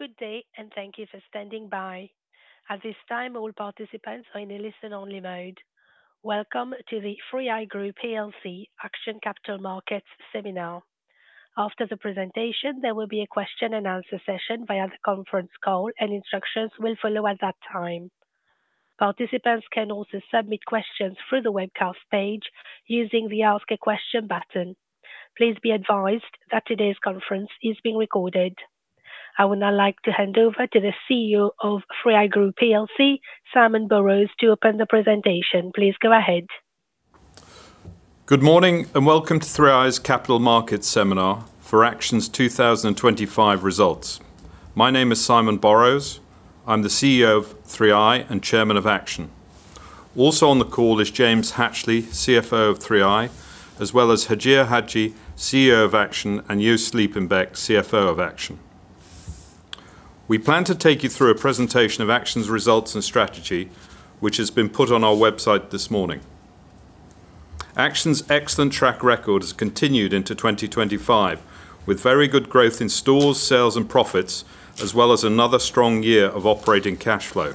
Good day and thank you for standing by. At this time, all participants are in a listen only mode. Welcome to the 3i Group plc Action Capital Markets Seminar. After the presentation, there will be a question and answer session via the conference call, and instructions will follow at that time. Participants can also submit questions through the webcast page using the Ask a Question button. Please be advised that today's conference is being recorded. I would now like to hand over to the CEO of 3i Group plc, Simon Borrows, to open the presentation. Please go ahead. Good morning and welcome to 3i's Capital Markets Seminar for Action's 2025 results. My name is Simon Borrows. I'm the CEO of 3i and Chairman of Action. Also on the call is James Hatchley, CFO of 3i, as well as Hajir Hajji, CEO of Action, and Joost Sliepenbeek, CFO of Action. We plan to take you through a presentation of Action's results and strategy, which has been put on our website this morning. Action's excellent track record has continued into 2025, with very good growth in stores, sales and profits, as well as another strong year of operating cash flow.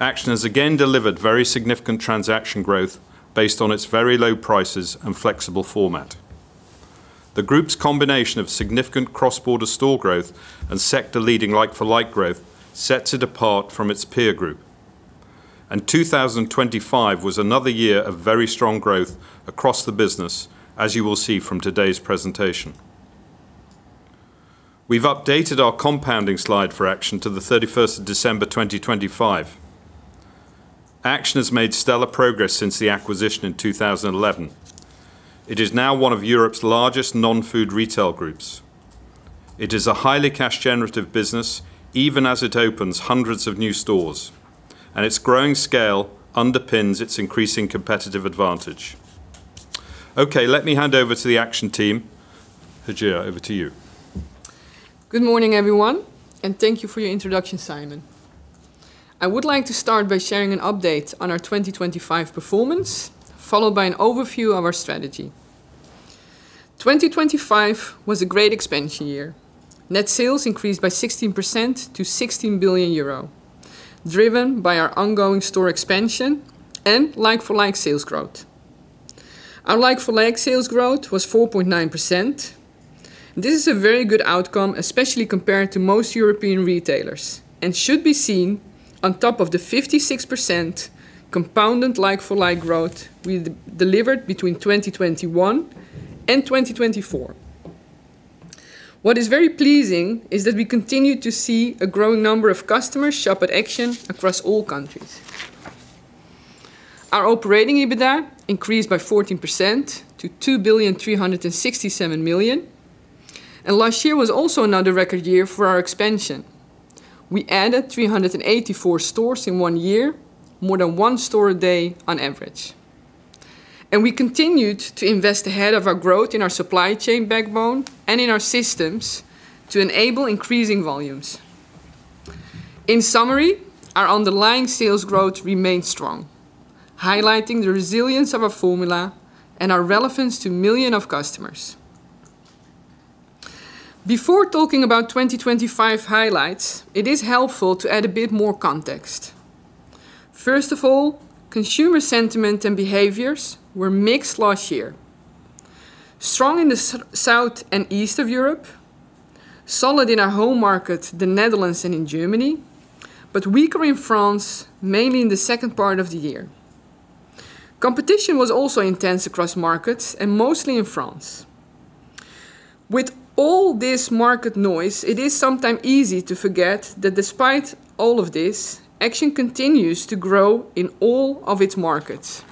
Action has again delivered very significant transaction growth based on its very low prices and flexible format. The group's combination of significant cross-border store growth and sector-leading like-for-like growth sets it apart from its peer group. 2025 was another year of very strong growth across the business, as you will see from today's presentation. We've updated our compounding slide for Action to the 31st of December, 2025. Action has made stellar progress since the acquisition in 2011. It is now one of Europe's largest non-food retail groups. It is a highly cash generative business, even as it opens hundreds of new stores, and its growing scale underpins its increasing competitive advantage. Okay, let me hand over to the Action team. Hajir, over to you. Good morning, everyone, and thank you for your introduction, Simon. I would like to start by sharing an update on our 2025 performance, followed by an overview of our strategy. 2025 was a great expansion year. Net sales increased by 16% to 16 billion euro, driven by our ongoing store expansion and like-for-like sales growth. Our like-for-like sales growth was 4.9%. This is a very good outcome, especially compared to most European retailers, and should be seen on top of the 56% compounded like-for-like growth we delivered between 2021 and 2024. What is very pleasing is that we continue to see a growing number of customers shop at Action across all countries. Our operating EBITDA increased by 14% to 2.367 billion, and last year was also another record year for our expansion. We added 384 stores in one year, more than one store a day on average. We continued to invest ahead of our growth in our supply chain backbone and in our systems to enable increasing volumes. In summary, our underlying sales growth remained strong, highlighting the resilience of our formula and our relevance to millions of customers. Before talking about 2025 highlights, it is helpful to add a bit more context. First of all, consumer sentiment and behaviors were mixed last year: strong in the south and east of Europe, solid in our home market, the Netherlands and in Germany, but weaker in France, mainly in the second part of the year. Competition was also intense across markets and mostly in France. With all this market noise, it is sometimes easy to forget that despite all of this, Action continues to grow in all of its markets.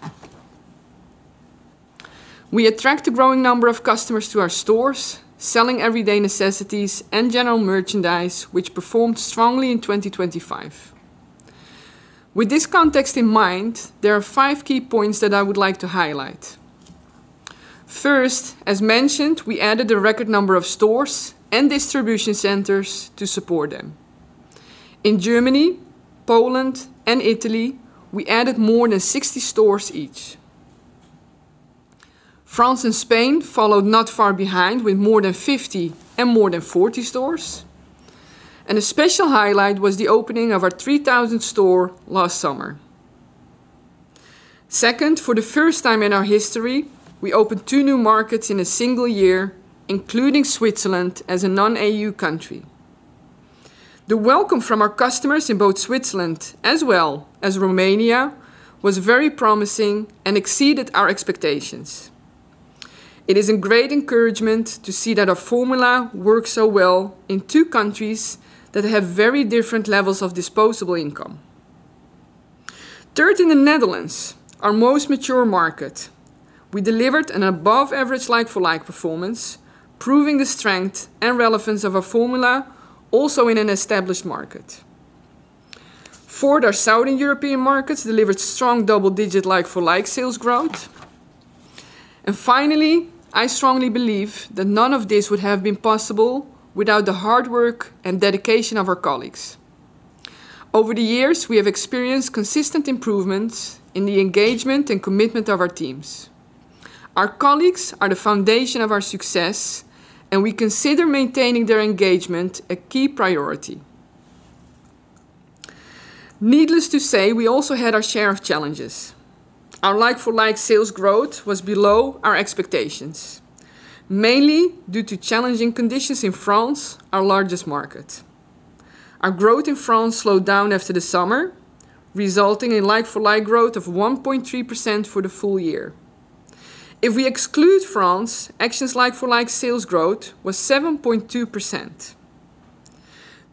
We attract a growing number of customers to our stores, selling everyday necessities and general merchandise, which performed strongly in 2025. With this context in mind, there are five key points that I would like to highlight. First, as mentioned, we added a record number of stores and distribution centers to support them. In Germany, Poland, and Italy, we added more than 60 stores each. France and Spain followed not far behind with more than 50 and more than 40 stores. A special highlight was the opening of our 3,000th store last summer. Second, for the first time in our history, we opened two new markets in a single year, including Switzerland as a non-EU country. The welcome from our customers in both Switzerland as well as Romania was very promising and exceeded our expectations. It is a great encouragement to see that our formula works so well in two countries that have very different levels of disposable income. Third, in the Netherlands, our most mature market, we delivered an above-average like-for-like performance, proving the strength and relevance of our formula also in an established market. Fourth, our southern European markets delivered strong double-digit like-for-like sales growth. Finally, I strongly believe that none of this would have been possible without the hard work and dedication of our colleagues. Over the years, we have experienced consistent improvements in the engagement and commitment of our teams. Our colleagues are the foundation of our success, and we consider maintaining their engagement a key priority. Needless to say, we also had our share of challenges. Our like-for-like sales growth was below our expectations, mainly due to challenging conditions in France, our largest market. Our growth in France slowed down after the summer, resulting in like-for-like growth of 1.3% for the full year. If we exclude France, Action's like-for-like sales growth was 7.2%.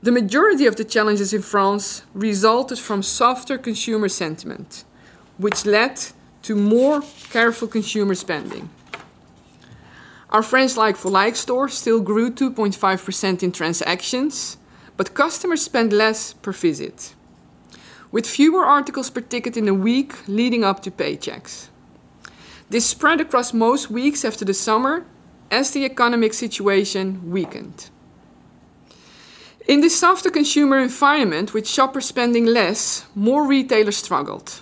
The majority of the challenges in France resulted from softer consumer sentiment, which led to more careful consumer spending. Our French like-for-like stores still grew 2.5% in transactions, but customers spent less per visit, with fewer articles per ticket in the week leading up to paychecks. This spread across most weeks after the summer as the economic situation weakened. In this softer consumer environment, with shoppers spending less, more retailers struggled.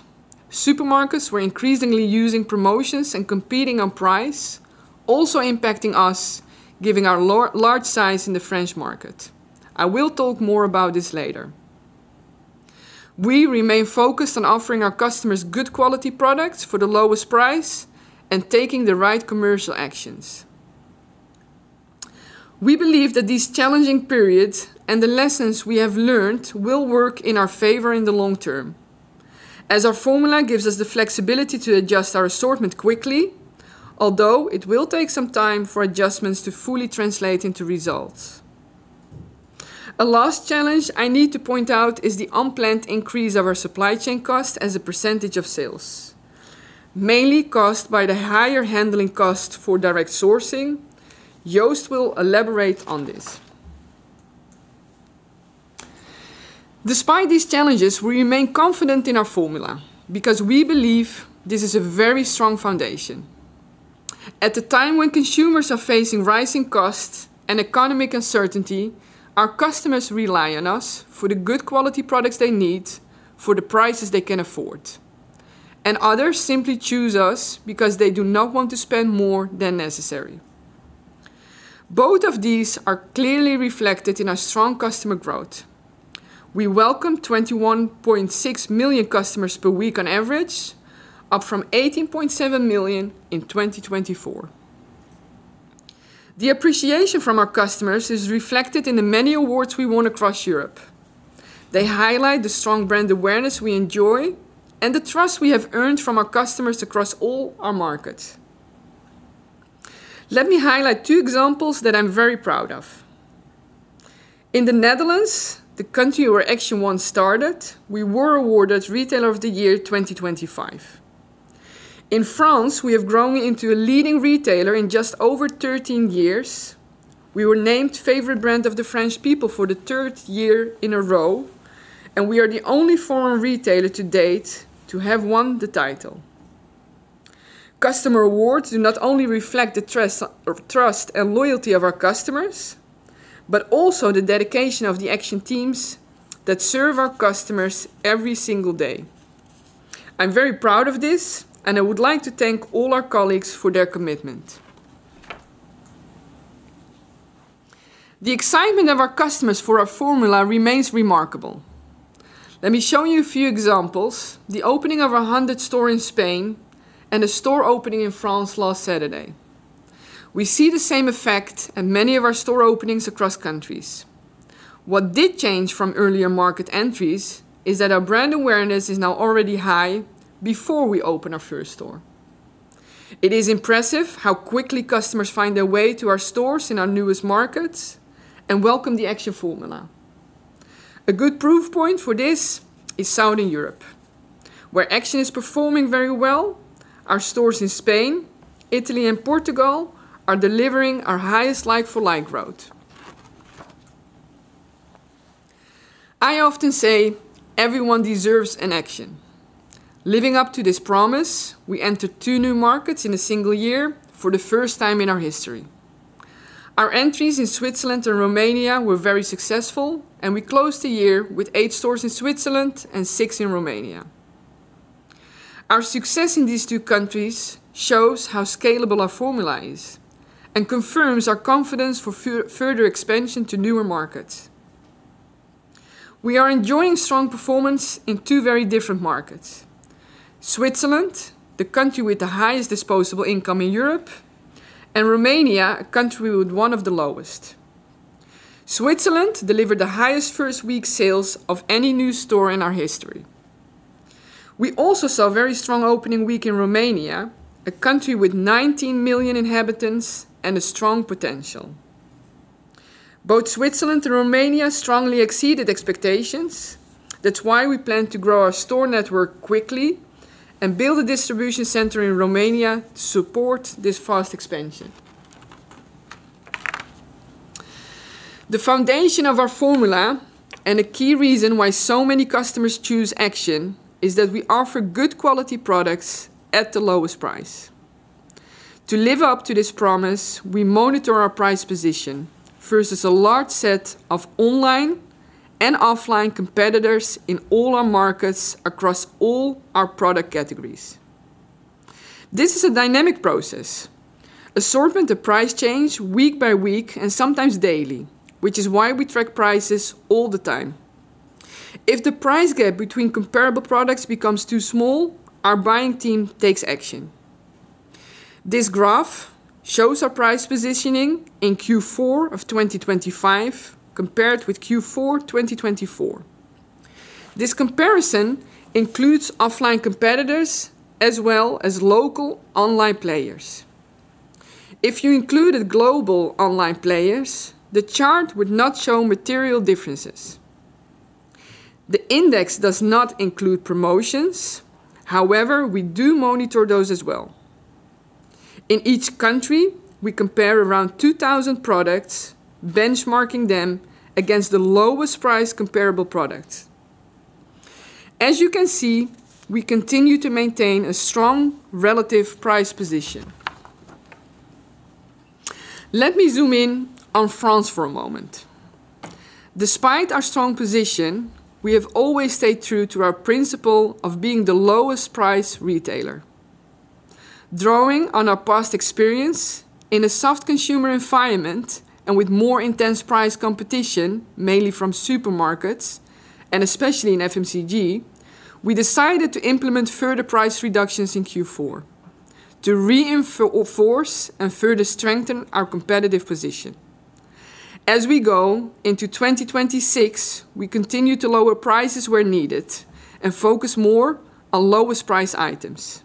Supermarkets were increasingly using promotions and competing on price, also impacting us, giving our large size in the French market. I will talk more about this later. We remain focused on offering our customers good quality products for the lowest price and taking the right commercial actions. We believe that this challenging period and the lessons we have learned will work in our favor in the long term, as our formula gives us the flexibility to adjust our assortment quickly, although it will take some time for adjustments to fully translate into results. A last challenge I need to point out is the unplanned increase of our supply chain cost as a percentage of sales, mainly caused by the higher handling cost for direct sourcing. Joost will elaborate on this. Despite these challenges, we remain confident in our formula because we believe this is a very strong foundation. At the time when consumers are facing rising costs and economic uncertainty, our customers rely on us for the good quality products they need for the prices they can afford, and others simply choose us because they do not want to spend more than necessary. Both of these are clearly reflected in our strong customer growth. We welcome 21.6 million customers per week on average, up from 18.7 million in 2024. The appreciation from our customers is reflected in the many awards we won across Europe. They highlight the strong brand awareness we enjoy and the trust we have earned from our customers across all our markets. Let me highlight two examples that I'm very proud of. In the Netherlands, the country where Action once started, we were awarded Retailer of the Year 2025. In France, we have grown into a leading retailer in just over 13 years. We were named Favorite Brand of the French for the third year in a row, and we are the only foreign retailer to date to have won the title. Customer awards do not only reflect the trust and loyalty of our customers, but also the dedication of the Action teams that serve our customers every single day. I'm very proud of this, and I would like to thank all our colleagues for their commitment. The excitement of our customers for our formula remains remarkable. Let me show you a few examples: the opening of our 100th store in Spain and a store opening in France last Saturday. We see the same effect at many of our store openings across countries. What did change from earlier market entries is that our brand awareness is now already high before we open our first store. It is impressive how quickly customers find their way to our stores in our newest markets and welcome the Action formula. A good proof point for this is Southern Europe, where Action is performing very well. Our stores in Spain, Italy, and Portugal are delivering our highest like-for-like growth. I often say everyone deserves an Action. Living up to this promise, we entered two new markets in a single year for the first time in our history. Our entries in Switzerland and Romania were very successful, and we closed the year with eight stores in Switzerland and six in Romania. Our success in these two countries shows how scalable our formula is and confirms our confidence for further expansion to newer markets. We are enjoying strong performance in two very different markets, Switzerland, the country with the highest disposable income in Europe, and Romania, a country with one of the lowest. Switzerland delivered the highest first week sales of any new store in our history. We also saw a very strong opening week in Romania, a country with 19 million inhabitants and a strong potential. Both Switzerland and Romania strongly exceeded expectations. That's why we plan to grow our store network quickly and build a distribution center in Romania to support this fast expansion. The foundation of our formula, and a key reason why so many customers choose Action, is that we offer good quality products at the lowest price. To live up to this promise, we monitor our price position versus a large set of online and offline competitors in all our markets across all our product categories. This is a dynamic process. Assortment and prices change week by week, and sometimes daily, which is why we track prices all the time. If the price gap between comparable products becomes too small, our buying team takes action. This graph shows our price positioning in Q4 of 2025 compared with Q4 2024. This comparison includes offline competitors as well as local online players. If you included global online players, the chart would not show material differences. The index does not include promotions. However, we do monitor those as well. In each country, we compare around 2,000 products, benchmarking them against the lowest price comparable product. As you can see, we continue to maintain a strong relative price position. Let me zoom in on France for a moment. Despite our strong position, we have always stayed true to our principle of being the lowest price retailer. Drawing on our past experience in a soft consumer environment and with more intense price competition, mainly from supermarkets and especially in FMCG, we decided to implement further price reductions in Q4 to reinforce and further strengthen our competitive position. As we go into 2026, we continue to lower prices where needed and focus more on lowest price items.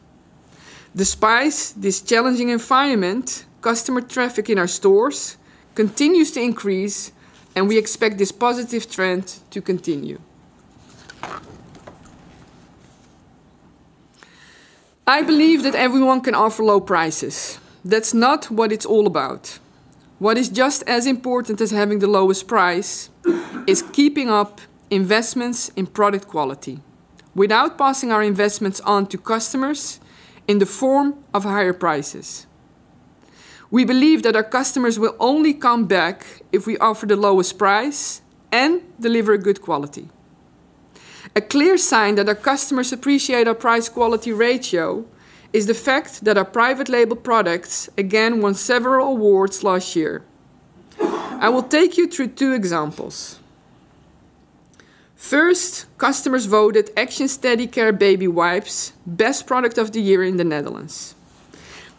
Despite this challenging environment, customer traffic in our stores continues to increase, and we expect this positive trend to continue. I believe that everyone can offer low prices. That's not what it's all about. What is just as important as having the lowest price is keeping up investments in product quality without passing our investments on to customers in the form of higher prices. We believe that our customers will only come back if we offer the lowest price and deliver good quality. A clear sign that our customers appreciate our price quality ratio is the fact that our private label products again won several awards last year. I will take you through two examples. First, customers voted Action's Teddy Care baby wipes Best Product of the Year in the Netherlands.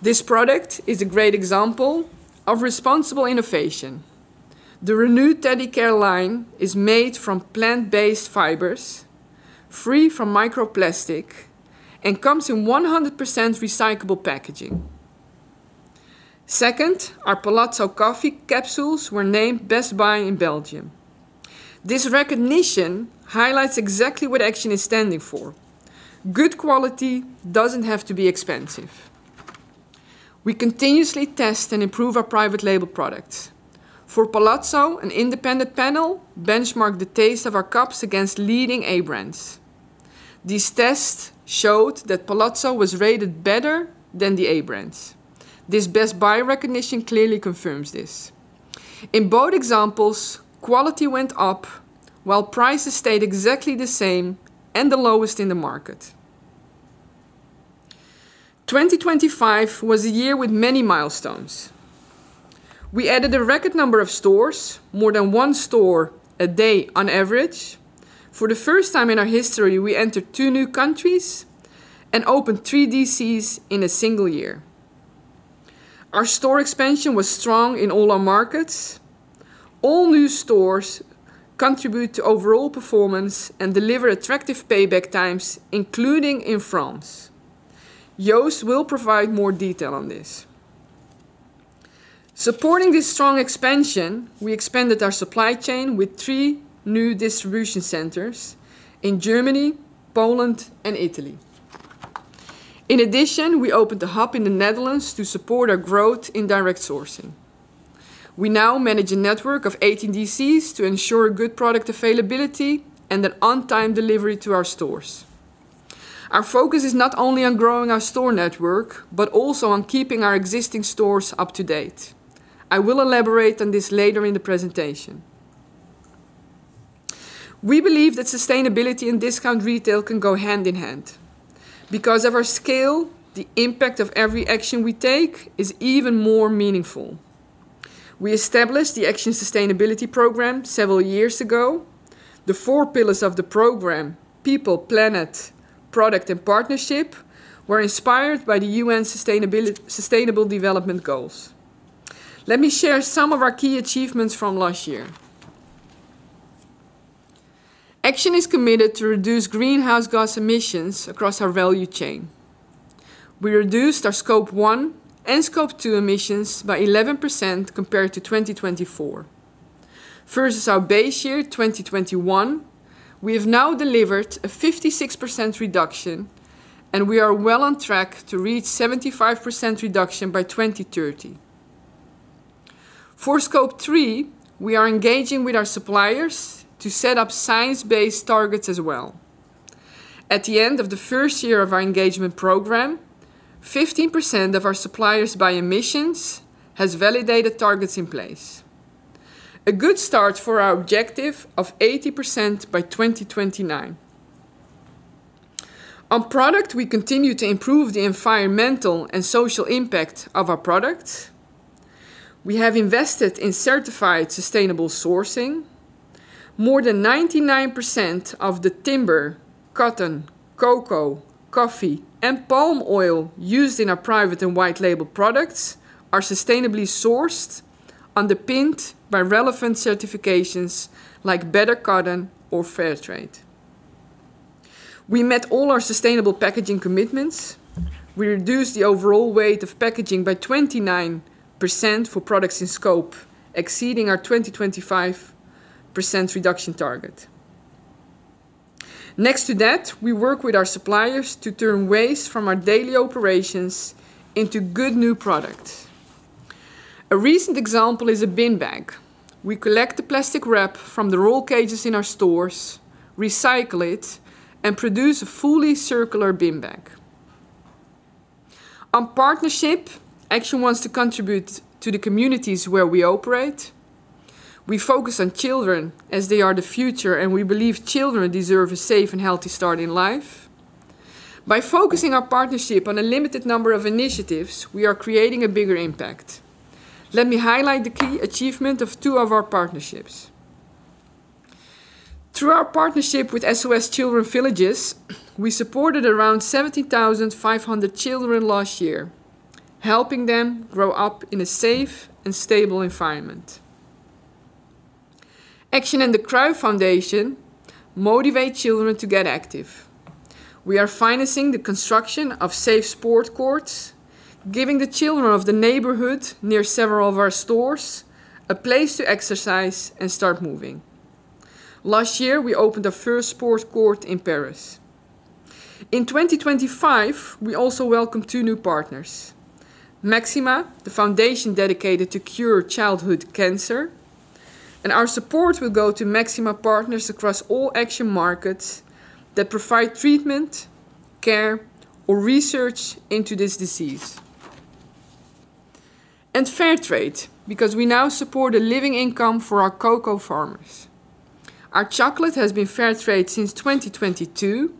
This product is a great example of responsible innovation. The renewed Teddy Care line is made from plant-based fibers, free from microplastic, and comes in 100% recyclable packaging. Second, our Palazzo coffee capsules were named Best Buy in Belgium. This recognition highlights exactly what Action is standing for. Good quality doesn't have to be expensive. We continuously test and improve our private label products. For Palazzo, an independent panel benchmarked the taste of our cups against leading A-brands. This test showed that Palazzo was rated better than the A-brands. This Best Buy recognition clearly confirms this. In both examples, quality went up while prices stayed exactly the same and the lowest in the market. 2025 was a year with many milestones. We added a record number of stores, more than one store a day on average. For the first time in our history, we entered two new countries and opened three DCs in a single year. Our store expansion was strong in all our markets. All new stores contribute to overall performance and deliver attractive payback times, including in France. Joost will provide more detail on this. Supporting this strong expansion, we expanded our supply chain with three new distribution centers in Germany, Poland, and Italy. In addition, we opened a hub in the Netherlands to support our growth in direct sourcing. We now manage a network of 18 DCs to ensure good product availability and an on-time delivery to our stores. Our focus is not only on growing our store network, but also on keeping our existing stores up to date. I will elaborate on this later in the presentation. We believe that sustainability and discount retail can go hand in hand. Because of our scale, the impact of every action we take is even more meaningful. We established the Action Sustainability Program several years ago. The four pillars of the program, People, Planet, Product, and Partnership, were inspired by the UN Sustainable Development Goals. Let me share some of our key achievements from last year. Action is committed to reduce greenhouse gas emissions across our value chain. We reduced our Scope 1 and Scope 2 emissions by 11% compared to 2024. Versus our base year, 2021, we have now delivered a 56% reduction, and we are well on track to reach 75% reduction by 2030. For Scope 3, we are engaging with our suppliers to set up science-based targets as well. At the end of the first year of our engagement program, 15% of our suppliers by emissions has validated targets in place. A good start for our objective of 80% by 2029. On product, we continue to improve the environmental and social impact of our products. We have invested in certified sustainable sourcing. More than 99% of the timber, cotton, cocoa, coffee, and palm oil used in our private and white label products are sustainably sourced, underpinned by relevant certifications like Better Cotton or Fairtrade. We met all our sustainable packaging commitments. We reduced the overall weight of packaging by 29% for products in scope, exceeding our 25% reduction target. Next to that, we work with our suppliers to turn waste from our daily operations into good new products. A recent example is a bin bag. We collect the plastic wrap from the roll cages in our stores, recycle it, and produce a fully circular bin bag. On partnership, Action wants to contribute to the communities where we operate. We focus on children as they are the future, and we believe children deserve a safe and healthy start in life. By focusing our partnership on a limited number of initiatives, we are creating a bigger impact. Let me highlight the key achievement of two of our partnerships. Through our partnership with SOS Children's Villages, we supported around 70,500 children last year, helping them grow up in a safe and stable environment. Action and the Cruyff Foundation motivate children to get active. We are financing the construction of safe sport courts, giving the children of the neighborhood near several of our stores a place to exercise and start moving. Last year, we opened our first sport court in Paris. In 2025, we also welcomed two new partners, Máxima, the foundation dedicated to cure childhood cancer, and our support will go to Máxima partners across all Action markets that provide treatment, care, or research into this disease. Fairtrade, because we now support a living income for our cocoa farmers. Our chocolate has been Fairtrade since 2022.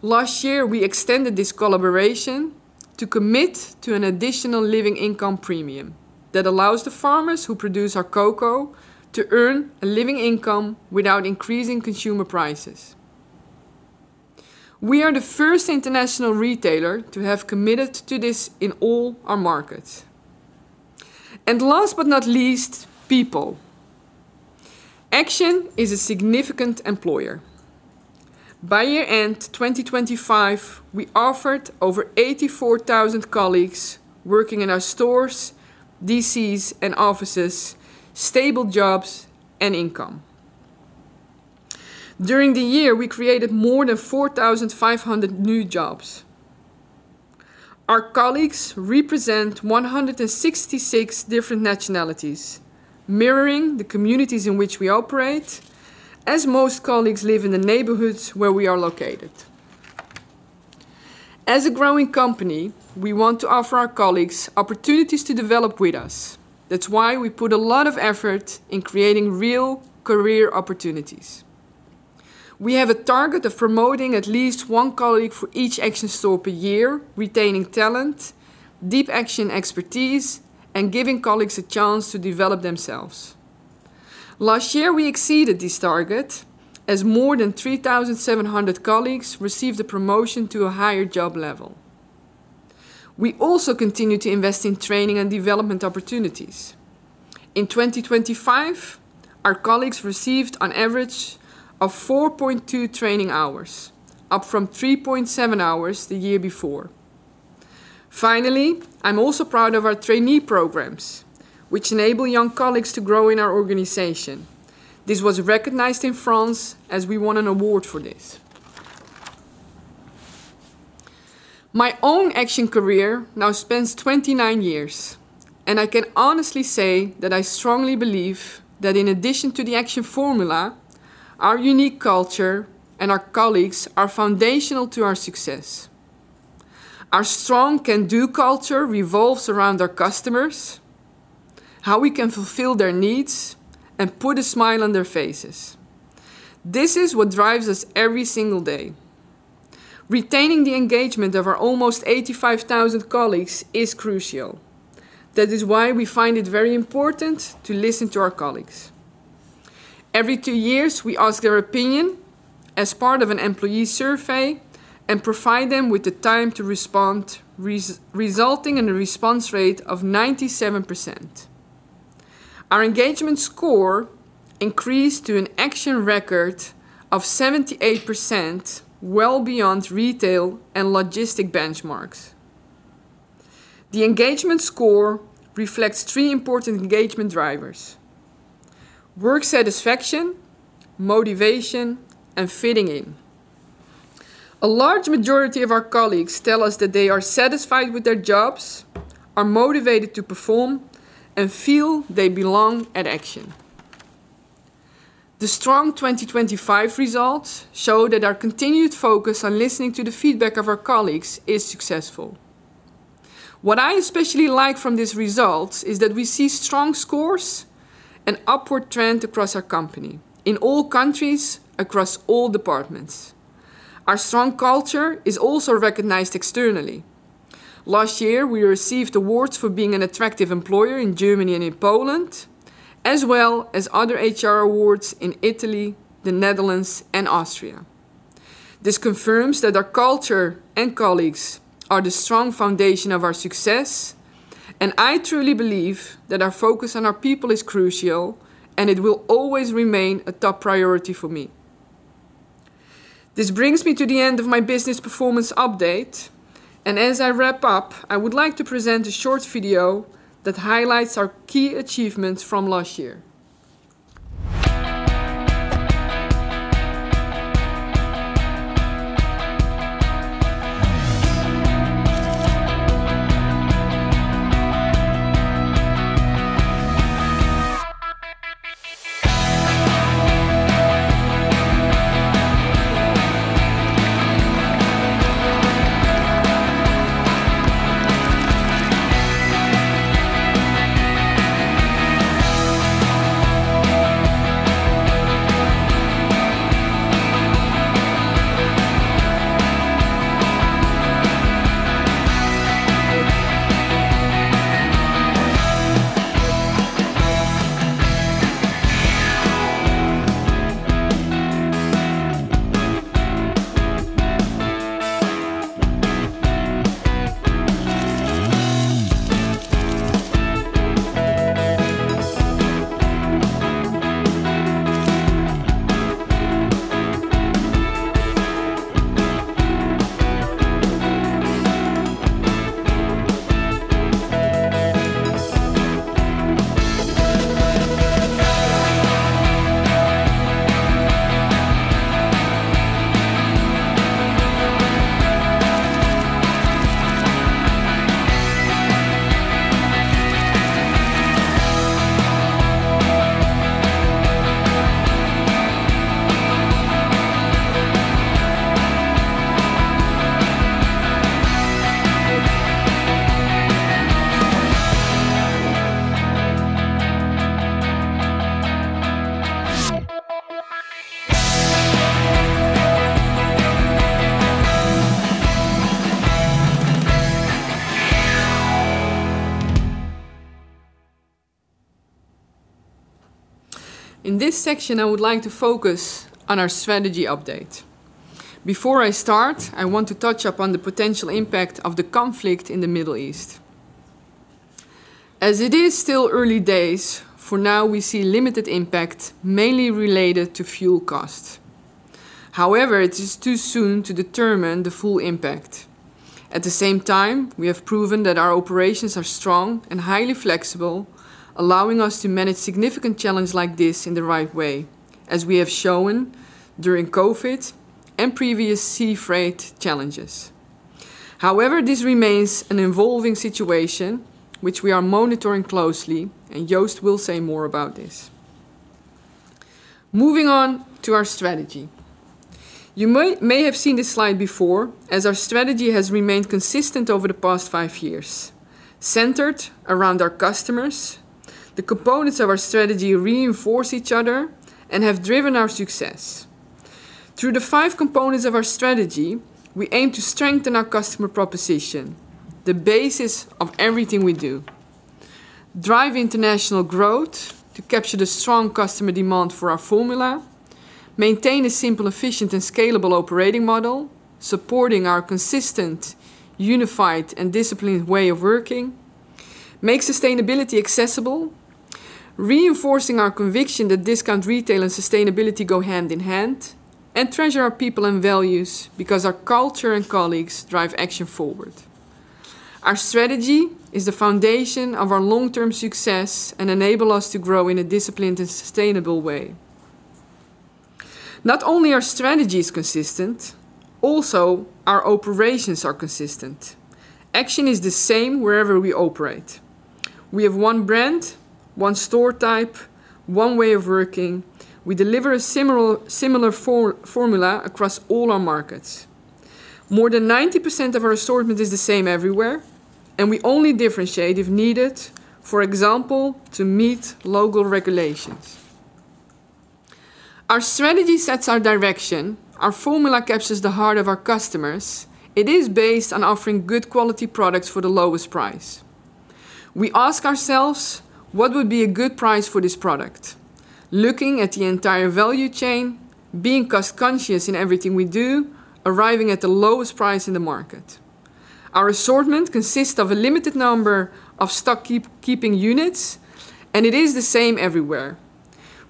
Last year, we extended this collaboration to commit to an additional living income premium that allows the farmers who produce our cocoa to earn a living income without increasing consumer prices. We are the first international retailer to have committed to this in all our markets. Last but not least, people. Action is a significant employer. By year-end 2025, we offered over 84,000 colleagues working in our stores, DCs, and offices stable jobs and income. During the year, we created more than 4,500 new jobs. Our colleagues represent 166 different nationalities, mirroring the communities in which we operate, as most colleagues live in the neighborhoods where we are located. As a growing company, we want to offer our colleagues opportunities to develop with us. That's why we put a lot of effort in creating real career opportunities. We have a target of promoting at least one colleague for each Action store per year, retaining talent, deep Action expertise, and giving colleagues a chance to develop themselves. Last year, we exceeded this target as more than 3,700 colleagues received a promotion to a higher job level. We also continued to invest in training and development opportunities. In 2025, our colleagues received an average of 4.2 training hours, up from 3.7 hours the year before. Finally, I'm also proud of our trainee programs, which enable young colleagues to grow in our organization. This was recognized in France as we won an award for this. My own Action career now spans 29 years, and I can honestly say that I strongly believe that in addition to the Action formula, our unique culture and our colleagues are foundational to our success. Our strong can-do culture revolves around our customers, how we can fulfill their needs, and put a smile on their faces. This is what drives us every single day. Retaining the engagement of our almost 85,000 colleagues is crucial. That is why we find it very important to listen to our colleagues. Every two years, we ask their opinion as part of an employee survey and provide them with the time to respond, resulting in a response rate of 97%. Our engagement score increased to an Action record of 78%, well beyond retail and logistics benchmarks. The engagement score reflects three important engagement drivers: work satisfaction, motivation, and fitting in. A large majority of our colleagues tell us that they are satisfied with their jobs, are motivated to perform, and feel they belong at Action. The strong 2025 results show that our continued focus on listening to the feedback of our colleagues is successful. What I especially like from these results is that we see strong scores and upward trend across our company, in all countries, across all departments. Our strong culture is also recognized externally. Last year, we received awards for being an attractive employer in Germany and in Poland, as well as other HR awards in Italy, the Netherlands, and Austria. This confirms that our culture and colleagues are the strong foundation of our success, and I truly believe that our focus on our people is crucial, and it will always remain a top priority for me. This brings me to the end of my business performance update, and as I wrap up, I would like to present a short video that highlights our key achievements from last year. In this section, I would like to focus on our strategy update. Before I start, I want to touch upon the potential impact of the conflict in the Middle East. As it is still early days, for now we see limited impact, mainly related to fuel costs. However, it is too soon to determine the full impact. At the same time, we have proven that our operations are strong and highly flexible, allowing us to manage significant challenge like this in the right way, as we have shown during COVID and previous sea freight challenges. However, this remains an evolving situation which we are monitoring closely, and Joost will say more about this. Moving on to our strategy. You may have seen this slide before, as our strategy has remained consistent over the past five years, centered around our customers. The components of our strategy reinforce each other and have driven our success. Through the five components of our strategy, we aim to strengthen our customer proposition, the basis of everything we do. Drive international growth to capture the strong customer demand for our formula, maintain a simple, efficient, and scalable operating model, supporting our consistent, unified, and disciplined way of working, make sustainability accessible, reinforcing our conviction that discount retail and sustainability go hand in hand, and treasure our people and values because our culture and colleagues drive Action forward. Our strategy is the foundation of our long-term success and enable us to grow in a disciplined and sustainable way. Not only our strategy is consistent, also our operations are consistent. Action is the same wherever we operate. We have one brand, one store type, one way of working. We deliver a similar formula across all our markets. More than 90% of our assortment is the same everywhere, and we only differentiate if needed, for example, to meet local regulations. Our strategy sets our direction. Our formula captures the heart of our customers. It is based on offering good quality products for the lowest price. We ask ourselves, "What would be a good price for this product?" Looking at the entire value chain, being cost-conscious in everything we do, arriving at the lowest price in the market. Our assortment consists of a limited number of stock-keeping units, and it is the same everywhere.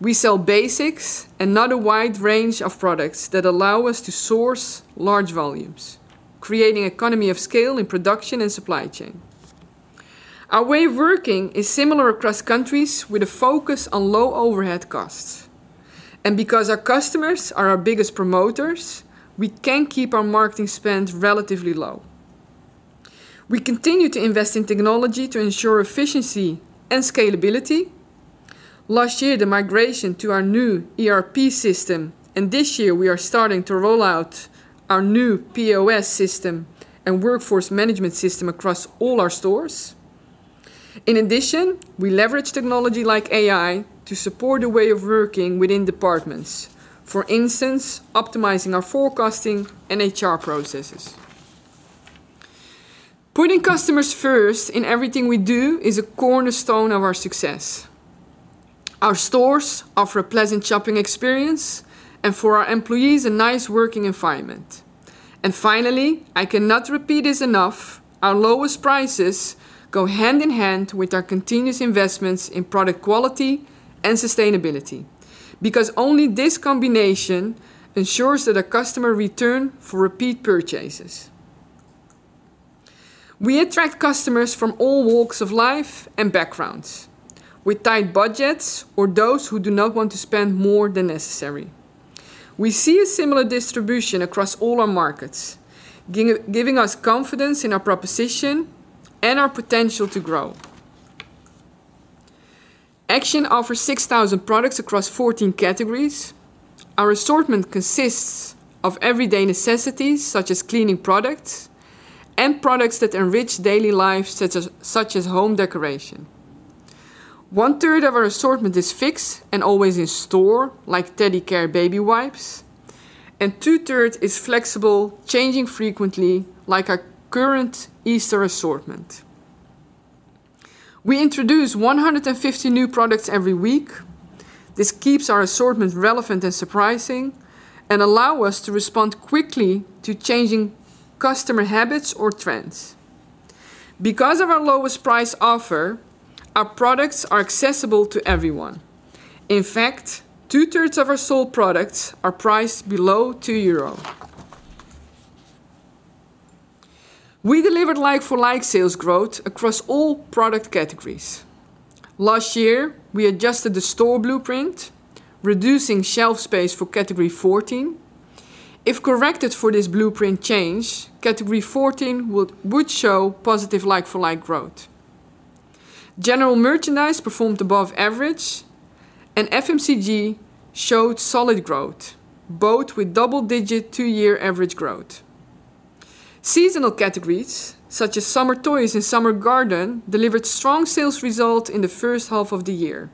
We sell basics and not a wide range of products that allow us to source large volumes, creating economies of scale in production and supply chain. Our way of working is similar across countries with a focus on low overhead costs. Because our customers are our biggest promoters, we can keep our marketing spend relatively low. We continue to invest in technology to ensure efficiency and scalability. Last year, the migration to our new ERP system. This year we are starting to roll out our new POS system and workforce management system across all our stores. In addition, we leverage technology like AI to support the way of working within departments, for instance, optimizing our forecasting and HR processes. Putting customers first in everything we do is a cornerstone of our success. Our stores offer a pleasant shopping experience and for our employees, a nice working environment. Finally, I cannot repeat this enough, our lowest prices go hand in hand with our continuous investments in product quality and sustainability, because only this combination ensures that customers return for repeat purchases. We attract customers from all walks of life and backgrounds, with tight budgets or those who do not want to spend more than necessary. We see a similar distribution across all our markets, giving us confidence in our proposition and our potential to grow. Action offers 6,000 products across 14 categories. Our assortment consists of everyday necessities such as cleaning products and products that enrich daily life, such as home decoration. 1/3 of our assortment is fixed and always in store, like Teddy Care baby wipes, and 2/3 is flexible, changing frequently, like our current Easter assortment. We introduce 150 new products every week. This keeps our assortment relevant and surprising, and allow us to respond quickly to changing customer habits or trends. Because of our lowest price offer, our products are accessible to everyone. In fact, 2/3 of our sold products are priced below 2 euro. We delivered like-for-like sales growth across all product categories. Last year, we adjusted the store blueprint, reducing shelf space for category 14. If corrected for this blueprint change, category 14 would show positive like-for-like growth. General merchandise performed above average, and FMCG showed solid growth, both with double-digit two-year average growth. Seasonal categories such as summer toys and summer garden delivered strong sales results in the first half of the year.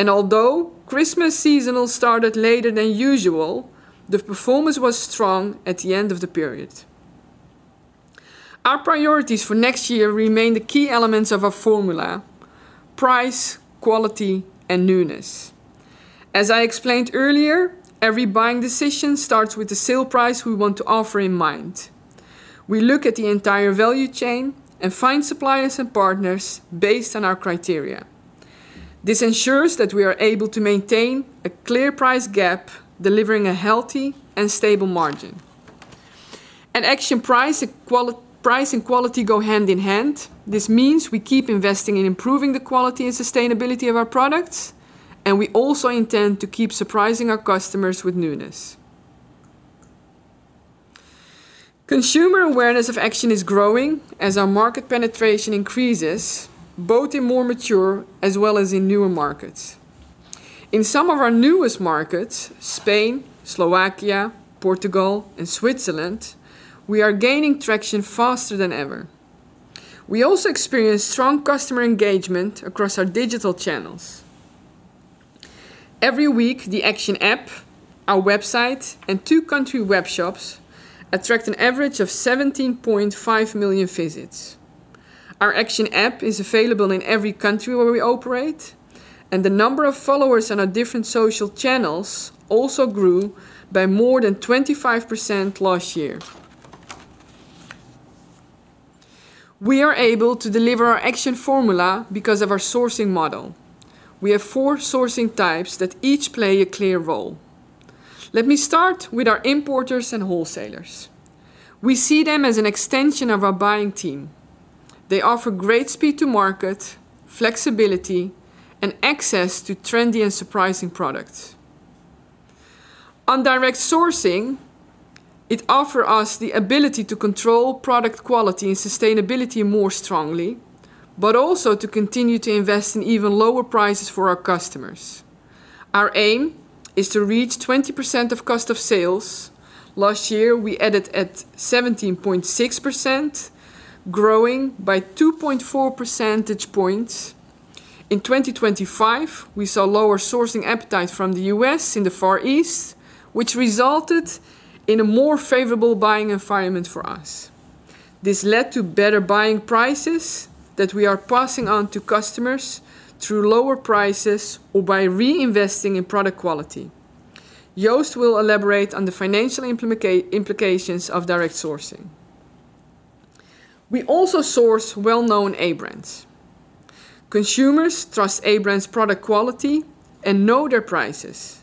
Although Christmas seasonal started later than usual, the performance was strong at the end of the period. Our priorities for next year remain the key elements of our formula, price, quality, and newness. As I explained earlier, every buying decision starts with the sale price we want to offer in mind. We look at the entire value chain and find suppliers and partners based on our criteria. This ensures that we are able to maintain a clear price gap, delivering a healthy and stable margin. At Action, price and quality go hand in hand. This means we keep investing in improving the quality and sustainability of our products, and we also intend to keep surprising our customers with newness. Consumer awareness of Action is growing as our market penetration increases, both in more mature as well as in newer markets. In some of our newest markets, Spain, Slovakia, Portugal, and Switzerland, we are gaining traction faster than ever. We also experience strong customer engagement across our digital channels. Every week, the Action app, our website, and two country web shops attract an average of 17.5 million visits. Our Action app is available in every country where we operate, and the number of followers on our different social channels also grew by more than 25% last year. We are able to deliver our Action formula because of our sourcing model. We have four sourcing types that each play a clear role. Let me start with our importers and wholesalers. We see them as an extension of our buying team. They offer great speed to market, flexibility, and access to trendy and surprising products. On direct sourcing, it offer us the ability to control product quality and sustainability more strongly, but also to continue to invest in even lower prices for our customers. Our aim is to reach 20% of cost of sales. Last year, we ended at 17.6%, growing by 2.4 percentage points. In 2025, we saw lower sourcing appetite from the U.S. in the Far East, which resulted in a more favorable buying environment for us. This led to better buying prices that we are passing on to customers through lower prices or by reinvesting in product quality. Joost will elaborate on the financial implications of direct sourcing. We also source well-known A-brands. Consumers trust A-brands product quality and know their prices.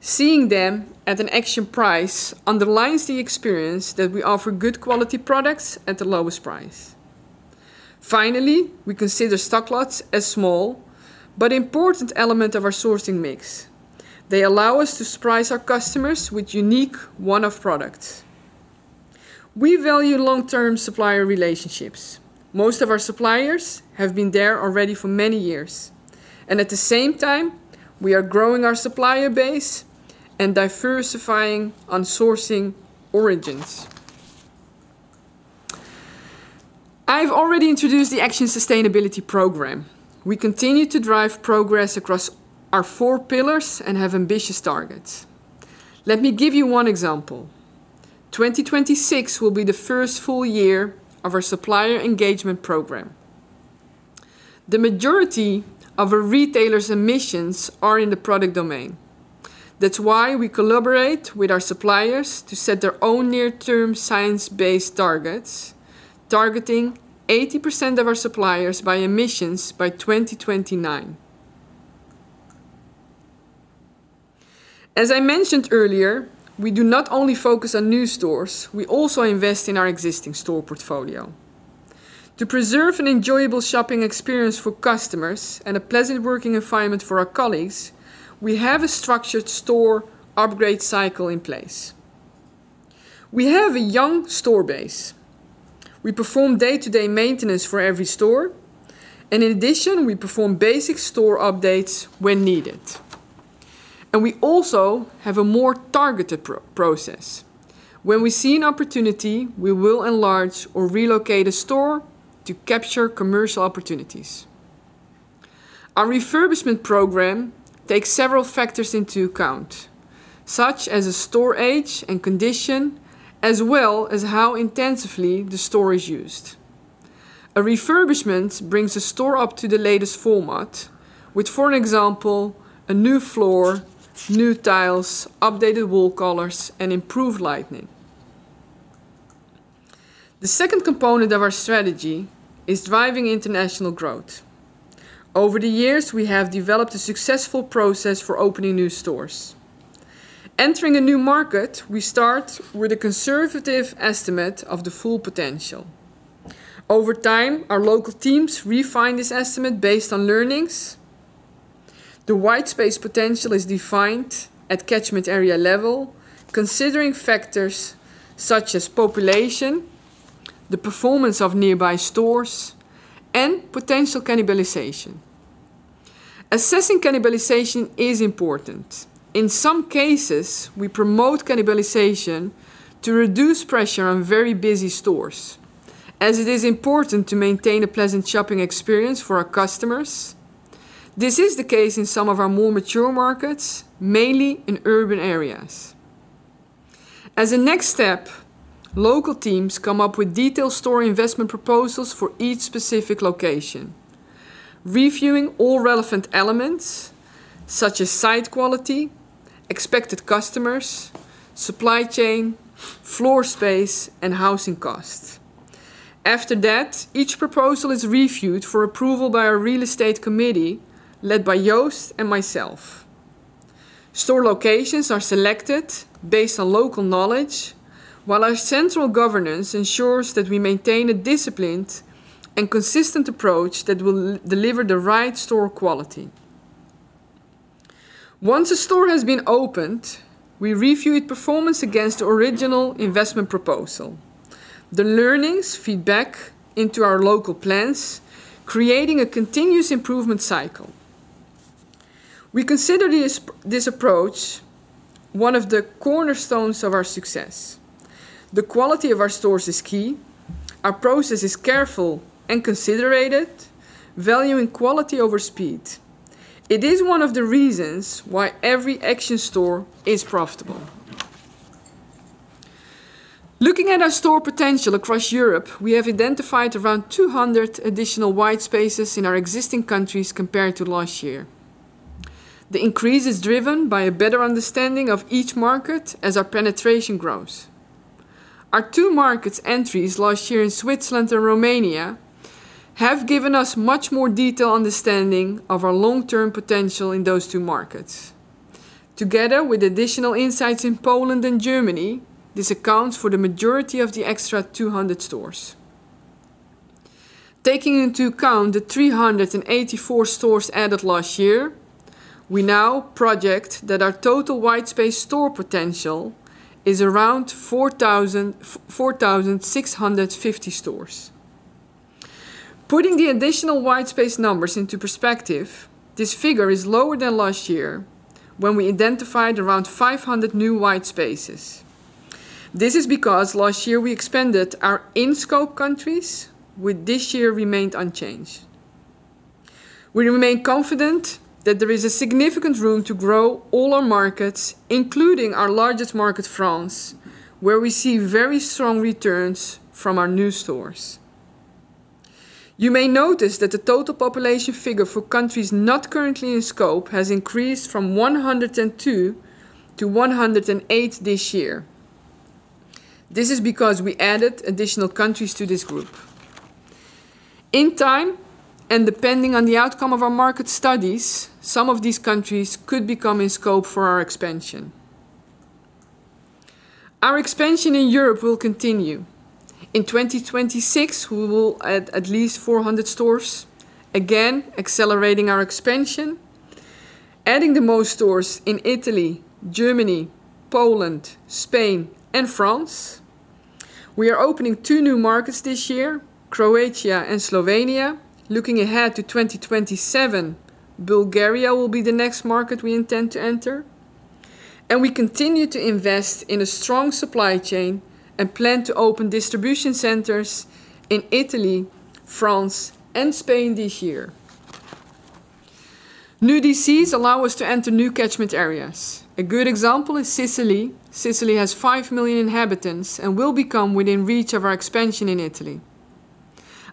Seeing them at an Action price underlines the experience that we offer good quality products at the lowest price. Finally, we consider stock lots a small but important element of our sourcing mix. They allow us to surprise our customers with unique one-off products. We value long-term supplier relationships. Most of our suppliers have been there already for many years, and at the same time, we are growing our supplier base and diversifying on sourcing origins. I've already introduced the Action sustainability program. We continue to drive progress across our four pillars and have ambitious targets. Let me give you one example. 2026 will be the first full year of our supplier engagement program. The majority of our retailer's emissions are in the product domain. That's why we collaborate with our suppliers to set their own near-term science-based targets, targeting 80% of our suppliers' emissions by 2029. As I mentioned earlier, we do not only focus on new stores, we also invest in our existing store portfolio. To preserve an enjoyable shopping experience for customers and a pleasant working environment for our colleagues, we have a structured store upgrade cycle in place. We have a young store base. We perform day-to-day maintenance for every store, and in addition, we perform basic store updates when needed. We also have a more targeted proactive process. When we see an opportunity, we will enlarge or relocate a store to capture commercial opportunities. Our refurbishment program takes several factors into account, such as the store age and condition, as well as how intensively the store is used. A refurbishment brings the store up to the latest format with, for example, a new floor, new tiles, updated wall colors, and improved lighting. The second component of our strategy is driving international growth. Over the years, we have developed a successful process for opening new stores. Entering a new market, we start with a conservative estimate of the full potential. Over time, our local teams refine this estimate based on learnings. The white space potential is defined at catchment area level, considering factors such as population, the performance of nearby stores, and potential cannibalization. Assessing cannibalization is important. In some cases, we promote cannibalization to reduce pressure on very busy stores, as it is important to maintain a pleasant shopping experience for our customers. This is the case in some of our more mature markets, mainly in urban areas. As a next step, local teams come up with detailed store investment proposals for each specific location, reviewing all relevant elements such as site quality, expected customers, supply chain, floor space, and housing costs. After that, each proposal is reviewed for approval by our real estate committee led by Joost and myself. Store locations are selected based on local knowledge, while our central governance ensures that we maintain a disciplined and consistent approach that will deliver the right store quality. Once a store has been opened, we review its performance against the original investment proposal. The learnings feed back into our local plans, creating a continuous improvement cycle. We consider this approach one of the cornerstones of our success. The quality of our stores is key. Our process is careful and considered, valuing quality over speed. It is one of the reasons why every Action store is profitable. Looking at our store potential across Europe, we have identified around 200 additional white spaces in our existing countries compared to last year. The increase is driven by a better understanding of each market as our penetration grows. Our two market entries last year in Switzerland and Romania have given us much more detailed understanding of our long-term potential in those two markets. Together with additional insights in Poland and Germany, this accounts for the majority of the extra 200 stores. Taking into account the 384 stores added last year, we now project that our total white space store potential is around 4,000-4,650 stores. Putting the additional white space numbers into perspective, this figure is lower than last year when we identified around 500 new white spaces. This is because last year we expanded our in-scope countries which this year remained unchanged. We remain confident that there is a significant room to grow all our markets, including our largest market, France, where we see very strong returns from our new stores. You may notice that the total population figure for countries not currently in scope has increased from 102 to 108 this year. This is because we added additional countries to this group. In time, and depending on the outcome of our market studies, some of these countries could become in scope for our expansion. Our expansion in Europe will continue. In 2026, we will add at least 400 stores, again accelerating our expansion, adding the most stores in Italy, Germany, Poland, Spain, and France. We are opening two new markets this year, Croatia and Slovenia. Looking ahead to 2027, Bulgaria will be the next market we intend to enter. We continue to invest in a strong supply chain and plan to open distribution centers in Italy, France, and Spain this year. New DCs allow us to enter new catchment areas. A good example is Sicily. Sicily has 5 million inhabitants and will become within reach of our expansion in Italy.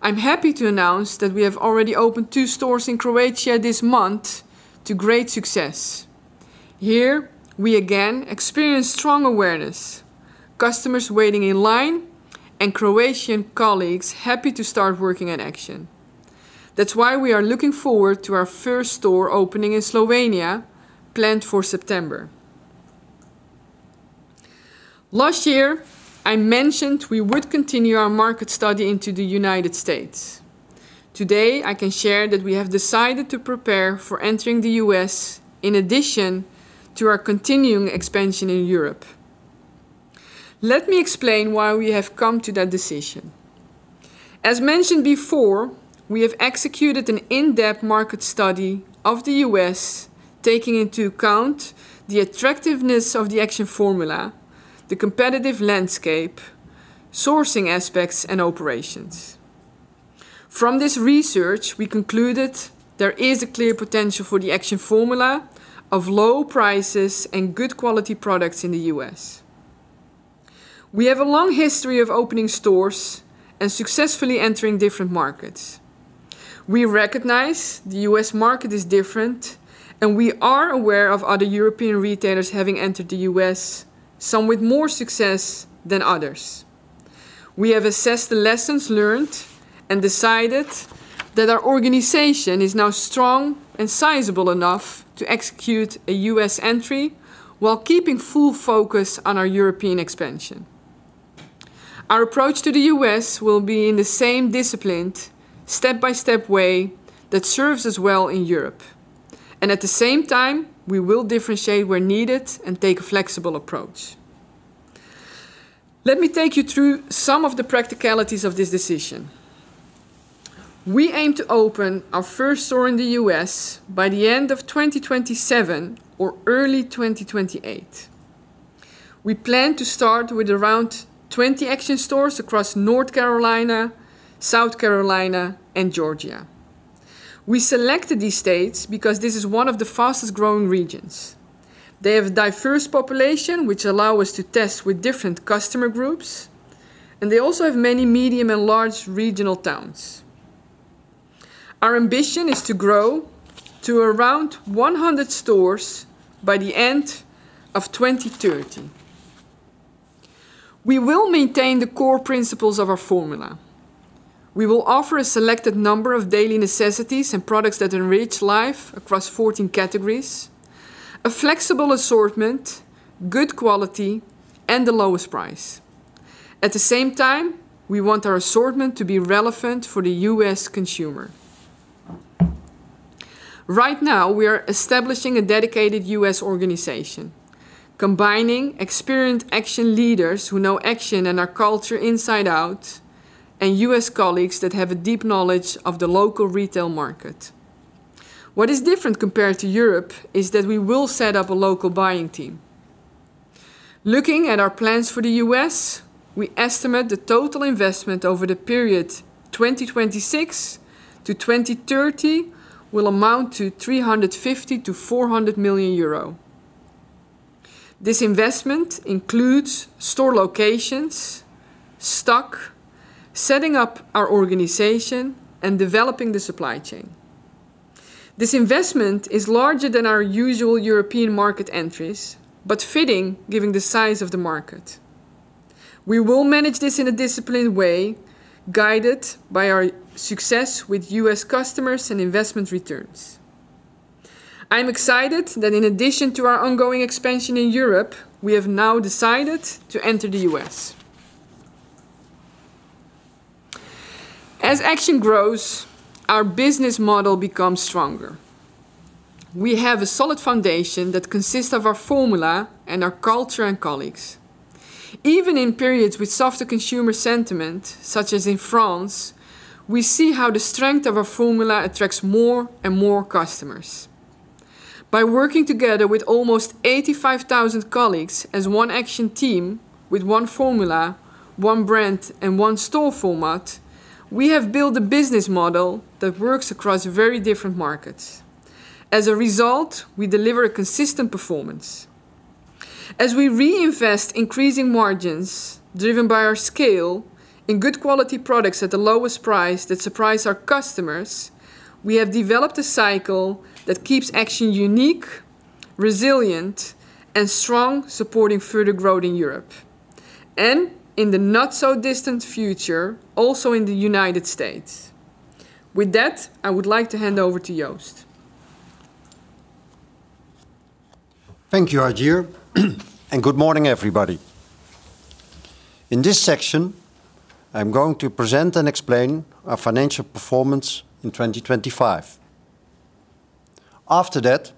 I'm happy to announce that we have already opened two stores in Croatia this month to great success. Here we again experience strong awareness, customers waiting in line, and Croatian colleagues happy to start working at Action. That's why we are looking forward to our first store opening in Slovenia, planned for September. Last year, I mentioned we would continue our market study into the United States. Today, I can share that we have decided to prepare for entering the U.S. in addition to our continuing expansion in Europe. Let me explain why we have come to that decision. As mentioned before, we have executed an in-depth market study of the U.S., taking into account the attractiveness of the Action formula, the competitive landscape, sourcing aspects, and operations. From this research, we concluded there is a clear potential for the Action formula of low prices and good quality products in the U.S. We have a long history of opening stores and successfully entering different markets. We recognize the U.S. market is different, and we are aware of other European retailers having entered the U.S., some with more success than others. We have assessed the lessons learned and decided that our organization is now strong and sizable enough to execute a U.S. entry while keeping full focus on our European expansion. Our approach to the U.S. will be in the same disciplined step-by-step way that serves us well in Europe. At the same time, we will differentiate where needed and take a flexible approach. Let me take you through some of the practicalities of this decision. We aim to open our first store in the U.S. by the end of 2027 or early 2028. We plan to start with around 20 Action stores across North Carolina, South Carolina, and Georgia. We selected these states because this is one of the fastest-growing regions. They have a diverse population which allow us to test with different customer groups, and they also have many medium and large regional towns. Our ambition is to grow to around 100 stores by the end of 2030. We will maintain the core principles of our formula. We will offer a selected number of daily necessities and products that enrich life across 14 categories, a flexible assortment, good quality, and the lowest price. At the same time, we want our assortment to be relevant for the U.S. consumer. Right now, we are establishing a dedicated U.S. organization, combining experienced Action leaders who know Action and our culture inside out, and U.S. colleagues that have a deep knowledge of the local retail market. What is different compared to Europe is that we will set up a local buying team. Looking at our plans for the U.S., we estimate the total investment over the period 2026 to 2030 will amount to 350 million-400 million euro. This investment includes store locations, stock, setting up our organization, and developing the supply chain. This investment is larger than our usual European market entries, but fitting given the size of the market. We will manage this in a disciplined way, guided by our success with U.S. customers and investment returns. I'm excited that in addition to our ongoing expansion in Europe, we have now decided to enter the U.S. As Action grows, our business model becomes stronger. We have a solid foundation that consists of our formula and our culture and colleagues. Even in periods with softer consumer sentiment, such as in France, we see how the strength of our formula attracts more and more customers. By working together with almost 85,000 colleagues as one Action team with one formula, one brand, and one store format, we have built a business model that works across very different markets. As a result, we deliver a consistent performance. As we reinvest increasing margins driven by our scale in good quality products at the lowest price that surprise our customers, we have developed a cycle that keeps Action unique, resilient, and strong, supporting further growth in Europe, and in the not so distant future, also in the United States. With that, I would like to hand over to Joost. Thank you, Hajir. Good morning, everybody. In this section, I'm going to present and explain our financial performance in 2025. After that,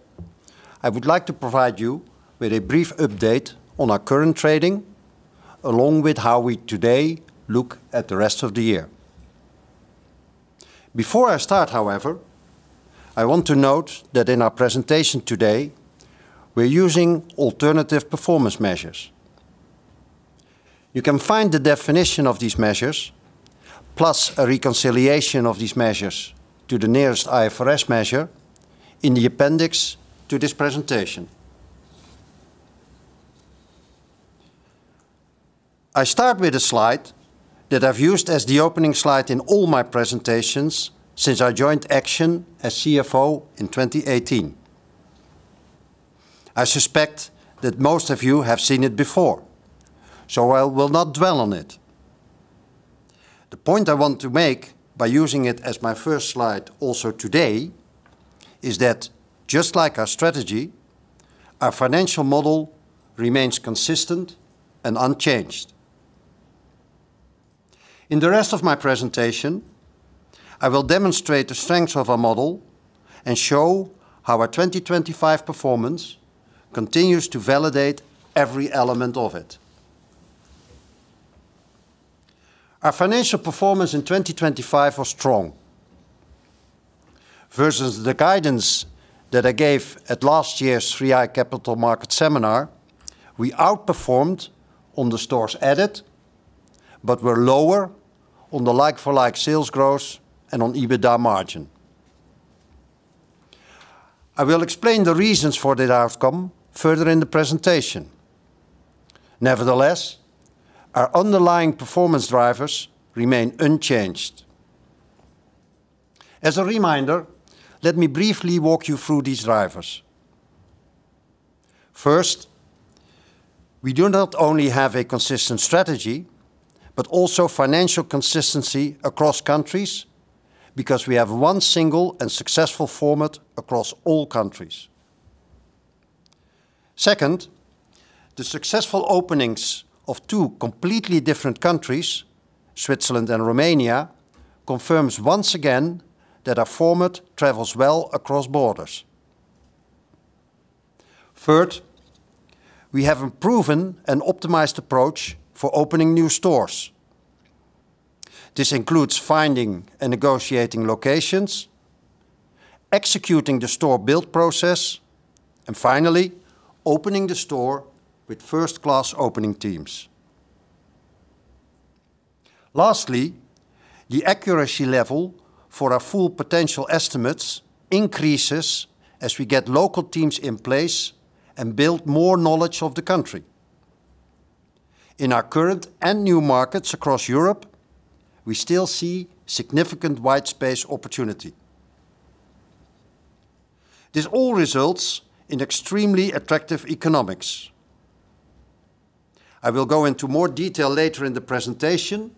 I would like to provide you with a brief update on our current trading, along with how we today look at the rest of the year. Before I start, however, I want to note that in our presentation today, we're using alternative performance measures. You can find the definition of these measures, plus a reconciliation of these measures to the nearest IFRS measure in the appendix to this presentation. I start with a slide that I've used as the opening slide in all my presentations since I joined Action as CFO in 2018. I suspect that most of you have seen it before, so I will not dwell on it. The point I want to make by using it as my first slide also today is that just like our strategy, our financial model remains consistent and unchanged. In the rest of my presentation, I will demonstrate the strengths of our model and show how our 2025 performance continues to validate every element of it. Our financial performance in 2025 was strong. Versus the guidance that I gave at last year's 3i Capital Markets Day, we outperformed on the stores added, but were lower on the like-for-like sales growth and on EBITDA margin. I will explain the reasons for that outcome further in the presentation. Nevertheless, our underlying performance drivers remain unchanged. As a reminder, let me briefly walk you through these drivers. First, we do not only have a consistent strategy, but also financial consistency across countries because we have one single and successful format across all countries. Second, the successful openings of two completely different countries, Switzerland and Romania, confirms once again that our format travels well across borders. Third, we have a proven and optimized approach for opening new stores. This includes finding and negotiating locations, executing the store build process, and finally, opening the store with first-class opening teams. Lastly, the accuracy level for our full potential estimates increases as we get local teams in place and build more knowledge of the country. In our current and new markets across Europe, we still see significant white space opportunity. This all results in extremely attractive economics. I will go into more detail later in the presentation,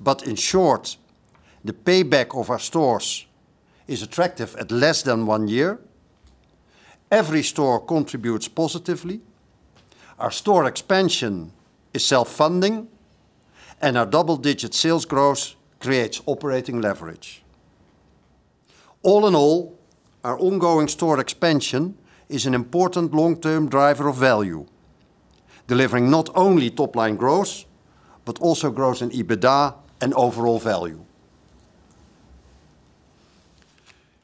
but in short, the payback of our stores is attractive at less than one year, every store contributes positively, our store expansion is self-funding, and our double-digit sales growth creates operating leverage. All in all, our ongoing store expansion is an important long-term driver of value, delivering not only top-line growth, but also growth in EBITDA and overall value.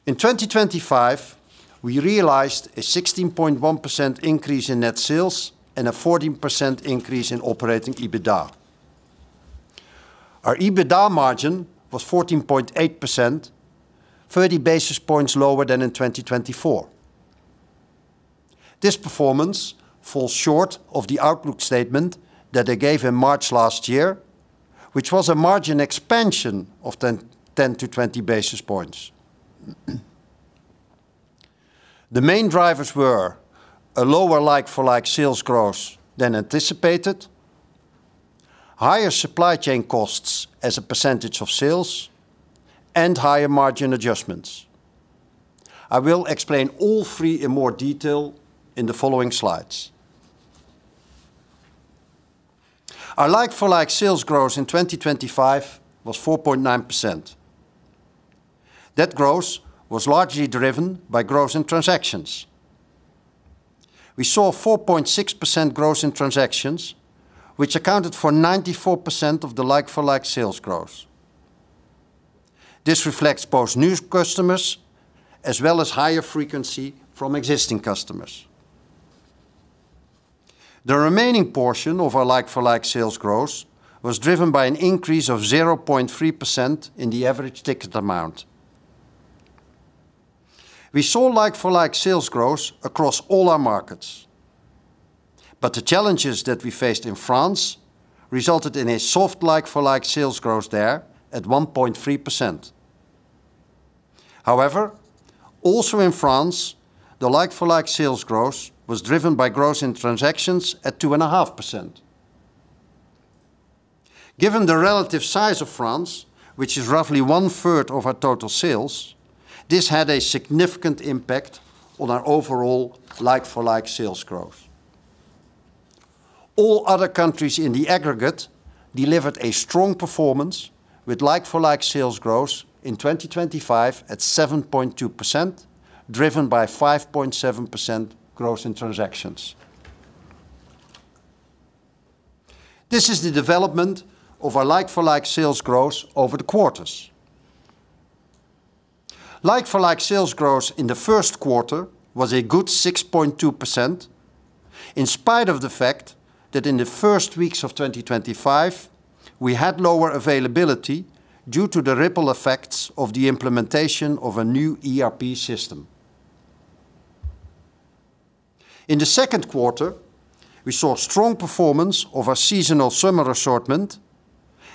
In 2025, we realized a 16.1% increase in net sales and a 14% increase in operating EBITDA. Our EBITDA margin was 14.8%, 30 basis points lower than in 2024. This performance falls short of the outlook statement that I gave in March last year, which was a margin expansion of 10 to 20 basis points. The main drivers were a lower like-for-like sales growth than anticipated, higher supply chain costs as a percentage of sales, and higher margin adjustments. I will explain all three in more detail in the following slides. Our like-for-like sales growth in 2025 was 4.9%. That growth was largely driven by growth in transactions. We saw 4.6% growth in transactions, which accounted for 94% of the like-for-like sales growth. This reflects both new customers as well as higher frequency from existing customers. The remaining portion of our like-for-like sales growth was driven by an increase of 0.3% in the average ticket amount. We saw like-for-like sales growth across all our markets. The challenges that we faced in France resulted in a soft like-for-like sales growth there at 1.3%. However, also in France, the like-for-like sales growth was driven by growth in transactions at 2.5%. Given the relative size of France, which is roughly 1/3 of our total sales, this had a significant impact on our overall like-for-like sales growth. All other countries in the aggregate delivered a strong performance with like-for-like sales growth in 2025 at 7.2%, driven by 5.7% growth in transactions. This is the development of our like-for-like sales growth over the quarters. Like-for-like sales growth in the first quarter was a good 6.2%, in spite of the fact that in the first weeks of 2025, we had lower availability due to the ripple effects of the implementation of a new ERP system. In the second quarter, we saw strong performance of our seasonal summer assortment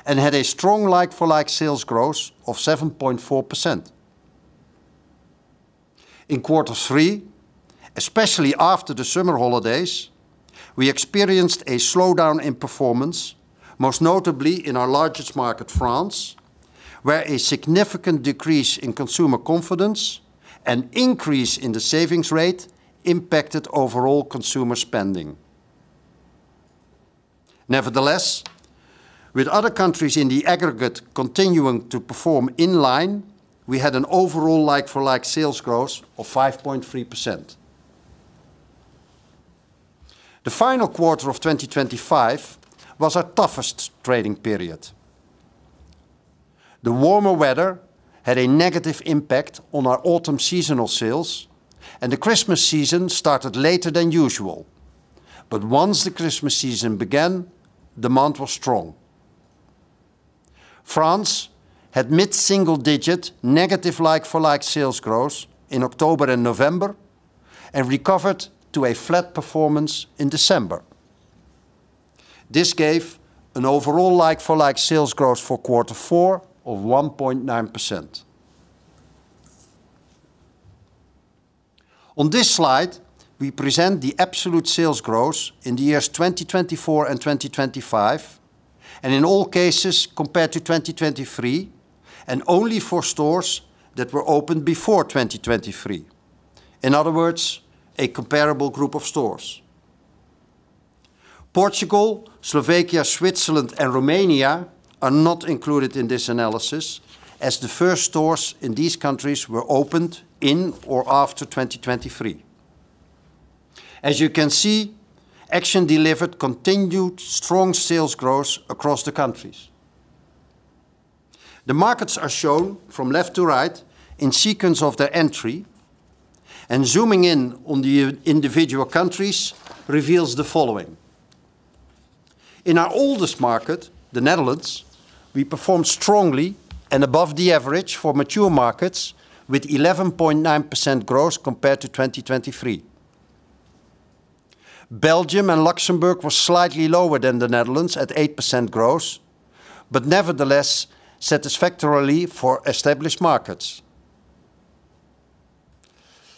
and had a strong like-for-like sales growth of 7.4%. In quarter three, especially after the summer holidays, we experienced a slowdown in performance, most notably in our largest market, France, where a significant decrease in consumer confidence and increase in the savings rate impacted overall consumer spending. Nevertheless, with other countries in the aggregate continuing to perform in line, we had an overall like-for-like sales growth of 5.3%. The final quarter of 2025 was our toughest trading period. The warmer weather had a negative impact on our autumn seasonal sales, and the Christmas season started later than usual. Once the Christmas season began, demand was strong. France had mid-single digit negative like-for-like sales growth in October and November and recovered to a flat performance in December. This gave an overall like-for-like sales growth for quarter four of 1.9%. On this slide, we present the absolute sales growth in the years 2024 and 2025, and in all cases, compared to 2023, and only for stores that were opened before 2023. In other words, a comparable group of stores. Portugal, Slovakia, Switzerland, and Romania are not included in this analysis, as the first stores in these countries were opened in or after 2023. As you can see, Action delivered continued strong sales growth across the countries. The markets are shown from left to right in sequence of their entry, and zooming in on the individual countries reveals the following. In our oldest market, the Netherlands, we performed strongly and above the average for mature markets with 11.9% growth compared to 2023. Belgium and Luxembourg was slightly lower than the Netherlands at 8% growth, but nevertheless, satisfactorily for established markets.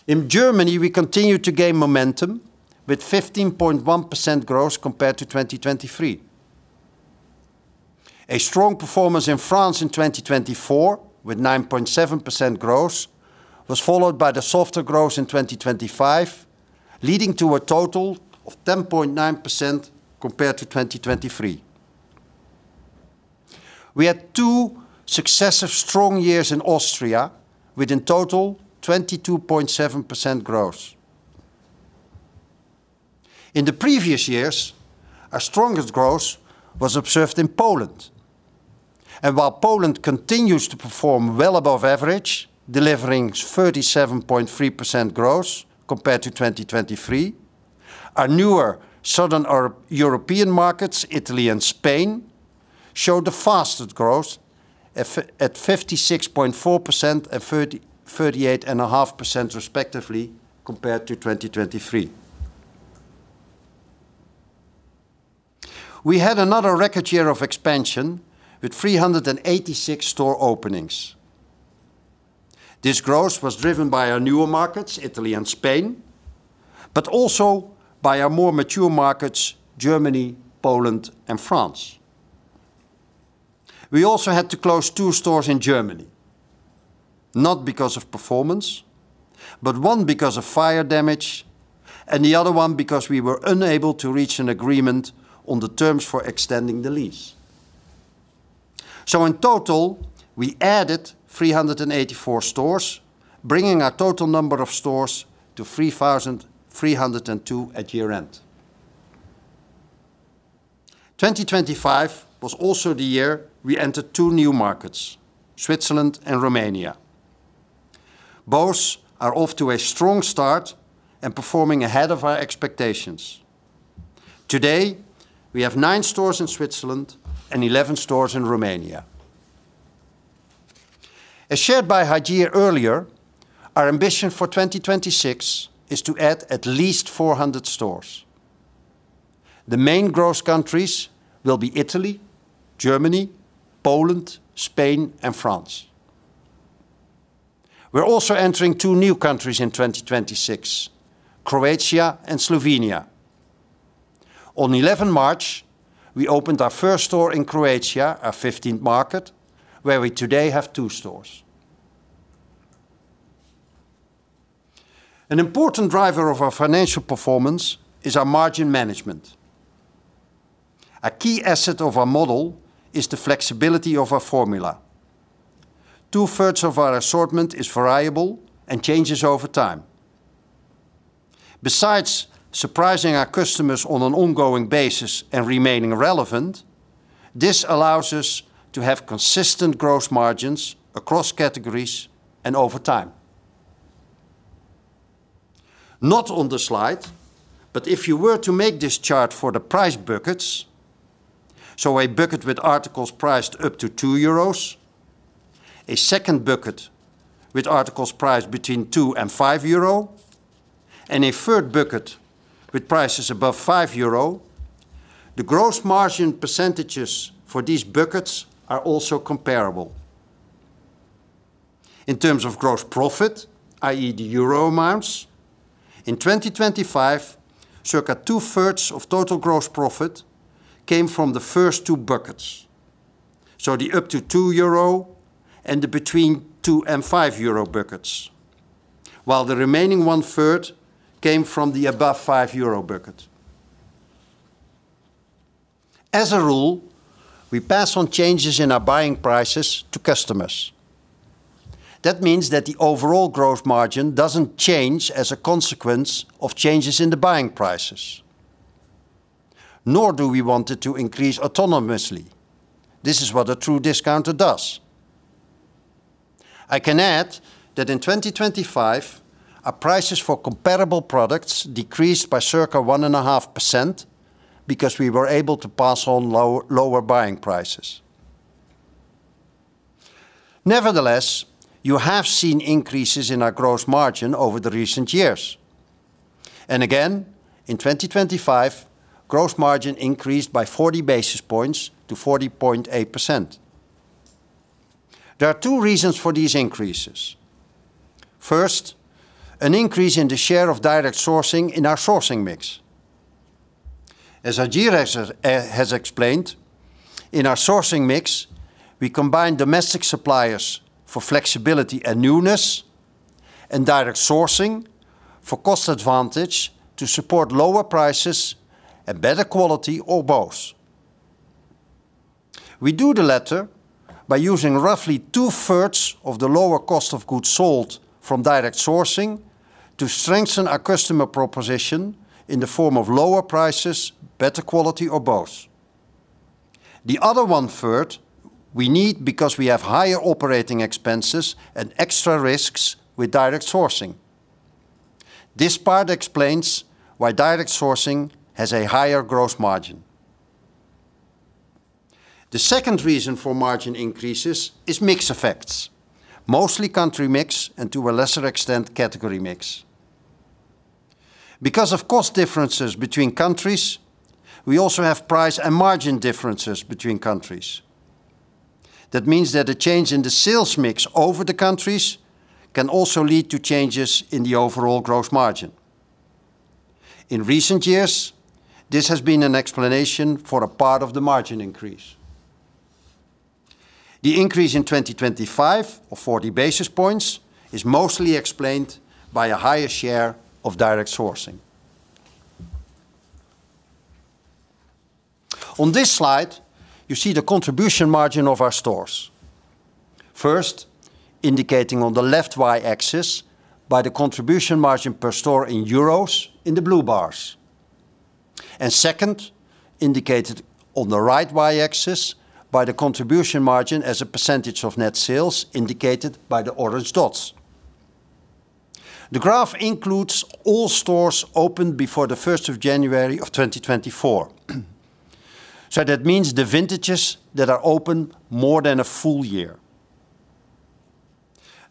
In Germany, we continued to gain momentum with 15.1% growth compared to 2023. A strong performance in France in 2024, with 9.7% growth, was followed by the softer growth in 2025, leading to a total of 10.9% compared to 2023. We had two successive strong years in Austria with in total 22.7% growth. In the previous years, our strongest growth was observed in Poland. While Poland continues to perform well above average, delivering 37.3% growth compared to 2023, our newer Southern European markets, Italy and Spain, showed the fastest growth at 56.4% and 38.5%, respectively, compared to 2023. We had another record year of expansion with 386 store openings. This growth was driven by our newer markets, Italy and Spain, but also by our more mature markets, Germany, Poland, and France. We also had to close two stores in Germany, not because of performance, but one because of fire damage and the other one because we were unable to reach an agreement on the terms for extending the lease. In total, we added 384 stores, bringing our total number of stores to 3,302 at year-end. 2025 was also the year we entered two new markets, Switzerland and Romania. Both are off to a strong start and performing ahead of our expectations. Today, we have nine stores in Switzerland and 11 stores in Romania. As shared by Hajir earlier, our ambition for 2026 is to add at least 400 stores. The main growth countries will be Italy, Germany, Poland, Spain, and France. We're also entering two new countries in 2026, Croatia and Slovenia. On 11 March, we opened our first store in Croatia, our 15th market, where we today have two stores. An important driver of our financial performance is our margin management. A key asset of our model is the flexibility of our formula. 2/3 of our assortment is variable and changes over time. Besides surprising our customers on an ongoing basis and remaining relevant, this allows us to have consistent gross margins across categories and over time. Not on the slide, but if you were to make this chart for the price buckets, so a bucket with articles priced up to 2 euros, a second bucket with articles priced between 2 and 5 euro, and a third bucket with prices above 5 euro, the gross margin percentages for these buckets are also comparable. In terms of gross profit, i.e., the euro amounts, in 2025, circa 2/3 of total gross profit came from the first two buckets. The up to 2 euro and the between 2 and 5 euro buckets, while the remaining 1/3 came from the above 5 euro bucket. As a rule, we pass on changes in our buying prices to customers. That means that the overall gross margin doesn't change as a consequence of changes in the buying prices, nor do we want it to increase autonomously. This is what a true discounter does. I can add that in 2025, our prices for comparable products decreased by circa 1.5% because we were able to pass on lower buying prices. Nevertheless, you have seen increases in our gross margin over the recent years. Again, in 2025, gross margin increased by 40 basis points to 40.8%. There are two reasons for these increases. First, an increase in the share of direct sourcing in our sourcing mix. As Hajir has explained, in our sourcing mix, we combine domestic suppliers for flexibility and newness, and direct sourcing for cost advantage to support lower prices and better quality or both. We do the latter by using roughly 2/3 of the lower cost of goods sold from direct sourcing to strengthen our customer proposition in the form of lower prices, better quality, or both. The other 1/3 we need because we have higher operating expenses and extra risks with direct sourcing. This part explains why direct sourcing has a higher gross margin. The second reason for margin increases is mix effects, mostly country mix and to a lesser extent, category mix. Because of cost differences between countries, we also have price and margin differences between countries. That means that a change in the sales mix over the countries can also lead to changes in the overall gross margin. In recent years, this has been an explanation for a part of the margin increase. The increase in 2025 of 40 basis points is mostly explained by a higher share of direct sourcing. On this slide, you see the contribution margin of our stores, first indicating on the left Y-axis by the contribution margin per store in euros in the blue bars, second indicated on the right Y-axis by the contribution margin as a percentage of net sales indicated by the orange dots. The graph includes all stores opened before the first of January of 2024. That means the vintages that are open more than a full year.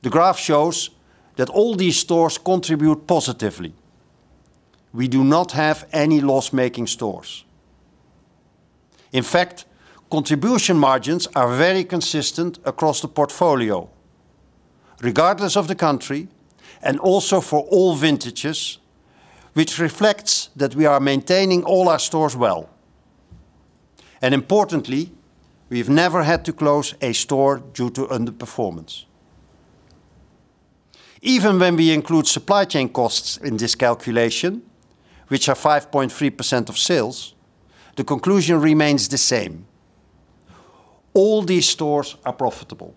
The graph shows that all these stores contribute positively. We do not have any loss-making stores. In fact, contribution margins are very consistent across the portfolio, regardless of the country, and also for all vintages, which reflects that we are maintaining all our stores well. Importantly, we've never had to close a store due to underperformance. Even when we include supply chain costs in this calculation, which are 5.3% of sales, the conclusion remains the same. All these stores are profitable.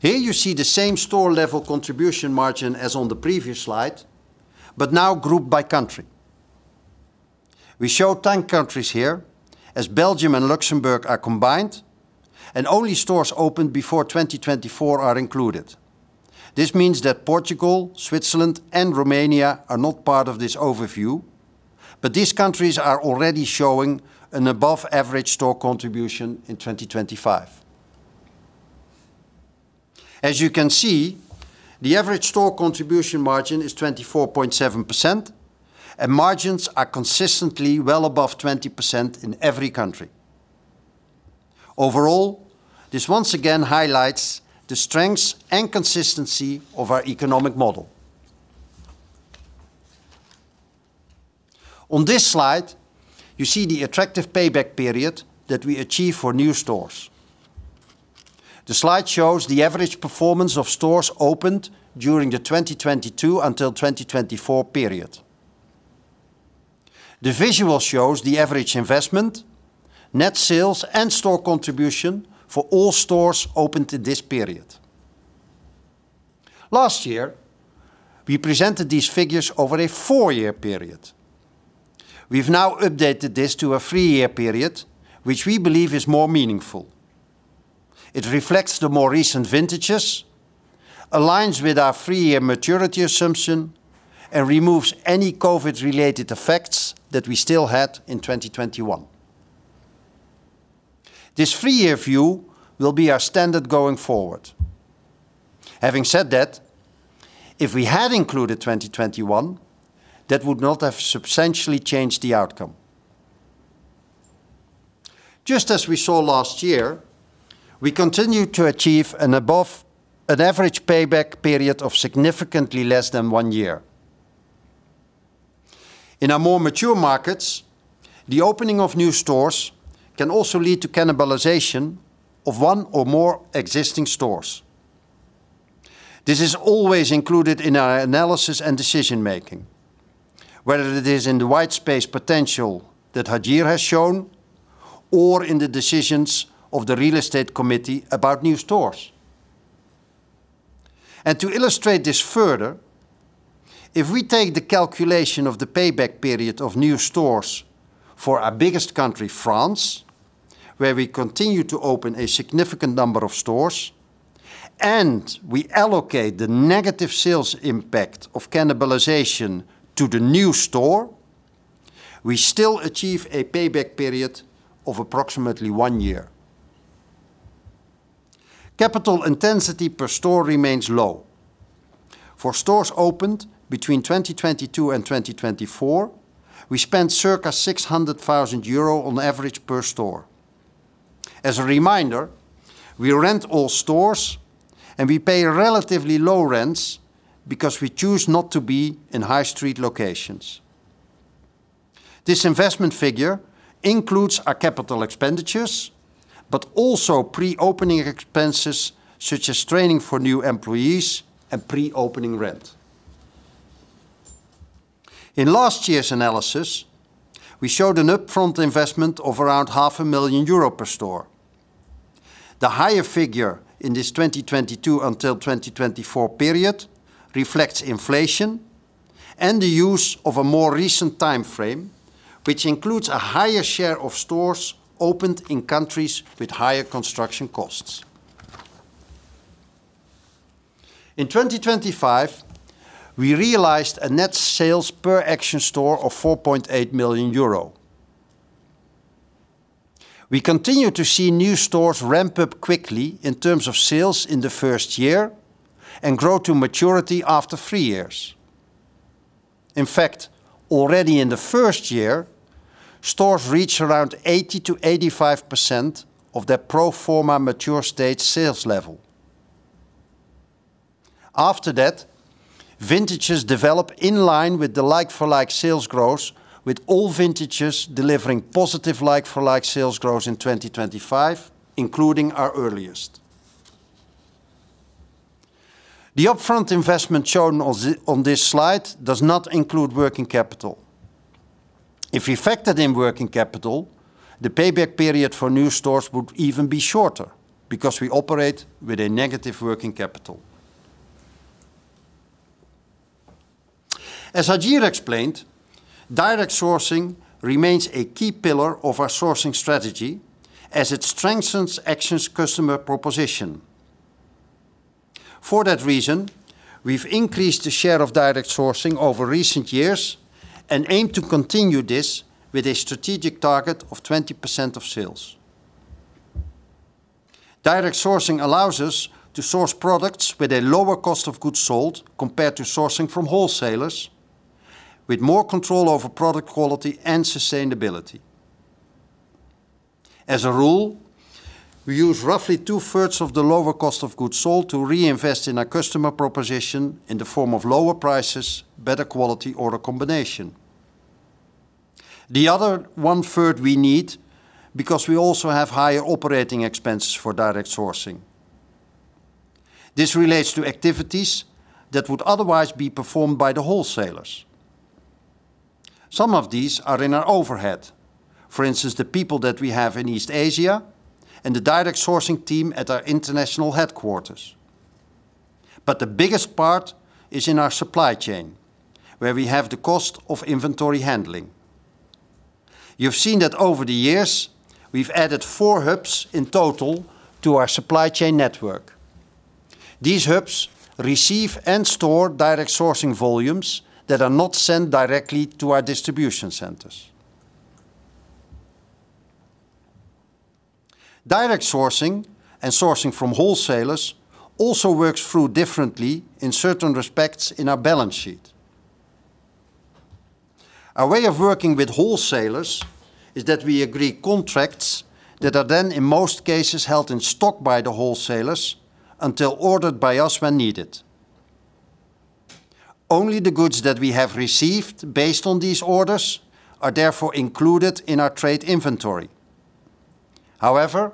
Here you see the same store level contribution margin as on the previous slide, but now grouped by country. We show 10 countries here, as Belgium and Luxembourg are combined, and only stores opened before 2024 are included. This means that Portugal, Switzerland, and Romania are not part of this overview, but these countries are already showing an above average store contribution in 2025. As you can see, the average store contribution margin is 24.7%, and margins are consistently well above 20% in every country. Overall, this once again highlights the strengths and consistency of our economic model. On this slide, you see the attractive payback period that we achieve for new stores. The slide shows the average performance of stores opened during the 2022 until 2024 period. The visual shows the average investment, net sales, and store contribution for all stores opened in this period. Last year, we presented these figures over a four-year period. We've now updated this to a three-year period, which we believe is more meaningful. It reflects the more recent vintages, aligns with our three-year maturity assumption, and removes any COVID-related effects that we still had in 2021. This three-year view will be our standard going forward. Having said that, if we had included 2021, that would not have substantially changed the outcome. Just as we saw last year, we continued to achieve an average payback period of significantly less than one year. In our more mature markets, the opening of new stores can also lead to cannibalization of one or more existing stores. This is always included in our analysis and decision-making, whether it is in the white space potential that Hajir has shown or in the decisions of the real estate committee about new stores. To illustrate this further, if we take the calculation of the payback period of new stores for our biggest country, France, where we continue to open a significant number of stores, and we allocate the negative sales impact of cannibalization to the new store, we still achieve a payback period of approximately one year. Capital intensity per store remains low. For stores opened between 2022 and 2024, we spent circa 600,000 euro on average per store. As a reminder, we rent all stores, and we pay relatively low rents because we choose not to be in high street locations. This investment figure includes our capital expenditures, but also pre-opening expenses, such as training for new employees and pre-opening rent. In last year's analysis, we showed an upfront investment of around 0.5 million euro per store. The higher figure in this 2022 until 2024 period reflects inflation and the use of a more recent timeframe, which includes a higher share of stores opened in countries with higher construction costs. In 2025, we realized a net sales per Action store of 4.8 million euro. We continue to see new stores ramp up quickly in terms of sales in the first year and grow to maturity after three years. In fact, already in the first year, stores reach around 80%-85% of their pro forma mature state sales level. After that, vintages develop in line with the like-for-like sales growth, with all vintages delivering positive like-for-like sales growth in 2025, including our earliest. The upfront investment shown on this slide does not include working capital. If we factored in working capital, the payback period for new stores would even be shorter because we operate with a negative working capital. As Hajir explained, direct sourcing remains a key pillar of our sourcing strategy as it strengthens Action's customer proposition. For that reason, we've increased the share of direct sourcing over recent years and aim to continue this with a strategic target of 20% of sales. Direct sourcing allows us to source products with a lower cost of goods sold, compared to sourcing from wholesalers, with more control over product quality and sustainability. As a rule, we use roughly 2/3 of the lower cost of goods sold to reinvest in our customer proposition in the form of lower prices, better quality, or a combination. The other 1/3 we need, because we also have higher operating expenses for direct sourcing. This relates to activities that would otherwise be performed by the wholesalers. Some of these are in our overhead. For instance, the people that we have in East Asia and the direct sourcing team at our international headquarters. The biggest part is in our supply chain, where we have the cost of inventory handling. You've seen that over the years, we've added four hubs in total to our supply chain network. These hubs receive and store direct sourcing volumes that are not sent directly to our distribution centers. Direct sourcing and sourcing from wholesalers also works through differently in certain respects in our balance sheet. Our way of working with wholesalers is that we agree contracts that are then, in most cases, held in stock by the wholesalers until ordered by us when needed. Only the goods that we have received based on these orders are therefore included in our trade inventory. However,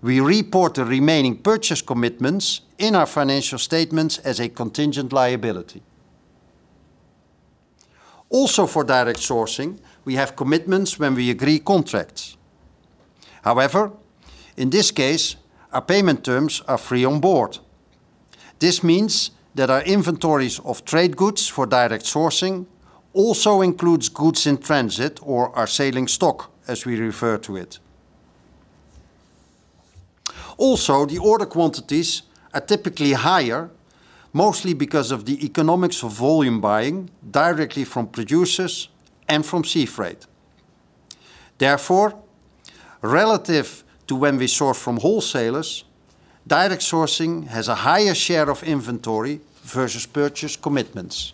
we report the remaining purchase commitments in our financial statements as a contingent liability. Also, for direct sourcing, we have commitments when we agree contracts. However, in this case, our payment terms are Free on Board. This means that our inventories of trade goods for direct sourcing also includes goods in transit or our sailing stock, as we refer to it. Also, the order quantities are typically higher, mostly because of the economics of volume buying directly from producers and from sea freight. Therefore, relative to when we source from wholesalers, direct sourcing has a higher share of inventory versus purchase commitments.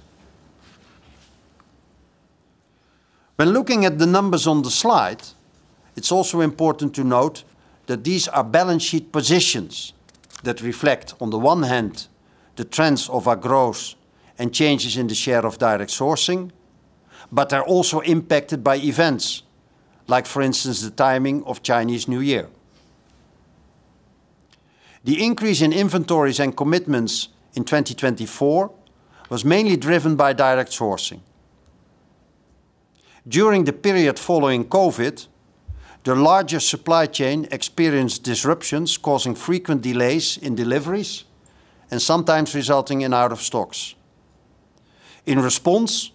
When looking at the numbers on the slide, it's also important to note that these are balance sheet positions that reflect, on the one hand, the trends of our growth and changes in the share of direct sourcing, but are also impacted by events like, for instance, the timing of Chinese New Year. The increase in inventories and commitments in 2024 was mainly driven by direct sourcing. During the period following COVID, the larger supply chain experienced disruptions causing frequent delays in deliveries and sometimes resulting in out of stocks. In response,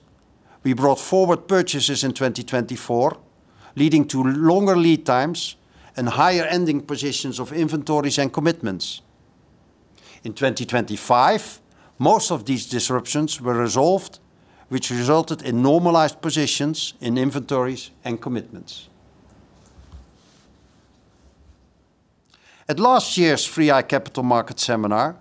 we brought forward purchases in 2024, leading to longer lead times and higher ending positions of inventories and commitments. In 2025, most of these disruptions were resolved, which resulted in normalized positions in inventories and commitments. At last year's 3i Capital Markets Seminar,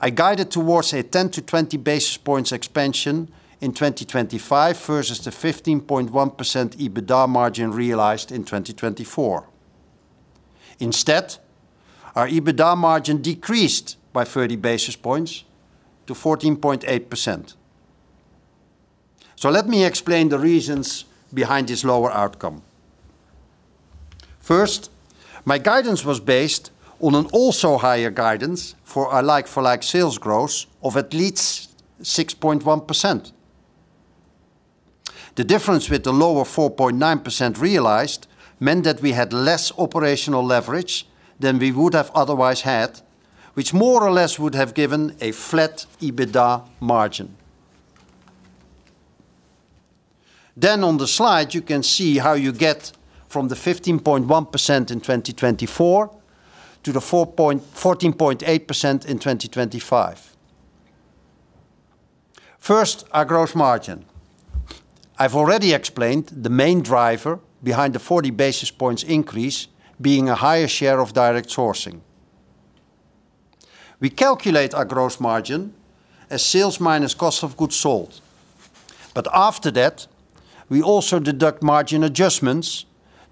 I guided towards a 10-20 basis points expansion in 2025 versus the 15.1% EBITDA margin realized in 2024. Instead, our EBITDA margin decreased by 30 basis points to 14.8%. Let me explain the reasons behind this lower outcome. First, my guidance was based on an also higher guidance for our like-for-like sales growth of at least 6.1%. The difference with the lower 4.9% realized meant that we had less operational leverage than we would have otherwise had, which more or less would have given a flat EBITDA margin. On the slide you can see how you get from the 15.1% in 2024 to the 14.8% in 2025. First, our gross margin. I've already explained the main driver behind the 40 basis points increase being a higher share of direct sourcing. We calculate our gross margin as sales minus cost of goods sold. But after that, we also deduct margin adjustments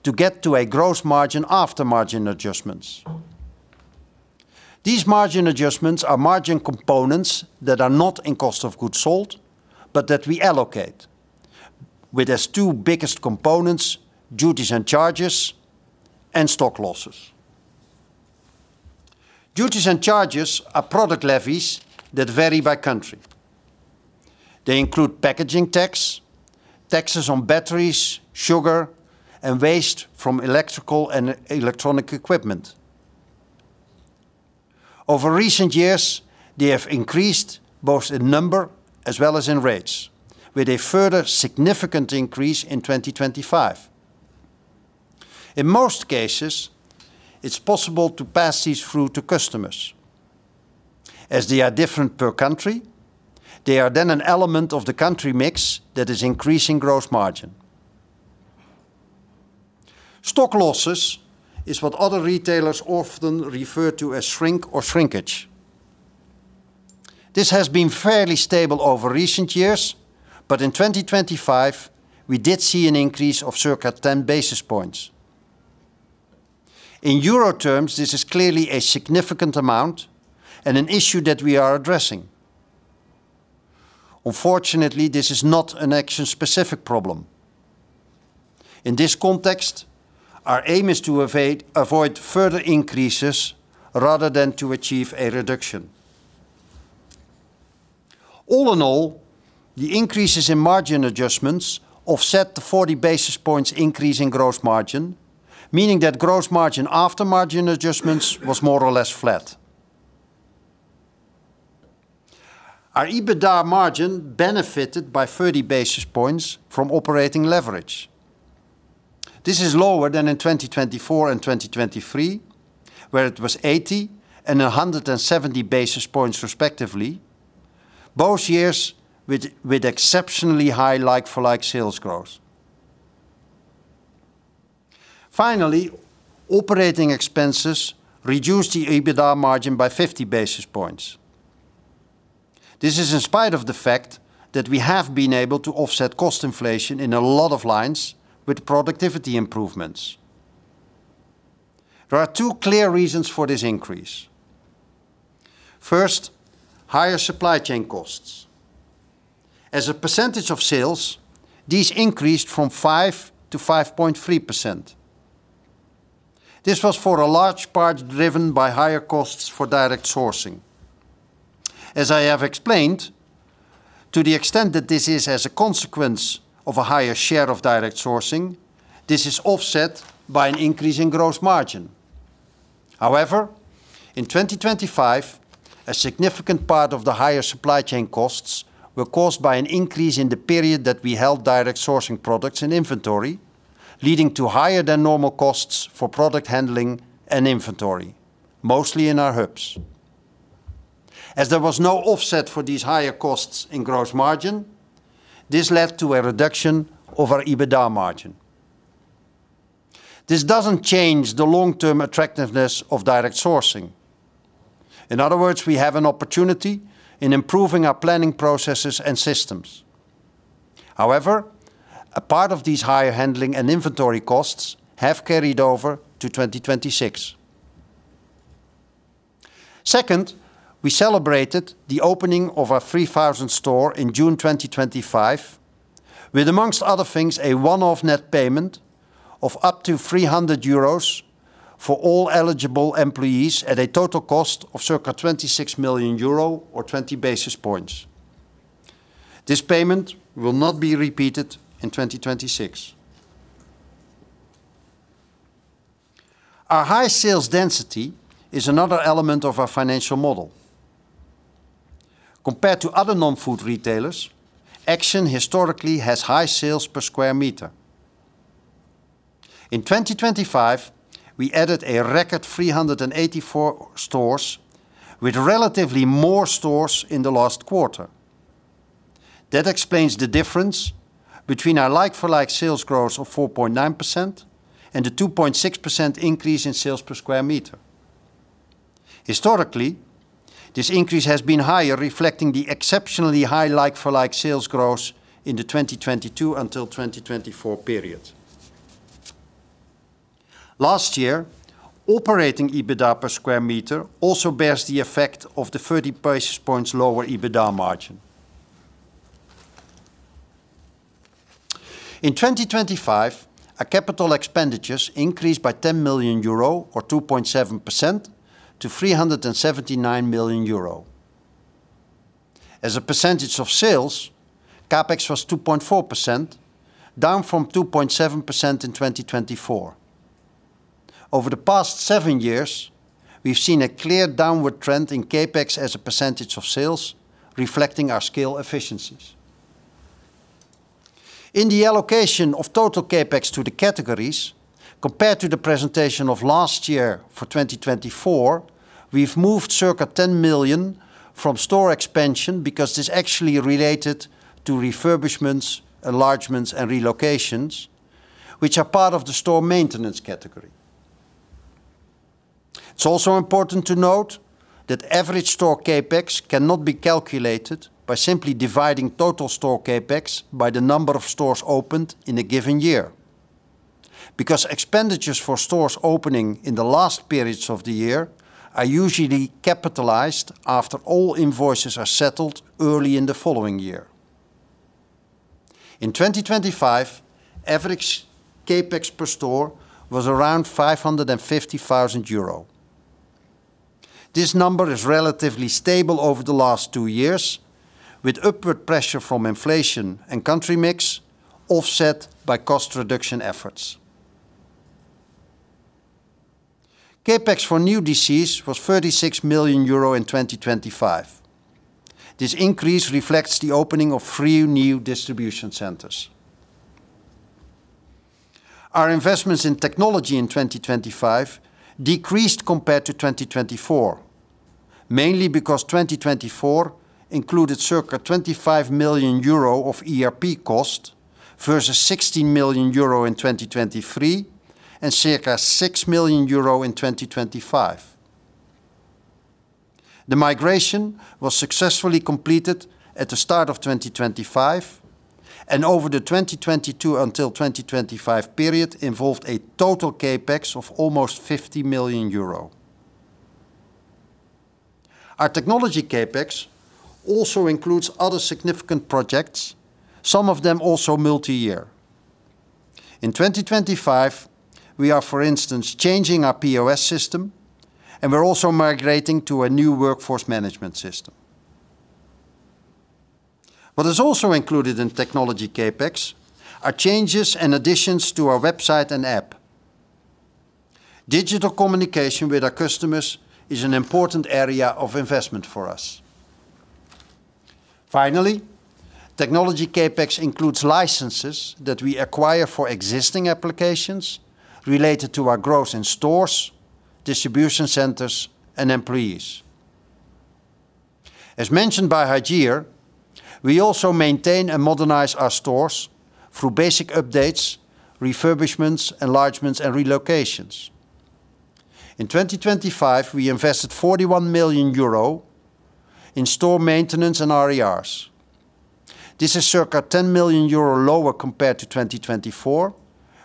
to get to a gross margin after margin adjustments. These margin adjustments are margin components that are not in cost of goods sold, but that we allocate along with its two biggest components, duties and charges and stock losses. Duties and charges are product levies that vary by country. They include packaging tax, taxes on batteries, sugar, and waste from electrical and electronic equipment. Over recent years, they have increased both in number as well as in rates, with a further significant increase in 2025. In most cases, it's possible to pass these through to customers. As they are different per country, they are then an element of the country mix that is increasing growth margin. Stock losses is what other retailers often refer to as shrink or shrinkage. This has been fairly stable over recent years, but in 2025 we did see an increase of circa 10 basis points. In euro terms, this is clearly a significant amount and an issue that we are addressing. Unfortunately, this is not an Action specific problem. In this context, our aim is to avoid further increases rather than to achieve a reduction. All in all, the increases in margin adjustments offset the 40 basis points increase in gross margin, meaning that gross margin after margin adjustments was more or less flat. Our EBITDA margin benefited by 30 basis points from operating leverage. This is lower than in 2024 and 2023, where it was 80 and 170 basis points respectively, both years with exceptionally high like-for-like sales growth. Finally, operating expenses reduced the EBITDA margin by 50 basis points. This is in spite of the fact that we have been able to offset cost inflation in a lot of lines with productivity improvements. There are two clear reasons for this increase. First, higher supply chain costs. As a percentage of sales, these increased from 5%-5.3%. This was for a large part driven by higher costs for direct sourcing. As I have explained, to the extent that this is as a consequence of a higher share of direct sourcing, this is offset by an increase in gross margin. However, in 2025, a significant part of the higher supply chain costs were caused by an increase in the period that we held direct sourcing products in inventory, leading to higher than normal costs for product handling and inventory, mostly in our hubs. As there was no offset for these higher costs in gross margin, this led to a reduction of our EBITDA margin. This doesn't change the long-term attractiveness of direct sourcing. In other words, we have an opportunity in improving our planning processes and systems. However, a part of these higher handling and inventory costs have carried over to 2026. Second, we celebrated the opening of our 3,000th store in June 2025, with among other things, a one-off net payment of up to 300 euros for all eligible employees at a total cost of circa 26 million euro or 20 basis points. This payment will not be repeated in 2026. Our high sales density is another element of our financial model. Compared to other non-food retailers, Action historically has high sales per square meter. In 2025, we added a record 384 stores with relatively more stores in the last quarter. That explains the difference between our like-for-like sales growth of 4.9% and the 2.6% increase in sales per square meter. Historically, this increase has been higher, reflecting the exceptionally high like-for-like sales growth in the 2022 until 2024 period. Last year, operating EBITDA per square meter also bears the effect of the 30 basis points lower EBITDA margin. In 2025, our capital expenditures increased by 10 million euro, or 2.7% to 379 million euro. As a percentage of sales, CapEx was 2.4%, down from 2.7% in 2024. Over the past seven years, we've seen a clear downward trend in CapEx as a percentage of sales reflecting our scale efficiencies. In the allocation of total CapEx to the categories, compared to the presentation of last year for 2024, we've moved circa 10 million from store expansion because it's actually related to refurbishments, enlargements, and relocations, which are part of the store maintenance category. It's also important to note that average store CapEx cannot be calculated by simply dividing total store CapEx by the number of stores opened in a given year, because expenditures for stores opening in the last periods of the year are usually capitalized after all invoices are settled early in the following year. In 2025, average CapEx per store was around 550,000 euro. This number is relatively stable over the last two years, with upward pressure from inflation and country mix offset by cost reduction efforts. CapEx for new DCs was 36 million euro in 2025. This increase reflects the opening of three new distribution centers. Our investments in technology in 2025 decreased compared to 2024, mainly because 2024 included circa 25 million euro of ERP costs, versus 16 million euro in 2023, and circa 6 million euro in 2025. The migration was successfully completed at the start of 2025, and over the 2022 until 2025 period involved a total CapEx of almost 50 million euro. Our technology CapEx also includes other significant projects, some of them also multi-year. In 2025, we are, for instance, changing our POS system, and we're also migrating to a new workforce management system. What is also included in technology CapEx are changes and additions to our website and app. Digital communication with our customers is an important area of investment for us. Finally, technology CapEx includes licenses that we acquire for existing applications related to our growth in stores, distribution centers, and employees. As mentioned by Hajir, we also maintain and modernize our stores through basic updates, refurbishments, enlargements, and relocations. In 2025, we invested 41 million euro in store maintenance and R&Rs. This is circa 10 million euro lower compared to 2024,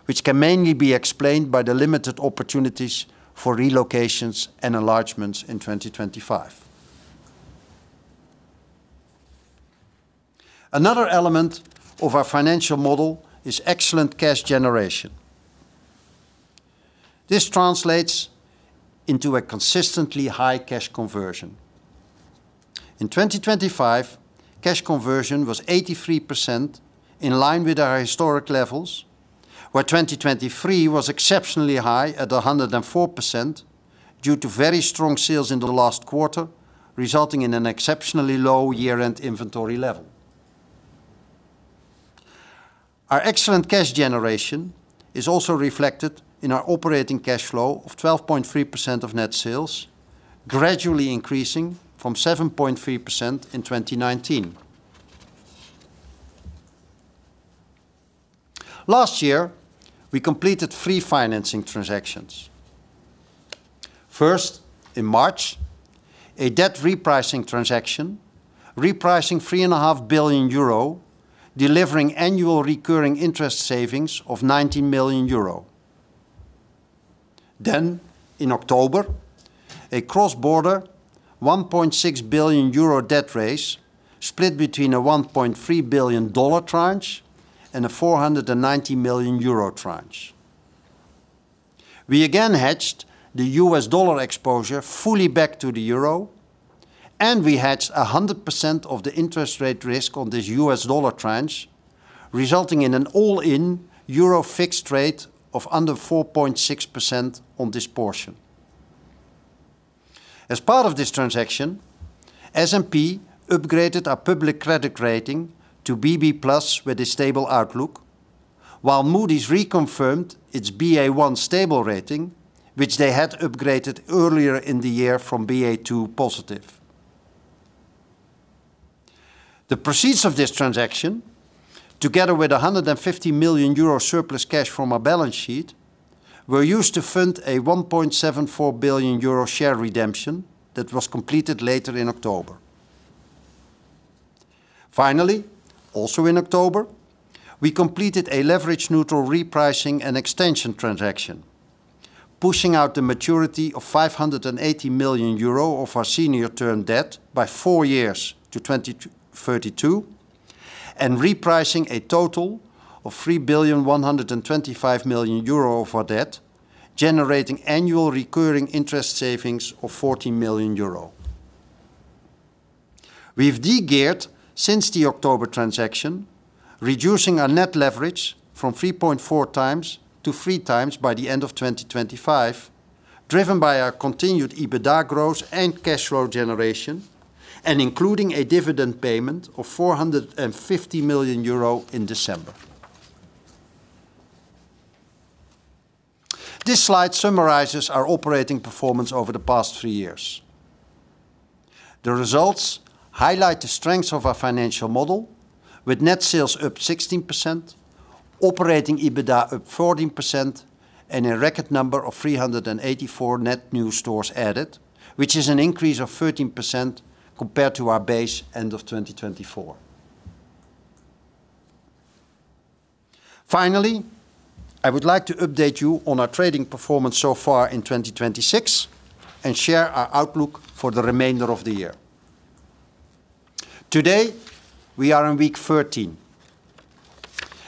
which can mainly be explained by the limited opportunities for relocations and enlargements in 2025. Another element of our financial model is excellent cash generation. This translates into a consistently high cash conversion. In 2025, cash conversion was 83%, in line with our historic levels, where 2023 was exceptionally high at 104% due to very strong sales in the last quarter, resulting in an exceptionally low year-end inventory level. Our excellent cash generation is also reflected in our operating cash flow of 12.3% of net sales, gradually increasing from 7.3% in 2019. Last year, we completed three financing transactions. First, in March, a debt repricing transaction, repricing 3.5 billion euro, delivering annual recurring interest savings of 19 million euro. In October, a cross-border 1.6 billion euro debt raise split between a $1.3 billion tranche and a 490 million euro tranche. We again hedged the U.S. dollar exposure fully back to the euro, and we hedged 100% of the interest rate risk on this U.S. dollar tranche, resulting in an all-in euro fixed rate of under 4.6% on this portion. As part of this transaction, S&P upgraded our public credit rating to BB+ with a stable outlook, while Moody's reconfirmed its Ba1 stable rating, which they had upgraded earlier in the year from Ba2 positive. The proceeds of this transaction, together with 150 million euro surplus cash from our balance sheet, were used to fund a 1.74 billion euro share redemption that was completed later in October. Finally, also in October, we completed a leverage neutral repricing and extension transaction, pushing out the maturity of 580 million euro of our senior term debt by four years to 2032, and repricing a total of 3.125 billion of our debt, generating annual recurring interest savings of 40 million euro. We've de-geared since the October transaction, reducing our net leverage from 3.4x to 3x by the end of 2025, driven by our continued EBITDA growth and cash flow generation, and including a dividend payment of 450 million euro in December. This slide summarizes our operating performance over the past three years. The results highlight the strengths of our financial model with net sales up 16%, operating EBITDA up 14%, and a record number of 384 net new stores added, which is an increase of 13% compared to our base end of 2024. Finally, I would like to update you on our trading performance so far in 2026 and share our outlook for the remainder of the year. Today, we are in week 13.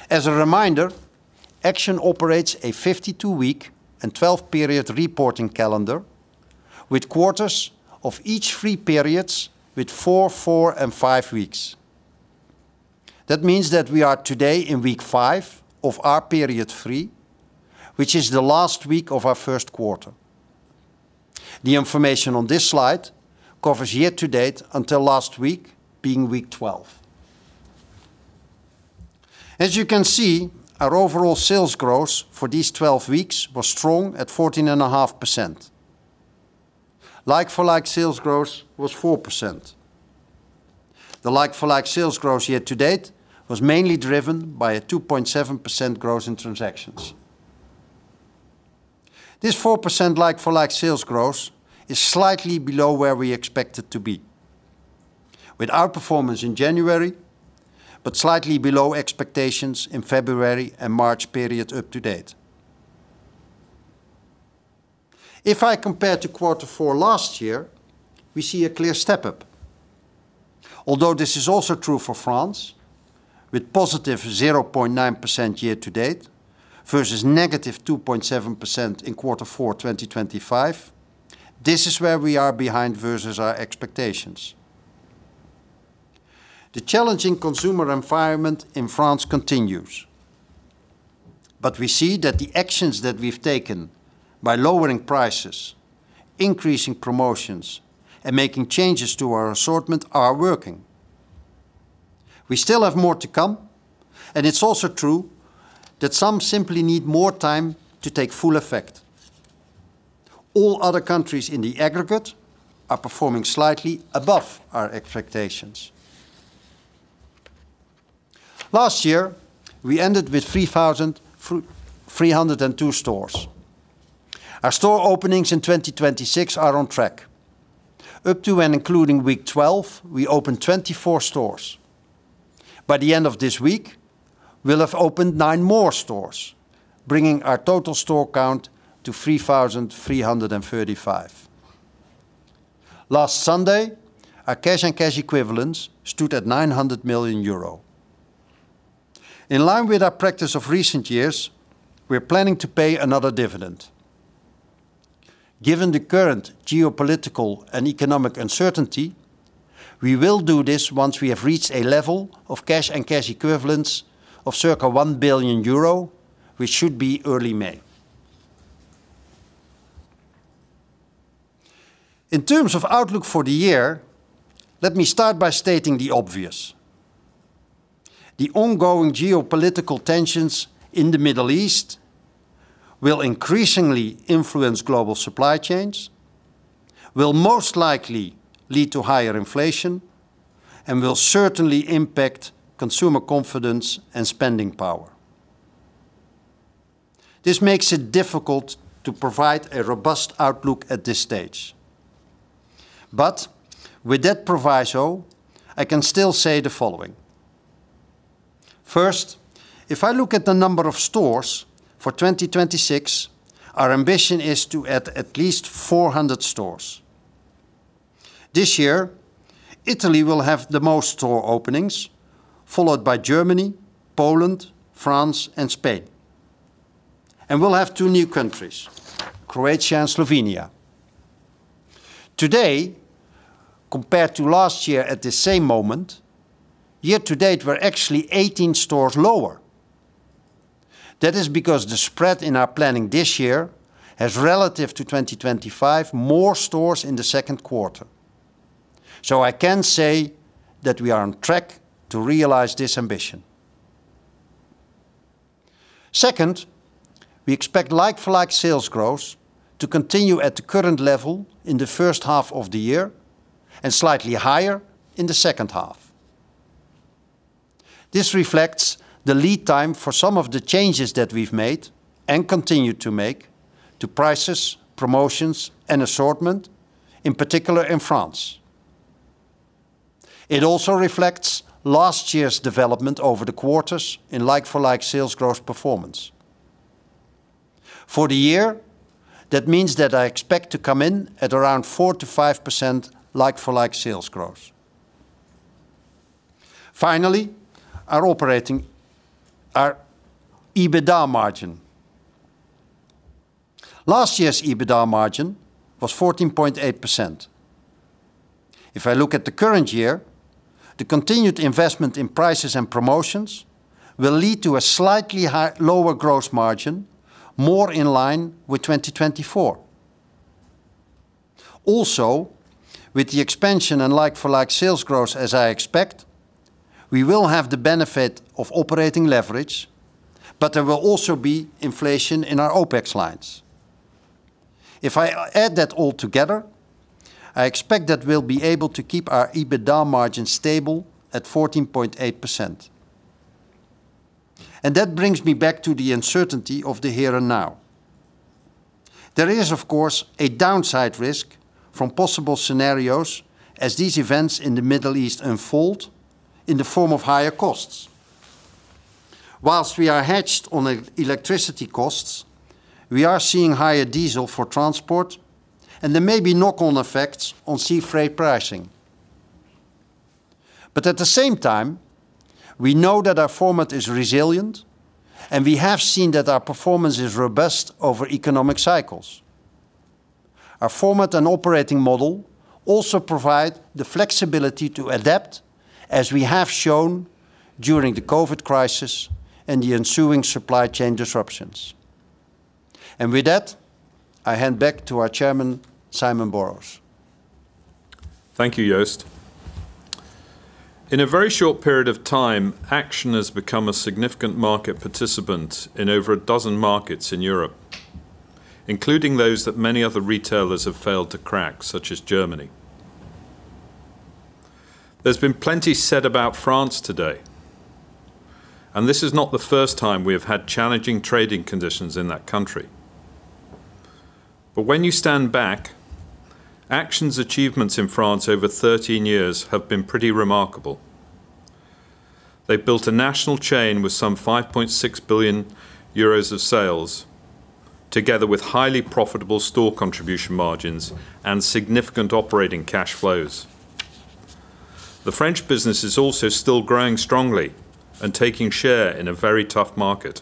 As a reminder, Action operates a 52-week and 12-period reporting calendar with quarters each of three periods with four, and five weeks. That means that we are today in week five of our period three, which is the last week of our first quarter. The information on this slide covers year to date until last week, being week 12. As you can see, our overall sales growth for these 12 weeks was strong at 14.5%. Like-for-like sales growth was 4%. The like-for-like sales growth year to date was mainly driven by a 2.7% growth in transactions. This 4% like-for-like sales growth is slightly below where we expect it to be with our performance in January, but slightly below expectations in February and March period to date. If I compare to quarter four last year, we see a clear step up. Although this is also true for France, with positive 0.9% year to date versus negative 2.7% in quarter four, 2025, this is where we are behind versus our expectations. The challenging consumer environment in France continues. We see that the actions that we've taken by lowering prices, increasing promotions, and making changes to our assortment are working. We still have more to come, and it's also true that some simply need more time to take full effect. All other countries in the aggregate are performing slightly above our expectations. Last year, we ended with 302 stores. Our store openings in 2026 are on track. Up to and including week 12, we opened 24 stores. By the end of this week, we'll have opened nine more stores, bringing our total store count to 3,335. Last Sunday, our cash and cash equivalents stood at 900 million euro. In line with our practice of recent years, we're planning to pay another dividend. Given the current geopolitical and economic uncertainty, we will do this once we have reached a level of cash and cash equivalents of circa 1 billion euro, which should be early May. In terms of outlook for the year, let me start by stating the obvious. The ongoing geopolitical tensions in the Middle East will increasingly influence global supply chains, will most likely lead to higher inflation, and will certainly impact consumer confidence and spending power. This makes it difficult to provide a robust outlook at this stage. With that proviso, I can still say the following. First, if I look at the number of stores for 2026, our ambition is to add at least 400 stores. This year, Italy will have the most store openings, followed by Germany, Poland, France, and Spain. We'll have two new countries, Croatia and Slovenia. Today, compared to last year at the same moment, year to date, we're actually 18 stores lower. That is because the spread in our planning this year has, relative to 2025, more stores in the second quarter. I can say that we are on track to realize this ambition. Second, we expect like-for-like sales growth to continue at the current level in the first half of the year and slightly higher in the second half. This reflects the lead time for some of the changes that we've made and continue to make to prices, promotions, and assortment, in particular in France. It also reflects last year's development over the quarters in like-for-like sales growth performance. For the year, that means that I expect to come in at around 4%-5% like-for-like sales growth. Finally, our EBITDA margin. Last year's EBITDA margin was 14.8%. If I look at the current year, the continued investment in prices and promotions will lead to a slightly lower growth margin, more in line with 2024. Also, with the expansion in like-for-like sales growth, as I expect, we will have the benefit of operating leverage, but there will also be inflation in our OpEx lines. If I add that all together, I expect that we'll be able to keep our EBITDA margin stable at 14.8%. That brings me back to the uncertainty of the here and now. There is, of course, a downside risk from possible scenarios as these events in the Middle East unfold in the form of higher costs. While we are hedged on electricity costs, we are seeing higher diesel for transport, and there may be knock-on effects on sea freight pricing. At the same time, we know that our format is resilient, and we have seen that our performance is robust over economic cycles. Our format and operating model also provide the flexibility to adapt, as we have shown during the COVID crisis and the ensuing supply chain disruptions. With that, I hand back to our chairman, Simon Borrows. Thank you, Joost. In a very short period of time, Action has become a significant market participant in over a dozen markets in Europe, including those that many other retailers have failed to crack, such as Germany. There's been plenty said about France today, and this is not the first time we have had challenging trading conditions in that country. When you stand back, Action's achievements in France over 13 years have been pretty remarkable. They've built a national chain with some 5.6 billion euros of sales, together with highly profitable store contribution margins and significant operating cash flows. The French business is also still growing strongly and taking share in a very tough market.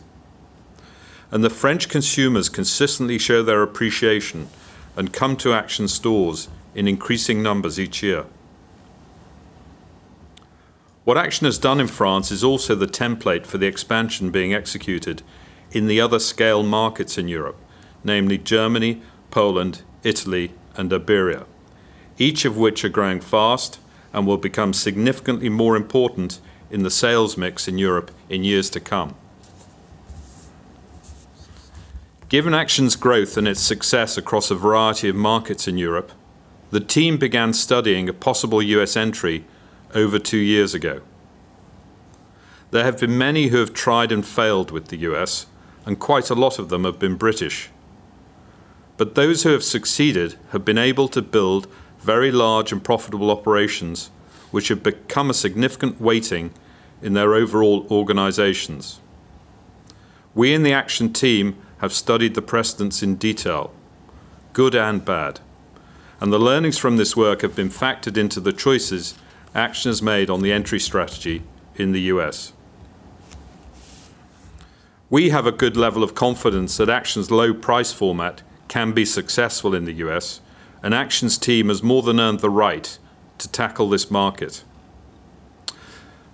The French consumers consistently show their appreciation and come to Action stores in increasing numbers each year. What Action has done in France is also the template for the expansion being executed in the other scale markets in Europe, namely Germany, Poland, Italy and Iberia, each of which are growing fast and will become significantly more important in the sales mix in Europe in years to come. Given Action's growth and its success across a variety of markets in Europe, the team began studying a possible U.S. entry over two years ago. There have been many who have tried and failed with the U.S., and quite a lot of them have been British. Those who have succeeded have been able to build very large and profitable operations which have become a significant weighting in their overall organizations. We in the Action team have studied the precedents in detail, good and bad, and the learnings from this work have been factored into the choices Action has made on the entry strategy in the U.S. We have a good level of confidence that Action's low price format can be successful in the U.S. and Action's team has more than earned the right to tackle this market.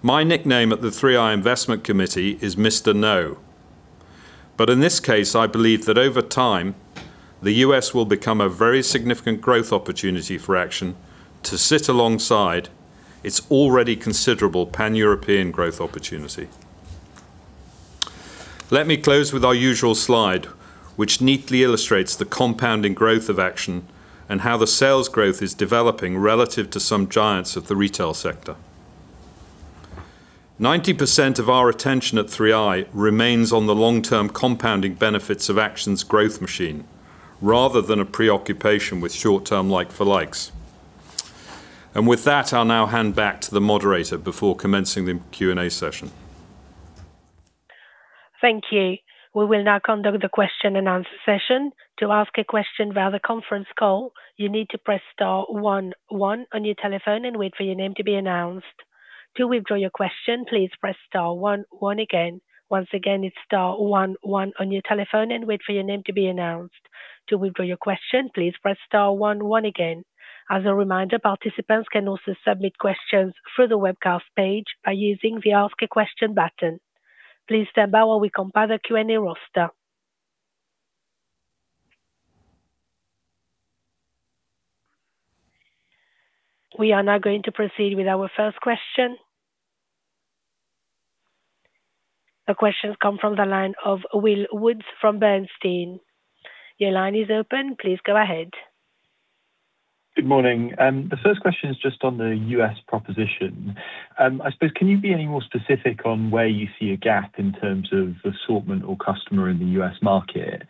My nickname at the 3i investment committee is Mr. No. In this case, I believe that over time, the U.S. will become a very significant growth opportunity for Action to sit alongside its already considerable Pan-European growth opportunity. Let me close with our usual slide, which neatly illustrates the compounding growth of Action and how the sales growth is developing relative to some giants of the retail sector. 90% of our attention at 3i remains on the long-term compounding benefits of Action's growth machine rather than a preoccupation with short-term like-for-like. With that, I'll now hand back to the moderator before commencing the Q&A session. Thank you. We will now conduct the question and answer session. To ask a question via the conference call, you need to press star one one on your telephone and wait for your name to be announced. To withdraw your question, please press star one, one again. Once again, it's star one one on your telephone and wait for your name to be announced. To withdraw your question, please press star one, one again. As a reminder, participants can also submit questions through the webcast page by using the Ask a Question button. Please stand by while we compile the Q&A roster. We are now going to proceed with our first question. The question comes from the line of William Woods from Bernstein. Your line is open. Please go ahead. Good morning. The first question is just on the U.S. proposition. I suppose, can you be any more specific on where you see a gap in terms of assortment or customer in the U.S. market?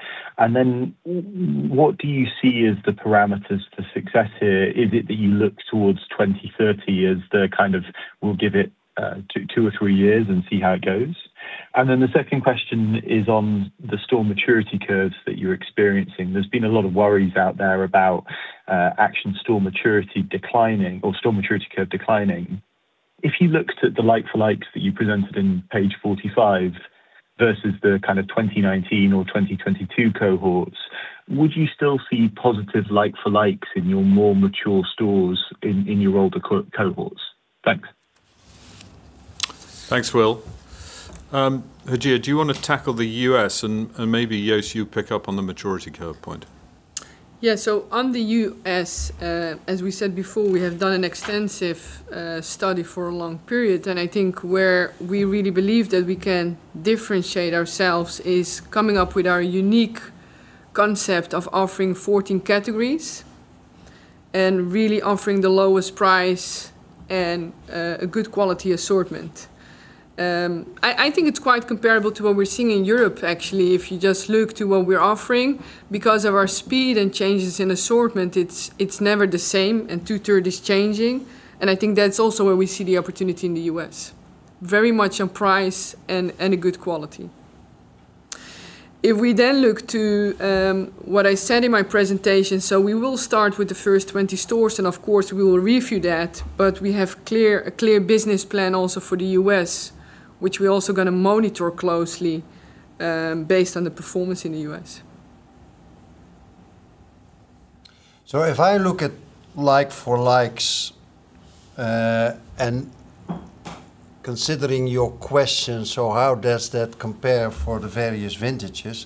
What do you see as the parameters to success here? Is it that you look towards 2030 as the, kind of, we'll give it two or three years and see how it goes? The second question is on the store maturity curves that you're experiencing. There's been a lot of worries out there about Action store maturity declining or store maturity curve declining. If you looked at the like-for-likes that you presented in page 45 versus the, kind of, 2019 or 2022 cohorts, would you still see positive like-for-likes in your more mature stores in your older cohorts? Thanks. Thanks, Will. Hajir, do you wanna tackle the U.S. and maybe, Joost, you pick up on the maturity curve point? Yeah. On the U.S., as we said before, we have done an extensive study for a long period, and I think where we really believe that we can differentiate ourselves is coming up with our unique concept of offering 14 categories and really offering the lowest price and a good quality assortment. I think it's quite comparable to what we're seeing in Europe actually, if you just look to what we're offering. Because of our speed and changes in assortment, it's never the same, and 2/3 is changing, and I think that's also where we see the opportunity in the U.S. Very much on price and a good quality. If we then look to what I said in my presentation, we will start with the first 20 stores, and of course, we will review that, but we have clear. A clear business plan also for the U.S., which we're also gonna monitor closely, based on the performance in the U.S. If I look at like-for-likes, and considering your question, so how does that compare for the various vintages?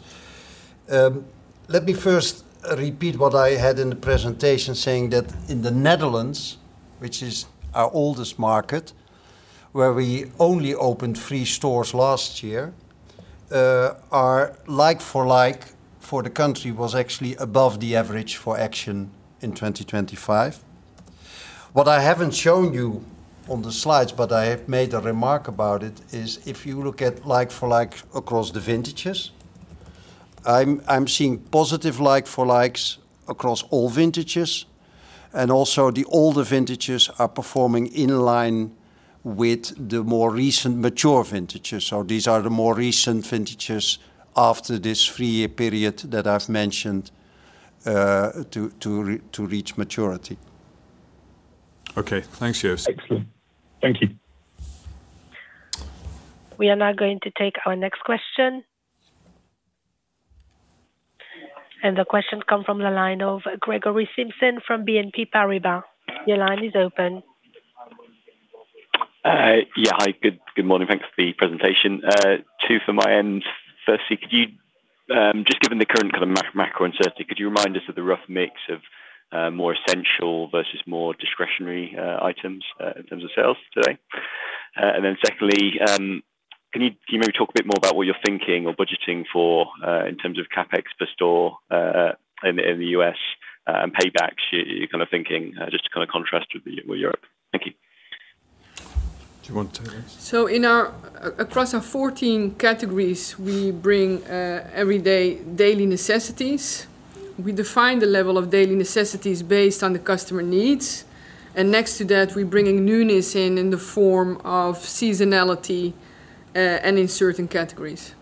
Let me first repeat what I had in the presentation saying that in the Netherlands, which is our oldest market, where we only opened three stores last year, our like-for-like for the country was actually above the average for Action in 2025. What I haven't shown you on the slides, but I have made a remark about it, is if you look at like-for-like across the vintages, I'm seeing positive like-for-likes across all vintages, and also the older vintages are performing in line with the more recent mature vintages. These are the more recent vintages after this three-year period that I've mentioned to reach maturity. Okay, thanks, Joost. Excellent. Thank you. We are now going to take our next question. The question comes from the line of Gregory Simpson from BNP Paribas. Your line is open. Hi. Good morning. Thanks for the presentation. Two from my end. Firstly, given the current kind of macro uncertainty, could you remind us of the rough mix of more essential versus more discretionary items in terms of sales today? Secondly, can you maybe talk a bit more about what you're thinking or budgeting for in terms of CapEx per store in the U.S. and payback kind of thinking just to kind of contrast with Europe. Thank you. Do you want to take this? Across our 14 categories, we bring everyday daily necessities. We define the level of daily necessities based on the customer needs. Next to that, we're bringing newness in the form of seasonality and in certain categories.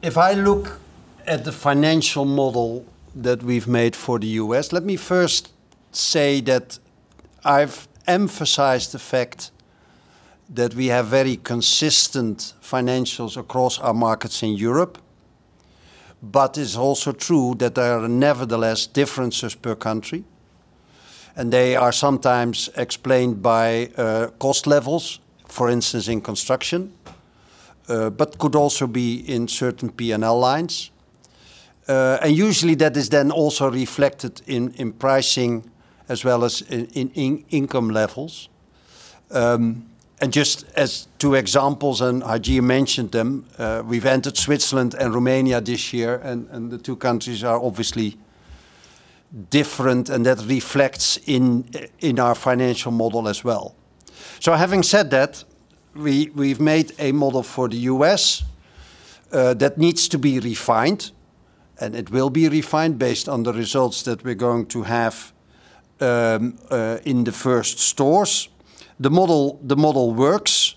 If I look at the financial model that we've made for the U.S., let me first say that I've emphasized the fact that we have very consistent financials across our markets in Europe. It's also true that there are nevertheless differences per country, and they are sometimes explained by cost levels, for instance, in construction, but could also be in certain P&L lines. Usually that is then also reflected in pricing as well as in income levels. Just as two examples, Hajir mentioned them, we've entered Switzerland and Romania this year, and the two countries are obviously different, and that reflects in our financial model as well. Having said that, we've made a model for the U.S. that needs to be refined, and it will be refined based on the results that we're going to have in the first stores. The model works.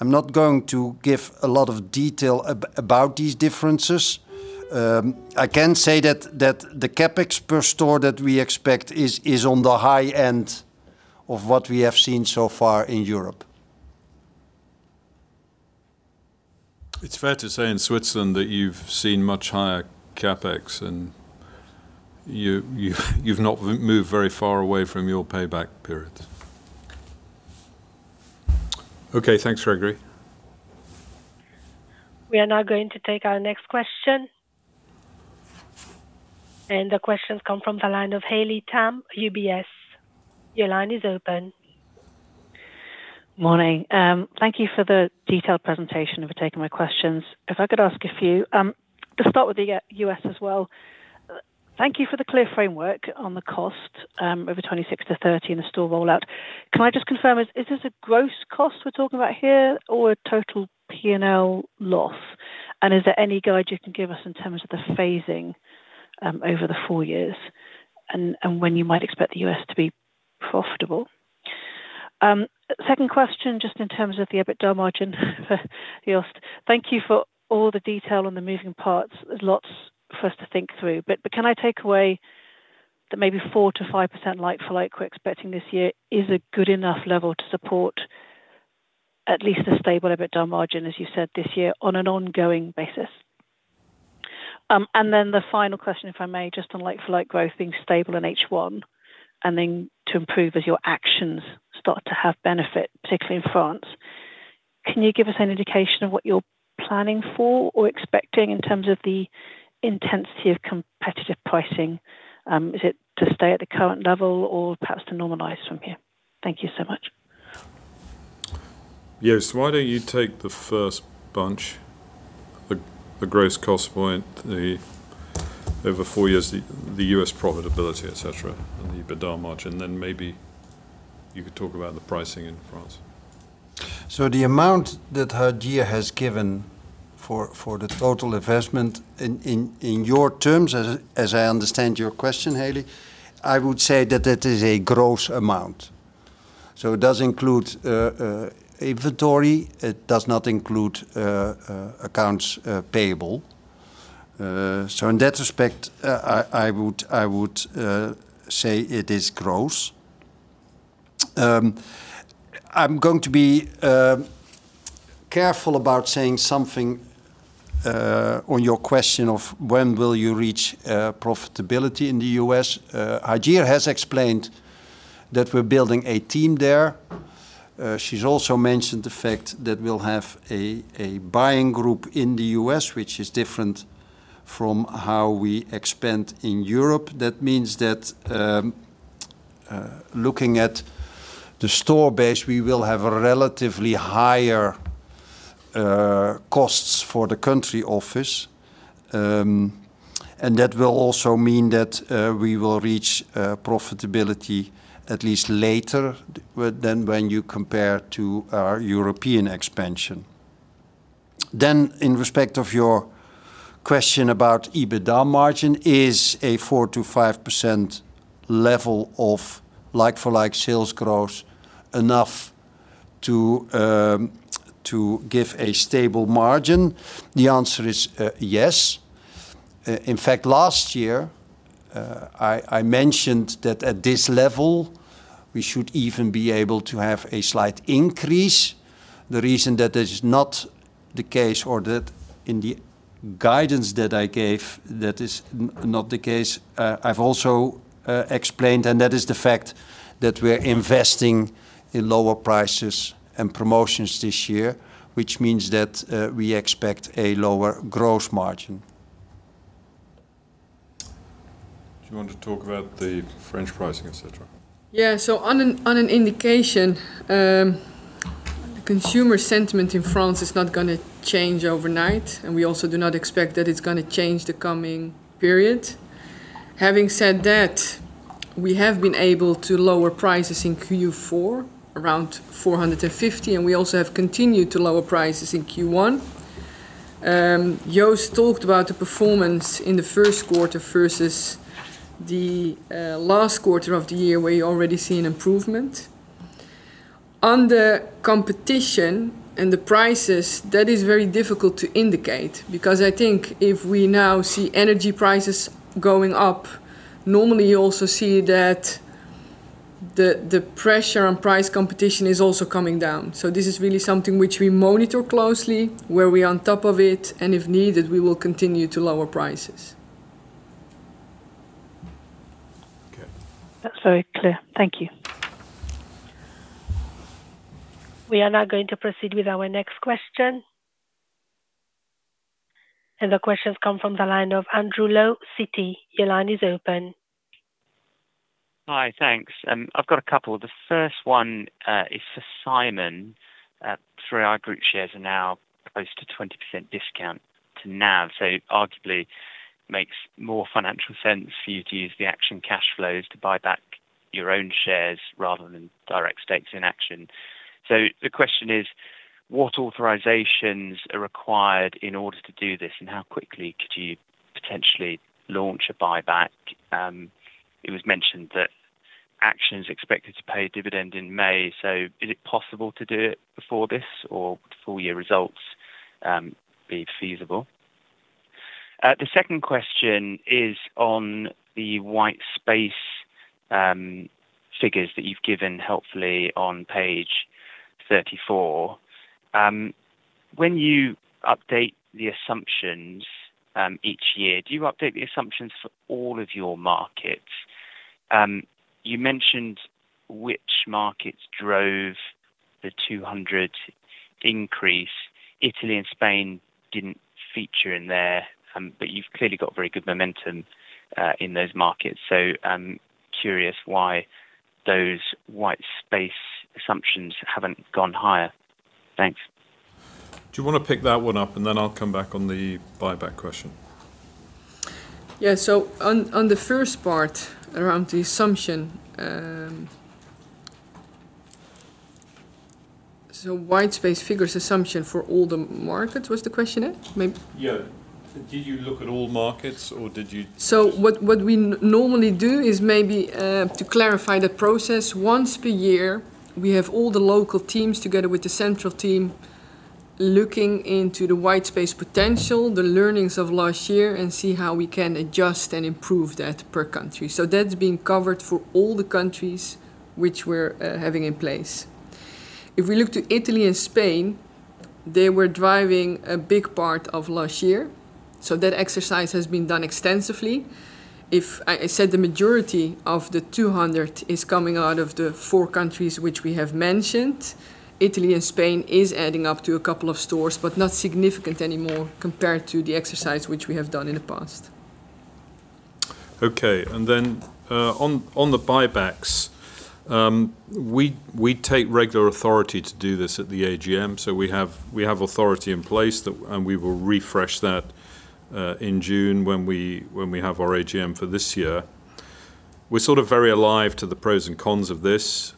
I'm not going to give a lot of detail about these differences. I can say that the CapEx per store that we expect is on the high end of what we have seen so far in Europe. It's fair to say in Switzerland that you've seen much higher CapEx, and you've not moved very far away from your payback periods. Okay, thanks, Gregory. We are now going to take our next question. The question's come from the line of Haley Tam, UBS. Your line is open. Morning. Thank you for the detailed presentation and for taking my questions. If I could ask a few, to start with the U.S. as well. Thank you for the clear framework on the cost, over 2026-2030 in the store rollout. Can I just confirm, is this a gross cost we're talking about here or a total P&L loss? And is there any guide you can give us in terms of the phasing, over the four years and when you might expect the U.S. to be profitable? Second question, just in terms of the EBITDA margin for Joost. Thank you for all the detail on the moving parts. There's lots for us to think through. Can I take away that maybe 4%-5% like-for-like we're expecting this year is a good enough level to support at least a stable EBITDA margin, as you said this year on an ongoing basis? The final question, if I may, just on like-for-like growth being stable in H1 and then to improve as your actions start to have benefit, particularly in France. Can you give us an indication of what you're planning for or expecting in terms of the intensity of competitive pricing? Is it to stay at the current level or perhaps to normalize from here? Thank you so much. Joost, why don't you take the first bunch, the gross cost point over four years, the U.S. profitability, et cetera, and the EBITDA margin, then maybe you could talk about the pricing in France. The amount that Hajir has given for the total investment in your terms, as I understand your question, Haley, I would say that that is a gross amount. It does include inventory. It does not include accounts payable. In that respect, I would say it is gross. I'm going to be careful about saying something on your question of when will you reach profitability in the U.S. Hajir has explained that we're building a team there. She's also mentioned the fact that we'll have a buying group in the U.S., which is different from how we expand in Europe. That means that, looking at the store base, we will have a relatively higher costs for the country office. That will also mean that we will reach profitability at least later than when you compare to our European expansion. In respect of your question about EBITDA margin, is a 4%-5% level of like-for-like sales growth enough? To give a stable margin, the answer is yes. In fact, last year, I mentioned that at this level, we should even be able to have a slight increase. The reason that is not the case or that in the guidance that I gave that is not the case, I've also explained, and that is the fact that we're investing in lower prices and promotions this year, which means that we expect a lower gross margin. Do you want to talk about the French pricing, et cetera? Yeah. As an indication, consumer sentiment in France is not gonna change overnight, and we also do not expect that it's gonna change in the coming period. Having said that, we have been able to lower prices in Q4 around 450, and we also have continued to lower prices in Q1. Joost talked about the performance in the first quarter versus the last quarter of the year where you already see an improvement. On the competition and the prices, that is very difficult to indicate because I think if we now see energy prices going up, normally, you also see that the pressure on price competition is also coming down. This is really something which we monitor closely, where we're on top of it, and if needed, we will continue to lower prices. That's very clear. Thank you. We are now going to proceed with our next question. The question comes from the line of Andrew Lowe, Citi. Your line is open. Hi. Thanks. I've got a couple. The first one is for Simon. 3i Group shares are now close to 20% discount to NAV. Arguably makes more financial sense for you to use the Action cash flows to buy back your own shares rather than direct stakes in Action. The question is, what authorizations are required in order to do this, and how quickly could you potentially launch a buyback? It was mentioned that Action is expected to pay a dividend in May. Is it possible to do it before this or full year results be feasible? The second question is on the white space figures that you've given helpfully on page 34. When you update the assumptions each year, do you update the assumptions for all of your markets? You mentioned which markets drove the 200 increase. Italy and Spain didn't feature in there, but you've clearly got very good momentum in those markets. I'm curious why those white space assumptions haven't gone higher. Thanks. Do you wanna pick that one up, and then I'll come back on the buyback question? Yeah. On the first part around the assumption, white space figures assumption for all the markets was the question, yeah? Yeah. Do you look at all markets or did you? What we normally do is maybe to clarify the process. Once per year, we have all the local teams together with the central team looking into the white space potential, the learnings of last year and see how we can adjust and improve that per country. That's being covered for all the countries which we're having in place. If we look to Italy and Spain, they were driving a big part of last year, so that exercise has been done extensively. If I said the majority of the 200 is coming out of the four countries which we have mentioned, Italy and Spain is adding up to a couple of stores, but not significant anymore compared to the exercise which we have done in the past. Okay. On the buybacks, we take regular authority to do this at the AGM. We have authority in place and we will refresh that in June when we have our AGM for this year. We're sort of very alive to the pros and cons of this,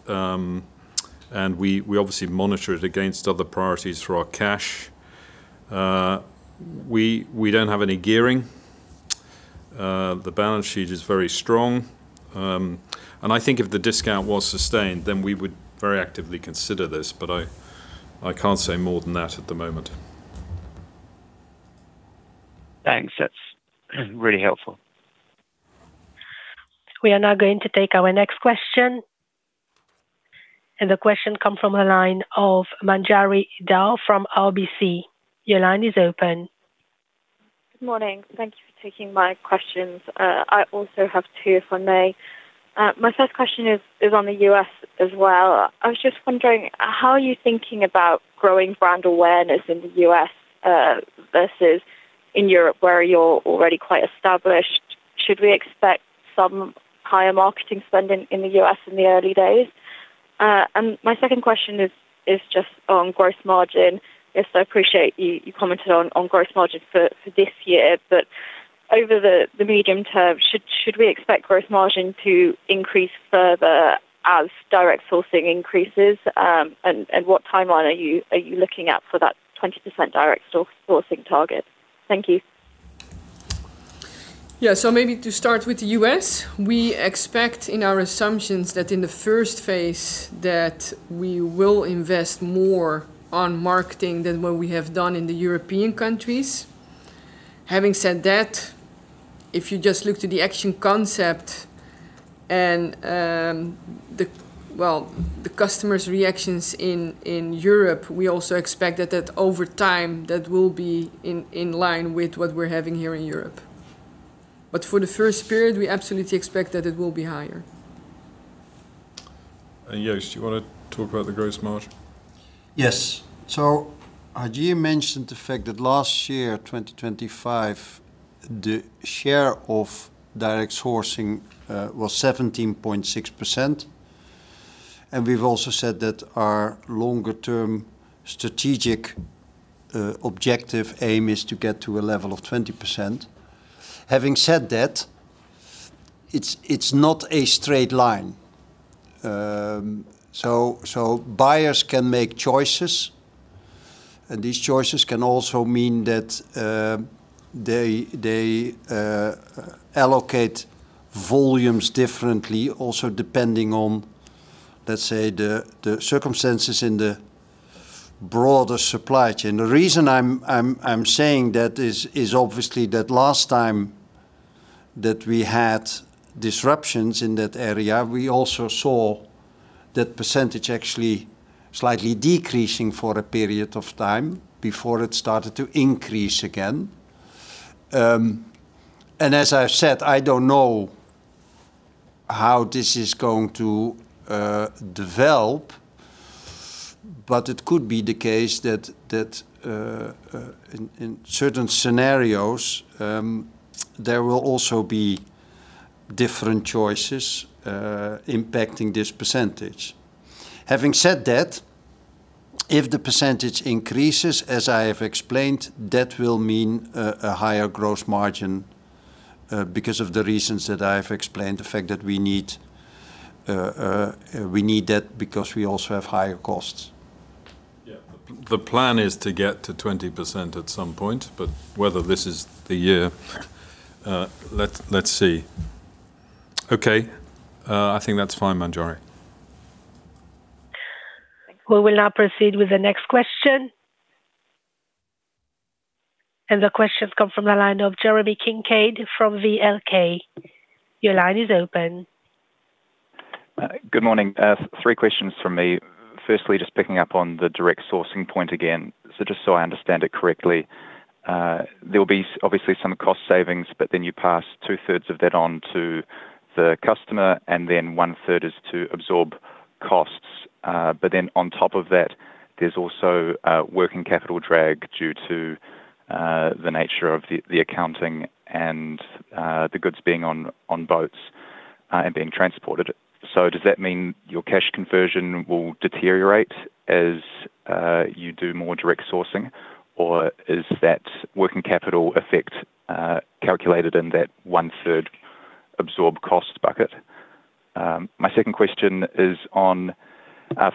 and we obviously monitor it against other priorities for our cash. We don't have any gearing. The balance sheet is very strong. I think if the discount was sustained, then we would very actively consider this. I can't say more than that at the moment. Thanks. That's really helpful. We are now going to take our next question. The question comes from the line of Manjari Dhar from RBC. Your line is open. Good morning. Thank you for taking my questions. I also have two, if I may. My first question is on the U.S. as well. I was just wondering how are you thinking about growing brand awareness in the U.S., versus in Europe, where you're already quite established? Should we expect some higher marketing spending in the U.S. in the early days? My second question is just on gross margin. I appreciate you commented on gross margin for this year. Over the medium term, should we expect gross margin to increase further as direct sourcing increases? What timeline are you looking at for that 20% direct sourcing target? Thank you. Yeah, maybe to start with the U.S., we expect in our assumptions that in the first phase that we will invest more on marketing than what we have done in the European countries. Having said that, if you just look to the Action concept and the customers' reactions in Europe, we also expect that over time that will be in line with what we're having here in Europe. For the first period, we absolutely expect that it will be higher. Joost, do you wanna talk about the gross margin? Yes. Hajir mentioned the fact that last year, 2025, the share of direct sourcing was 17.6%. We've also said that our longer term strategic objective aim is to get to a level of 20%. Having said that, it's not a straight line. Buyers can make choices, and these choices can also mean that they allocate volumes differently also depending on, let's say, the circumstances in the broader supply chain. The reason I'm saying that is obviously that last time that we had disruptions in that area, we also saw that percentage actually slightly decreasing for a period of time before it started to increase again. As I've said, I don't know how this is going to develop, but it could be the case that in certain scenarios there will also be different choices impacting this percentage. Having said that, if the percentage increases, as I have explained, that will mean a higher gross margin because of the reasons that I've explained. The fact that we need that because we also have higher costs. Yeah. The plan is to get to 20% at some point, but whether this is the year, let's see. Okay. I think that's fine, Manjari. We will now proceed with the next question. The question comes from the line of Jeremy Kincaid from VLK. Your line is open. Good morning. Three questions from me. First, just picking up on the direct sourcing point again. So just so I understand it correctly, there will be obviously some cost savings, but then you pass 2/3 of that on to the customer, and then 1/3 is to absorb costs. But then on top of that, there's also a working capital drag due to the nature of the accounting and the goods being on boats and being transported. So does that mean your cash conversion will deteriorate as you do more direct sourcing? Or is that working capital effect calculated in that 1/3 absorb cost bucket? My second question is on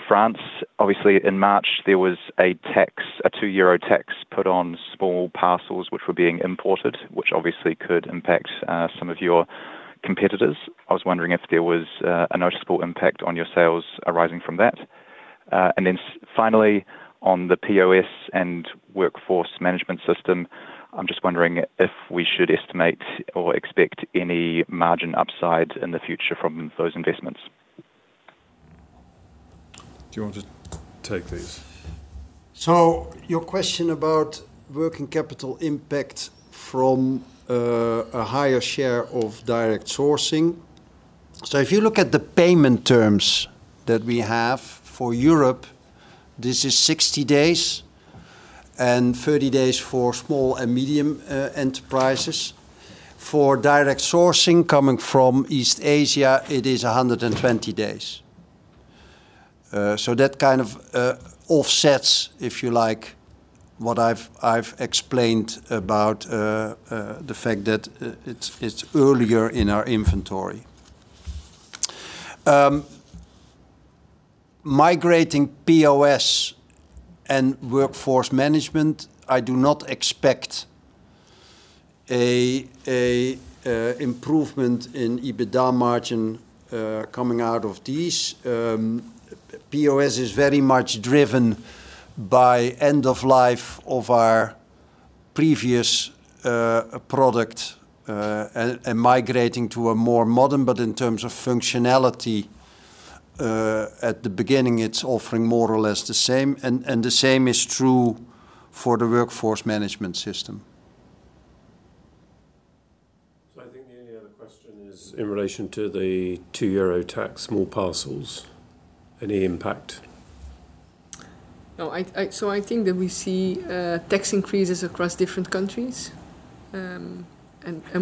France. Obviously, in March, there was a tax, a 2 euro tax put on small parcels which were being imported, which obviously could impact some of your competitors. I was wondering if there was a noticeable impact on your sales arising from that. Finally, on the POS and workforce management system, I'm just wondering if we should estimate or expect any margin upside in the future from those investments. Do you want to take these? Your question about working capital impact from a higher share of direct sourcing. If you look at the payment terms that we have for Europe, this is 60 days and 30 days for small and medium enterprises. For direct sourcing coming from East Asia, it is 120 days. That kind of offsets, if you like, what I've explained about the fact that it's earlier in our inventory. Migrating POS and workforce management, I do not expect an improvement in EBITDA margin coming out of these. POS is very much driven by end of life of our previous product and migrating to a more modern. In terms of functionality, at the beginning, it's offering more or less the same. The same is true for the workforce management system. I think the only other question is in relation to the 2 euro tax, small parcels. Any impact? No, I think that we see tax increases across different countries, and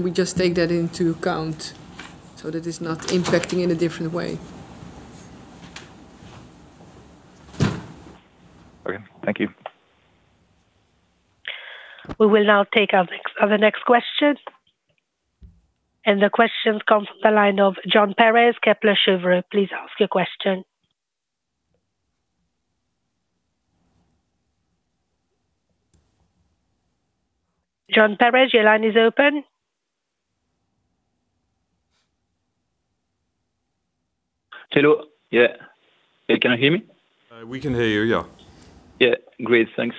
we just take that into account so that it's not impacting in a different way. Okay. Thank you. We will now take our next question, and the question comes from the line of Jon Pérez, Kepler Cheuvreux. Please ask your question. Jon Pérez, your line is open. Hello. Yeah. Can you hear me? We can hear you, yeah. Yeah. Great, thanks.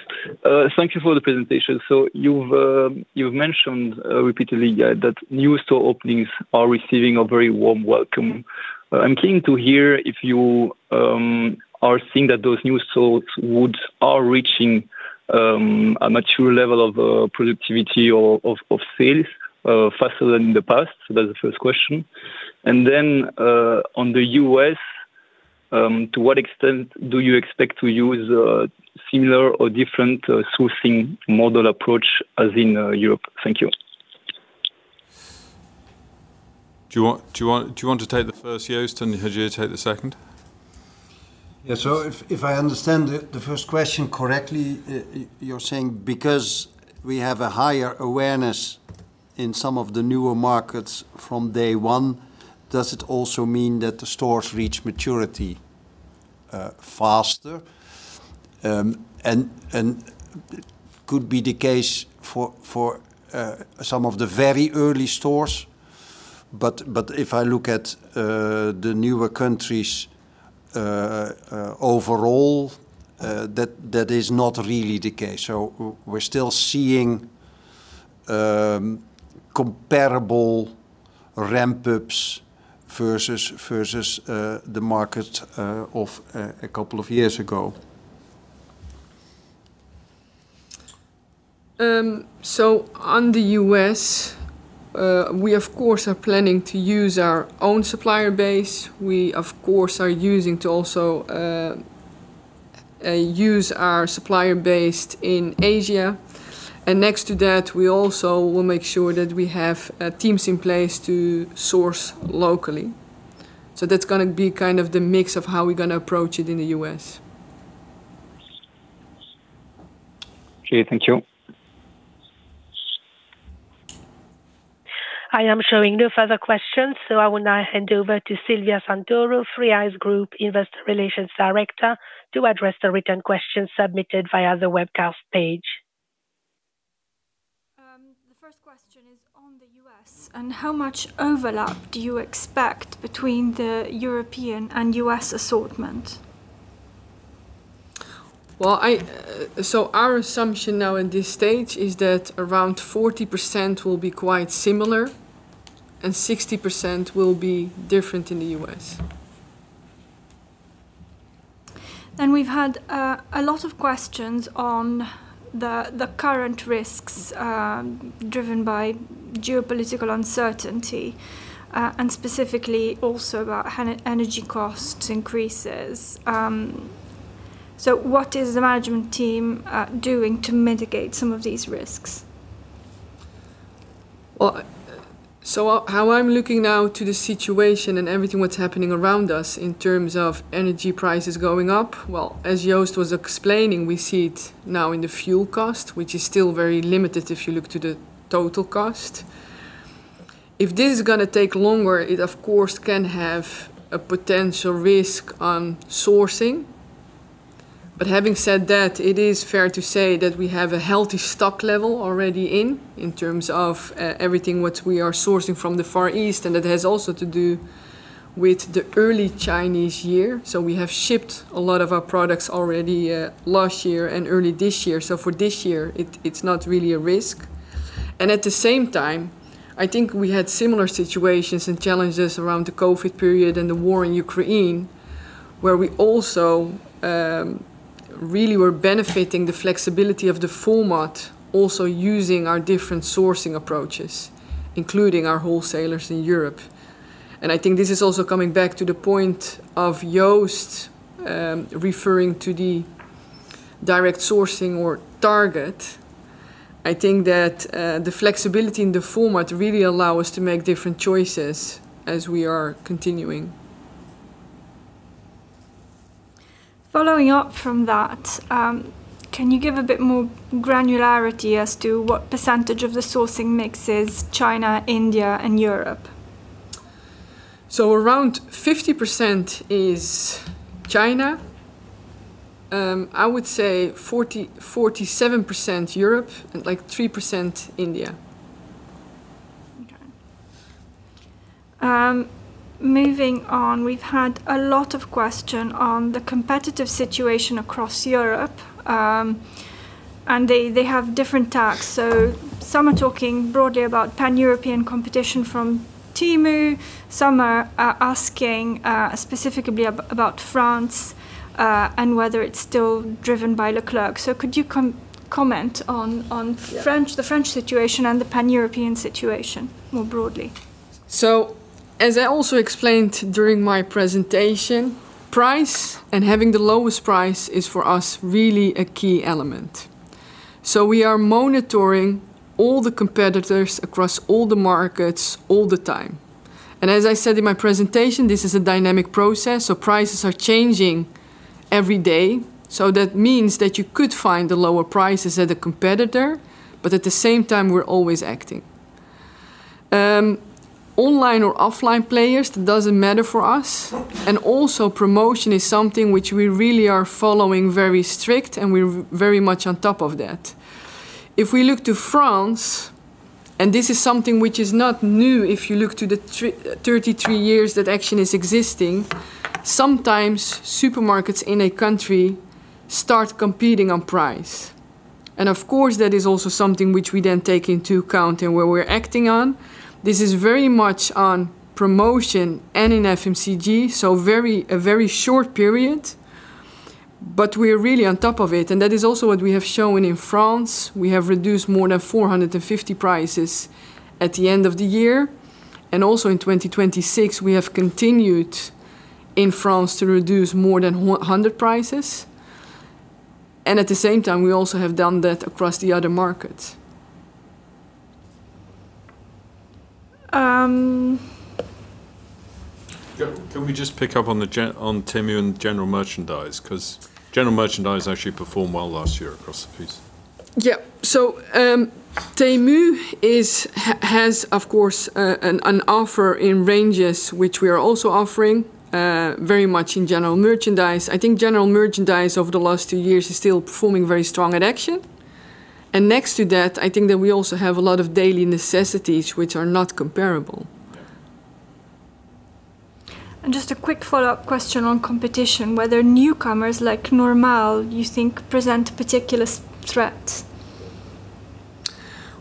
Thank you for the presentation. You've mentioned repeatedly that new store openings are receiving a very warm welcome. I'm keen to hear if you are seeing that those new stores are reaching a mature level of productivity or of sales faster than in the past? That's the first question. On the U.S., to what extent do you expect to use a similar or different sourcing model approach as in Europe? Thank you. Do you want to take the first, Joost, and Hajir take the second? If I understand the first question correctly, you're saying because we have a higher awareness in some of the newer markets from day one, does it also mean that the stores reach maturity faster? It could be the case for some of the very early stores, but if I look at the newer countries overall, that is not really the case. We're still seeing comparable ramp-ups versus the market of a couple of years ago. We of course are planning to use our own supplier base. We of course are also using our supplier base in Asia. Next to that we also will make sure that we have teams in place to source locally. That's gonna be kind of the mix of how we're gonna approach it in the U.S. Okay, thank you. I am showing no further questions, so I will now hand over to Silvia Santoro, 3i's Group Investor Relations Director, to address the written questions submitted via the webcast page. The first question is on the U.S., and how much overlap do you expect between the European and U.S. assortment? Our assumption now in this stage is that around 40% will be quite similar and 60% will be different in the U.S. We've had a lot of questions on the current risks driven by geopolitical uncertainty and specifically also about energy cost increases. What is the management team doing to mitigate some of these risks? How I'm looking now to the situation and everything what's happening around us in terms of energy prices going up, well, as Joost was explaining, we see it now in the fuel cost, which is still very limited if you look to the total cost. If this is gonna take longer, it of course can have a potential risk on sourcing. But having said that, it is fair to say that we have a healthy stock level already in terms of everything what we are sourcing from the Far East, and that has also to do with the early Chinese New Year. We have shipped a lot of our products already, last year and early this year. For this year, it's not really a risk. At the same time, I think we had similar situations and challenges around the COVID period and the war in Ukraine, where we also really were benefiting the flexibility of the format, also using our different sourcing approaches, including our wholesalers in Europe. I think this is also coming back to the point of Joost referring to the direct sourcing or target. I think that the flexibility in the format really allow us to make different choices as we are continuing. Following up from that, can you give a bit more granularity as to what percentage of the sourcing mix is China, India and Europe? Around 50% is China. I would say 47% Europe and, like, 3% India. Okay. Moving on, we've had a lot of question on the competitive situation across Europe, and they have different tags. Some are talking broadly about Pan-European competition from Temu. Some are asking specifically about France, and whether it's still driven by Leclerc. Could you comment on the French situation and the Pan-European situation more broadly? As I also explained during my presentation, price and having the lowest price is, for us, really a key element. We are monitoring all the competitors across all the markets all the time. As I said in my presentation, this is a dynamic process, so prices are changing every day. That means that you could find the lower prices at a competitor, but at the same time, we're always acting. Online or offline players, that doesn't matter for us. Also promotion is something which we really are following very strict, and we're very much on top of that. If we look to France, and this is something which is not new if you look to the 33 years that Action is existing, sometimes supermarkets in a country start competing on price. Of course, that is also something which we then take into account and where we're acting on. This is very much on promotion and in FMCG, so very short period, but we're really on top of it. That is also what we have shown in France. We have reduced more than 450 prices at the end of the year. Also in 2026, we have continued in France to reduce more than 100 prices. At the same time, we also have done that across the other markets. Can we just pick up on Temu and general merchandise? 'Cause general merchandise actually performed well last year across the piece. Temu has, of course, an offer in ranges which we are also offering very much in general merchandise. I think general merchandise over the last two years is still performing very strong at Action. Next to that, I think that we also have a lot of daily necessities which are not comparable. Just a quick follow-up question on competition, whether newcomers like NORMA you think present particular threats?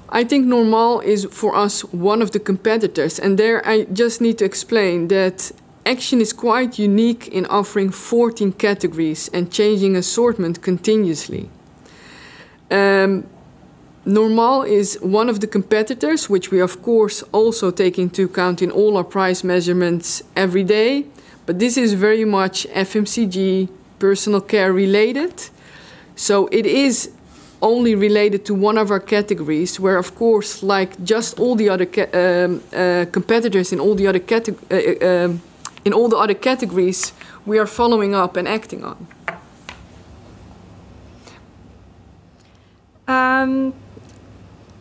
I think NORMA is, for us, one of the competitors. There, I just need to explain that Action is quite unique in offering 14 categories and changing assortment continuously. Normal is one of the competitors, which we of course also take into account in all our price measurements every day. This is very much FMCG personal care related, so it is only related to one of our categories, where of course like just all the other competitors in all the other categories, we are following up and acting on.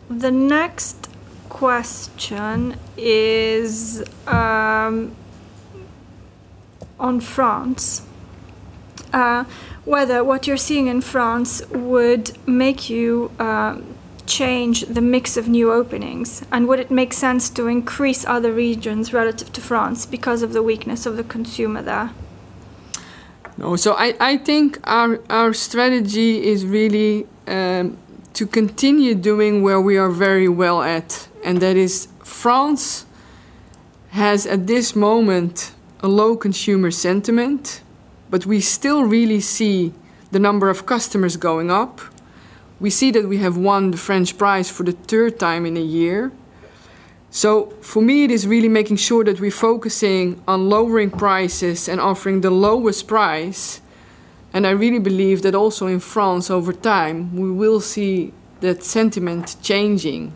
The next question is on France, whether what you're seeing in France would make you change the mix of new openings. Would it make sense to increase other regions relative to France because of the weakness of the consumer there? No. I think our strategy is really to continue doing where we are very well at, and that is France has, at this moment, a low consumer sentiment, but we still really see the number of customers going up. We see that we have won the French prize for the third time in a year. For me, it is really making sure that we're focusing on lowering prices and offering the lowest price. I really believe that also in France, over time, we will see that sentiment changing.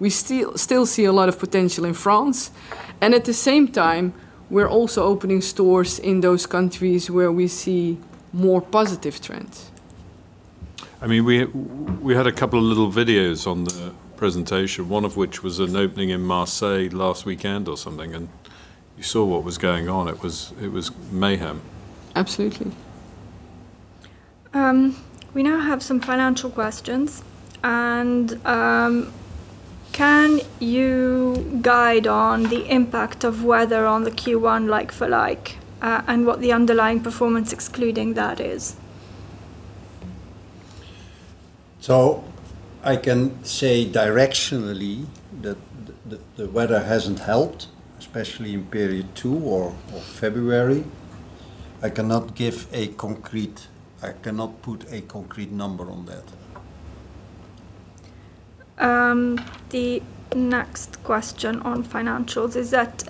We still see a lot of potential in France, and at the same time, we're also opening stores in those countries where we see more positive trends. I mean, we had a couple of little videos on the presentation, one of which was an opening in Marseille last weekend or something, and you saw what was going on. It was mayhem. Absolutely. We now have some financial questions. Can you guide on the impact of weather on the Q1 like-for-like, and what the underlying performance excluding that is? I can say directionally that the weather hasn't helped, especially in period two or February. I cannot put a concrete number on that. The next question on financials is that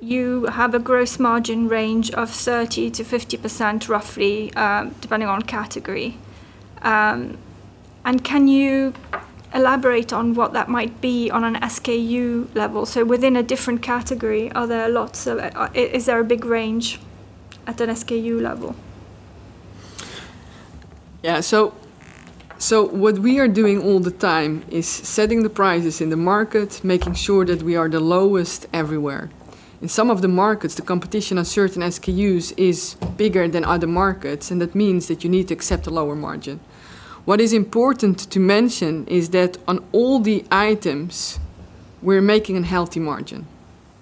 you have a gross margin range of 30%-50% roughly, depending on category. Can you elaborate on what that might be on an SKU level? So within a different category, is there a big range at an SKU level? Yeah. What we are doing all the time is setting the prices in the market, making sure that we are the lowest everywhere. In some of the markets, the competition on certain SKUs is bigger than other markets, and that means that you need to accept a lower margin. What is important to mention is that on all the items, we're making a healthy margin.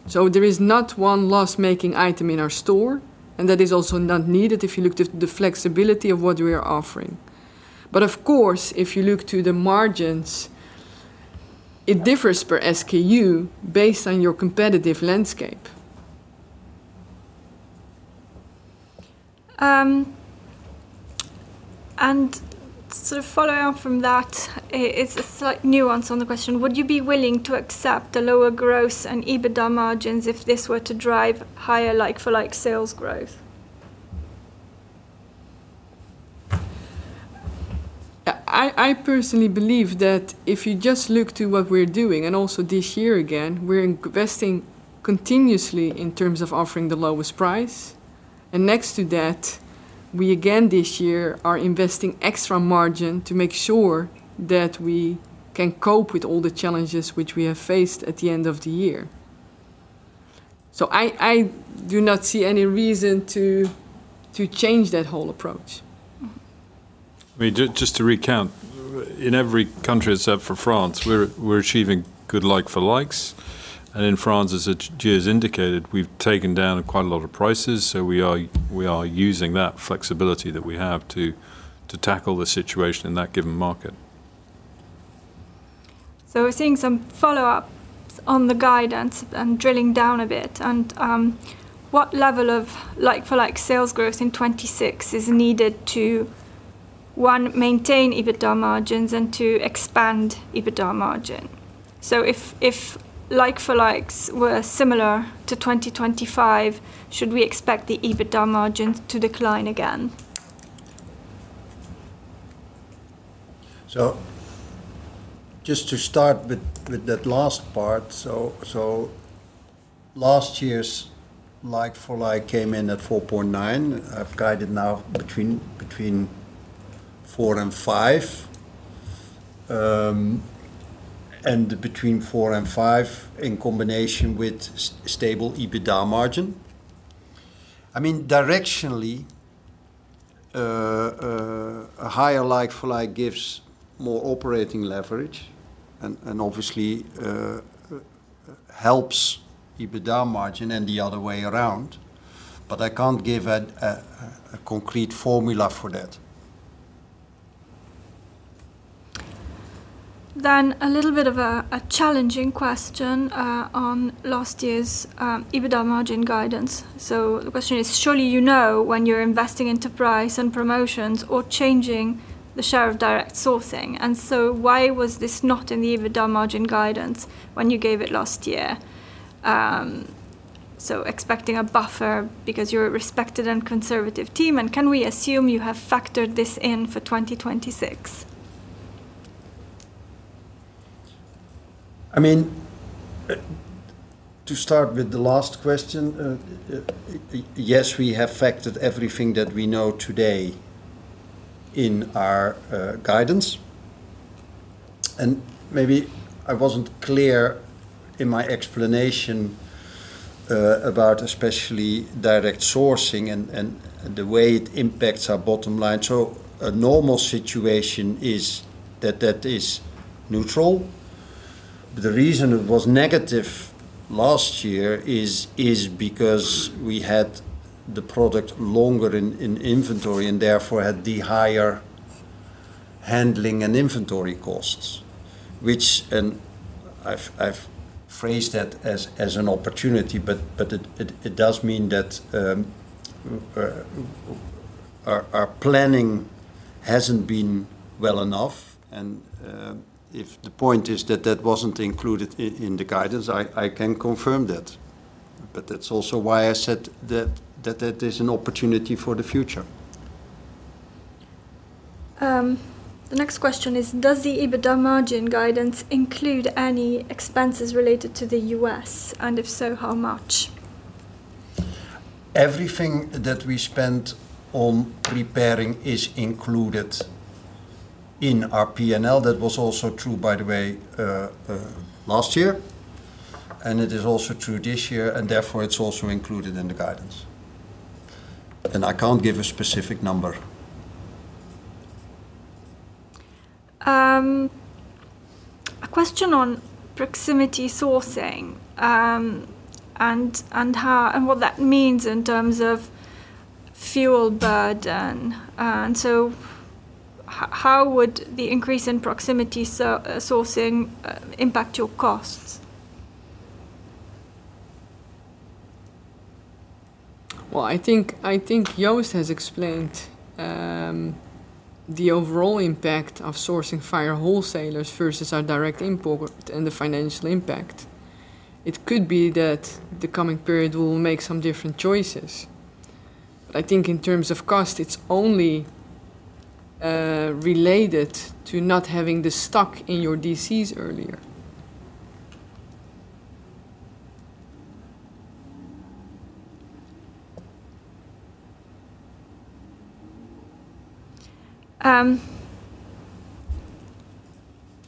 There is not one loss-making item in our store, and that is also not needed if you look to the flexibility of what we are offering. Of course, if you look to the margins, it differs per SKU based on your competitive landscape. Sort of following on from that, it's a slight nuance on the question: Would you be willing to accept the lower gross and EBITDA margins if this were to drive higher like-for-like sales growth? I personally believe that if you just look to what we're doing, and also this year again, we're investing continuously in terms of offering the lowest price. Next to that, we again this year are investing extra margin to make sure that we can cope with all the challenges which we have faced at the end of the year. I do not see any reason to change that whole approach. I mean, just to recount, in every country except for France, we're achieving good like-for-likes. In France, as Hajir has indicated, we've taken down quite a lot of prices, so we are using that flexibility that we have to tackle the situation in that given market. We're seeing some follow-ups on the guidance and drilling down a bit. What level of like-for-like sales growth in 2026 is needed to, one, maintain EBITDA margins and to expand EBITDA margin? If like-for-likes were similar to 2025, should we expect the EBITDA margins to decline again? Just to start with that last part. Last year's like-for-like came in at 4.9%. I've guided now between 4% and 5%. And between 4% and 5% in combination with stable EBITDA margin. I mean, directionally, a higher like-for-like gives more operating leverage and obviously helps EBITDA margin and the other way around. But I can't give a concrete formula for that. A little bit of a challenging question on last year's EBITDA margin guidance. The question is, surely you know when you're investing into price and promotions or changing the share of direct sourcing, and so why was this not in the EBITDA margin guidance when you gave it last year? Expecting a buffer because you're a respected and conservative team, and can we assume you have factored this in for 2026? I mean, to start with the last question, yes, we have factored everything that we know today in our guidance. Maybe I wasn't clear in my explanation about especially direct sourcing and the way it impacts our bottom line. A normal situation is that that is neutral. The reason it was negative last year is because we had the product longer in inventory and therefore had the higher handling and inventory costs, which I've phrased that as an opportunity, but it does mean that our planning hasn't been well enough. If the point is that that wasn't included in the guidance, I can confirm that. That's also why I said that that is an opportunity for the future. The next question is, does the EBITDA margin guidance include any expenses related to the U.S., and if so, how much? Everything that we spent on preparing is included in our P&L. That was also true, by the way, last year, and it is also true this year, and therefore it's also included in the guidance. I can't give a specific number. A question on proximity sourcing, and what that means in terms of fuel burden. How would the increase in proximity sourcing impact your costs? Well, I think Joost has explained the overall impact of sourcing via wholesalers versus our direct import and the financial impact. It could be that the coming period we will make some different choices. I think in terms of cost, it's only related to not having the stock in your DCs earlier.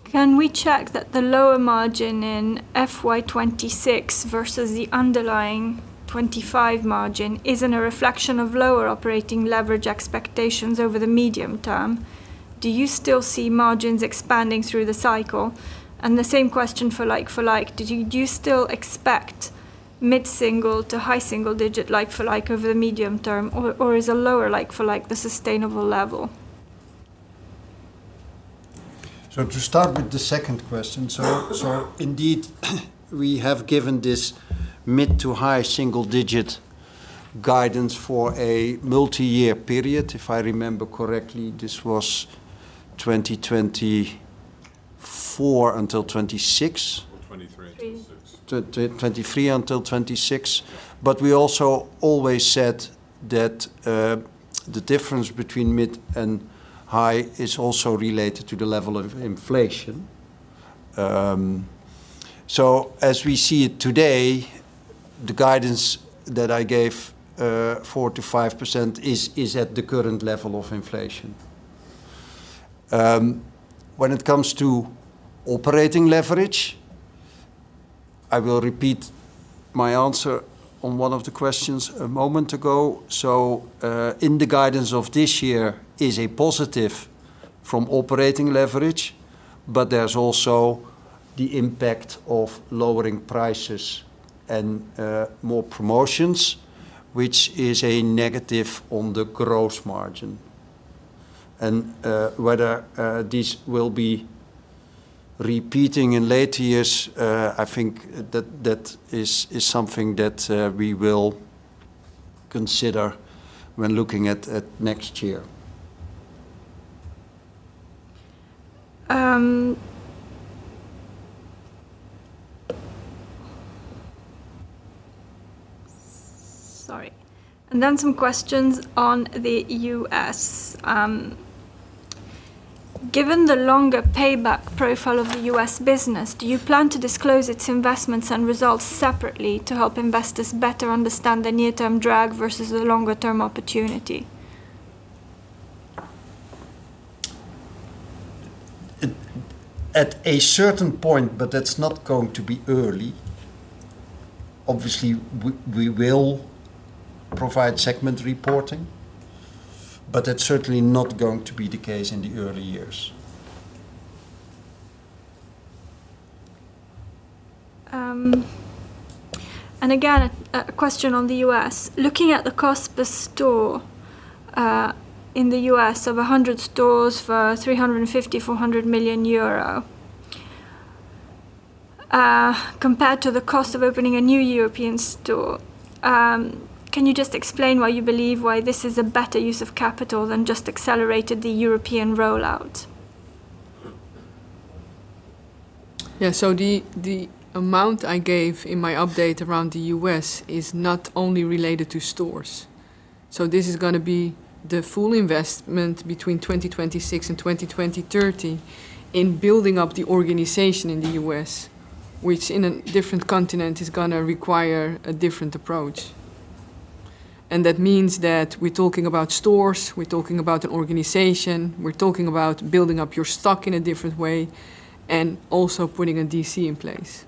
Can we check that the lower margin in FY 2026 versus the underlying 2025 margin isn't a reflection of lower operating leverage expectations over the medium term? Do you still see margins expanding through the cycle? The same question for like-for-like. Do you still expect mid-single to high single digit like-for-like over the medium term or is a lower like-for-like the sustainable level? To start with the second question. Indeed, we have given this mid- to high-single-digit guidance for a multi-year period. If I remember correctly, this was 2024 until 2026. 2023 until 2026. 2023-2026. We also always said that the difference between mid and high is also related to the level of inflation. As we see it today, the guidance that I gave, 4%-5%, is at the current level of inflation. When it comes to operating leverage, I will repeat my answer on one of the questions a moment ago. In the guidance of this year is a positive from operating leverage, but there's also the impact of lowering prices and more promotions, which is a negative on the gross margin. Whether this will be repeating in later years, I think that is something that we will consider when looking at next year. Some questions on the U.S. Given the longer payback profile of the U.S. business, do you plan to disclose its investments and results separately to help investors better understand the near-term drag versus the longer-term opportunity? At a certain point, but that's not going to be early. Obviously, we will provide segment reporting, but that's certainly not going to be the case in the early years. Again, a question on the U.S. Looking at the cost per store, in the U.S. of 100 stores for 350 million-400 million euro, compared to the cost of opening a new European store, can you just explain why you believe this is a better use of capital than just accelerated the European rollout? Yeah. The amount I gave in my update around the U.S. is not only related to stores. This is gonna be the full investment between 2026 and 2030 in building up the organization in the U.S., which in a different continent is gonna require a different approach. That means that we're talking about stores, we're talking about the organization, we're talking about building up your stock in a different way, and also putting a DC in place.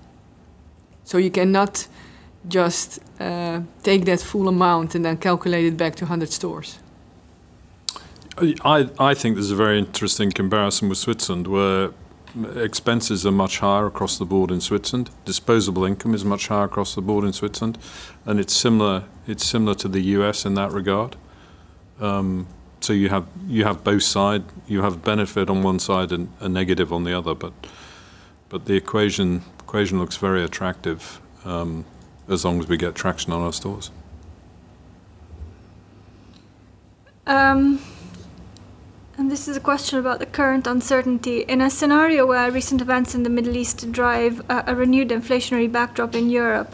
You cannot just take that full amount and then calculate it back to 100 stores. I think there's a very interesting comparison with Switzerland, where expenses are much higher across the board in Switzerland. Disposable income is much higher across the board in Switzerland, and it's similar to the U.S. in that regard. You have both sides. You have benefit on one side and a negative on the other. The equation looks very attractive, as long as we get traction on our stores. This is a question about the current uncertainty. In a scenario where recent events in the Middle East drive a renewed inflationary backdrop in Europe,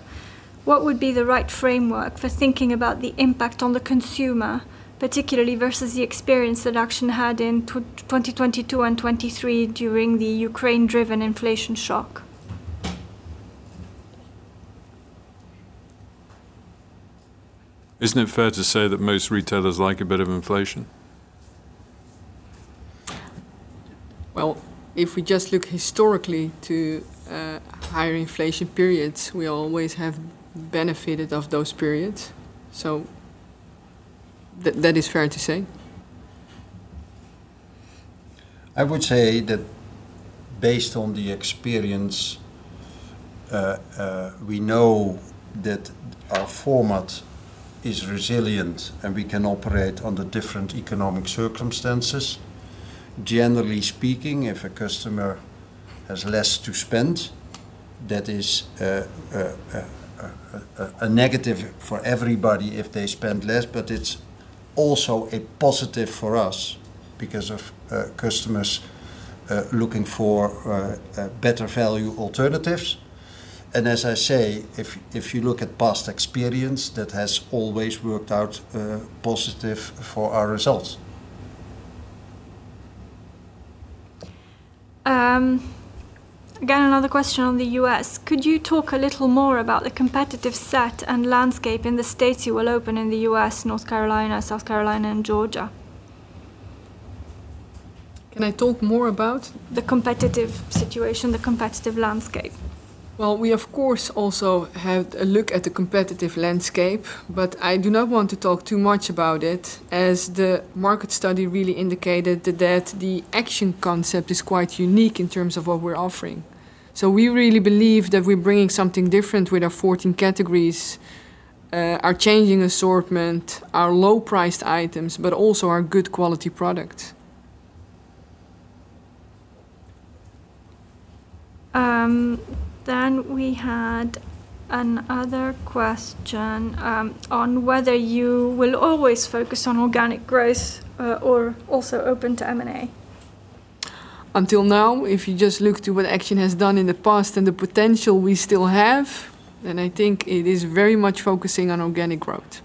what would be the right framework for thinking about the impact on the consumer, particularly versus the experience that Action had in 2022 and 2023 during the Ukraine-driven inflation shock? Isn't it fair to say that most retailers like a bit of inflation? Well, if we just look historically to higher inflation periods, we always have benefited from those periods, so that is fair to say. I would say that based on the experience, we know that our format is resilient, and we can operate under different economic circumstances. Generally speaking, if a customer has less to spend, that is, a negative for everybody if they spend less. But it's also a positive for us because of customers looking for better value alternatives. As I say, if you look at past experience, that has always worked out positive for our results. Again, another question on the U.S. Could you talk a little more about the competitive set and landscape in the states you will open in the U.S., North Carolina, South Carolina, and Georgia? Can I talk more about? The competitive situation, the competitive landscape. Well, we of course also have a look at the competitive landscape, but I do not want to talk too much about it, as the market study really indicated that the Action concept is quite unique in terms of what we're offering. We really believe that we're bringing something different with our 14 categories, our changing assortment, our low-priced items, but also our good quality products. We had another question on whether you will always focus on organic growth or also open to M&A. Until now, if you just look to what Action has done in the past and the potential we still have, then I think it is very much focusing on organic growth.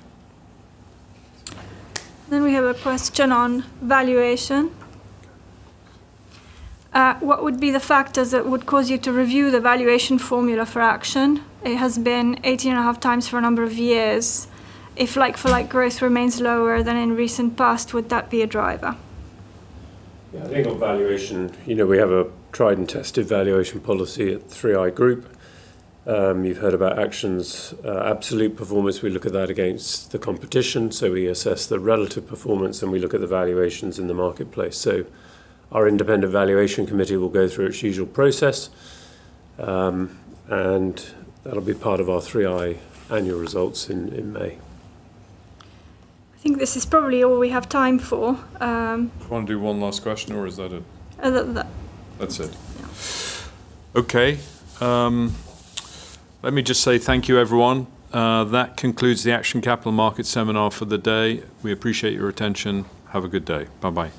We have a question on valuation. What would be the factors that would cause you to review the valuation formula for Action? It has been 18.5x for a number of years. If like-for-like growth remains lower than in recent past, would that be a driver? Yeah. I think on valuation, you know, we have a tried and tested valuation policy at 3i Group. You've heard about Action's absolute performance. We look at that against the competition. We assess the relative performance, and we look at the valuations in the marketplace. Our independent valuation committee will go through its usual process, and that'll be part of our 3i annual results in May. I think this is probably all we have time for. Do you wanna do one last question, or is that it? That's it. Yeah. Okay. Let me just say thank you, everyone. That concludes the Action Capital Markets Seminar for the day. We appreciate your attention. Have a good day. Bye-bye.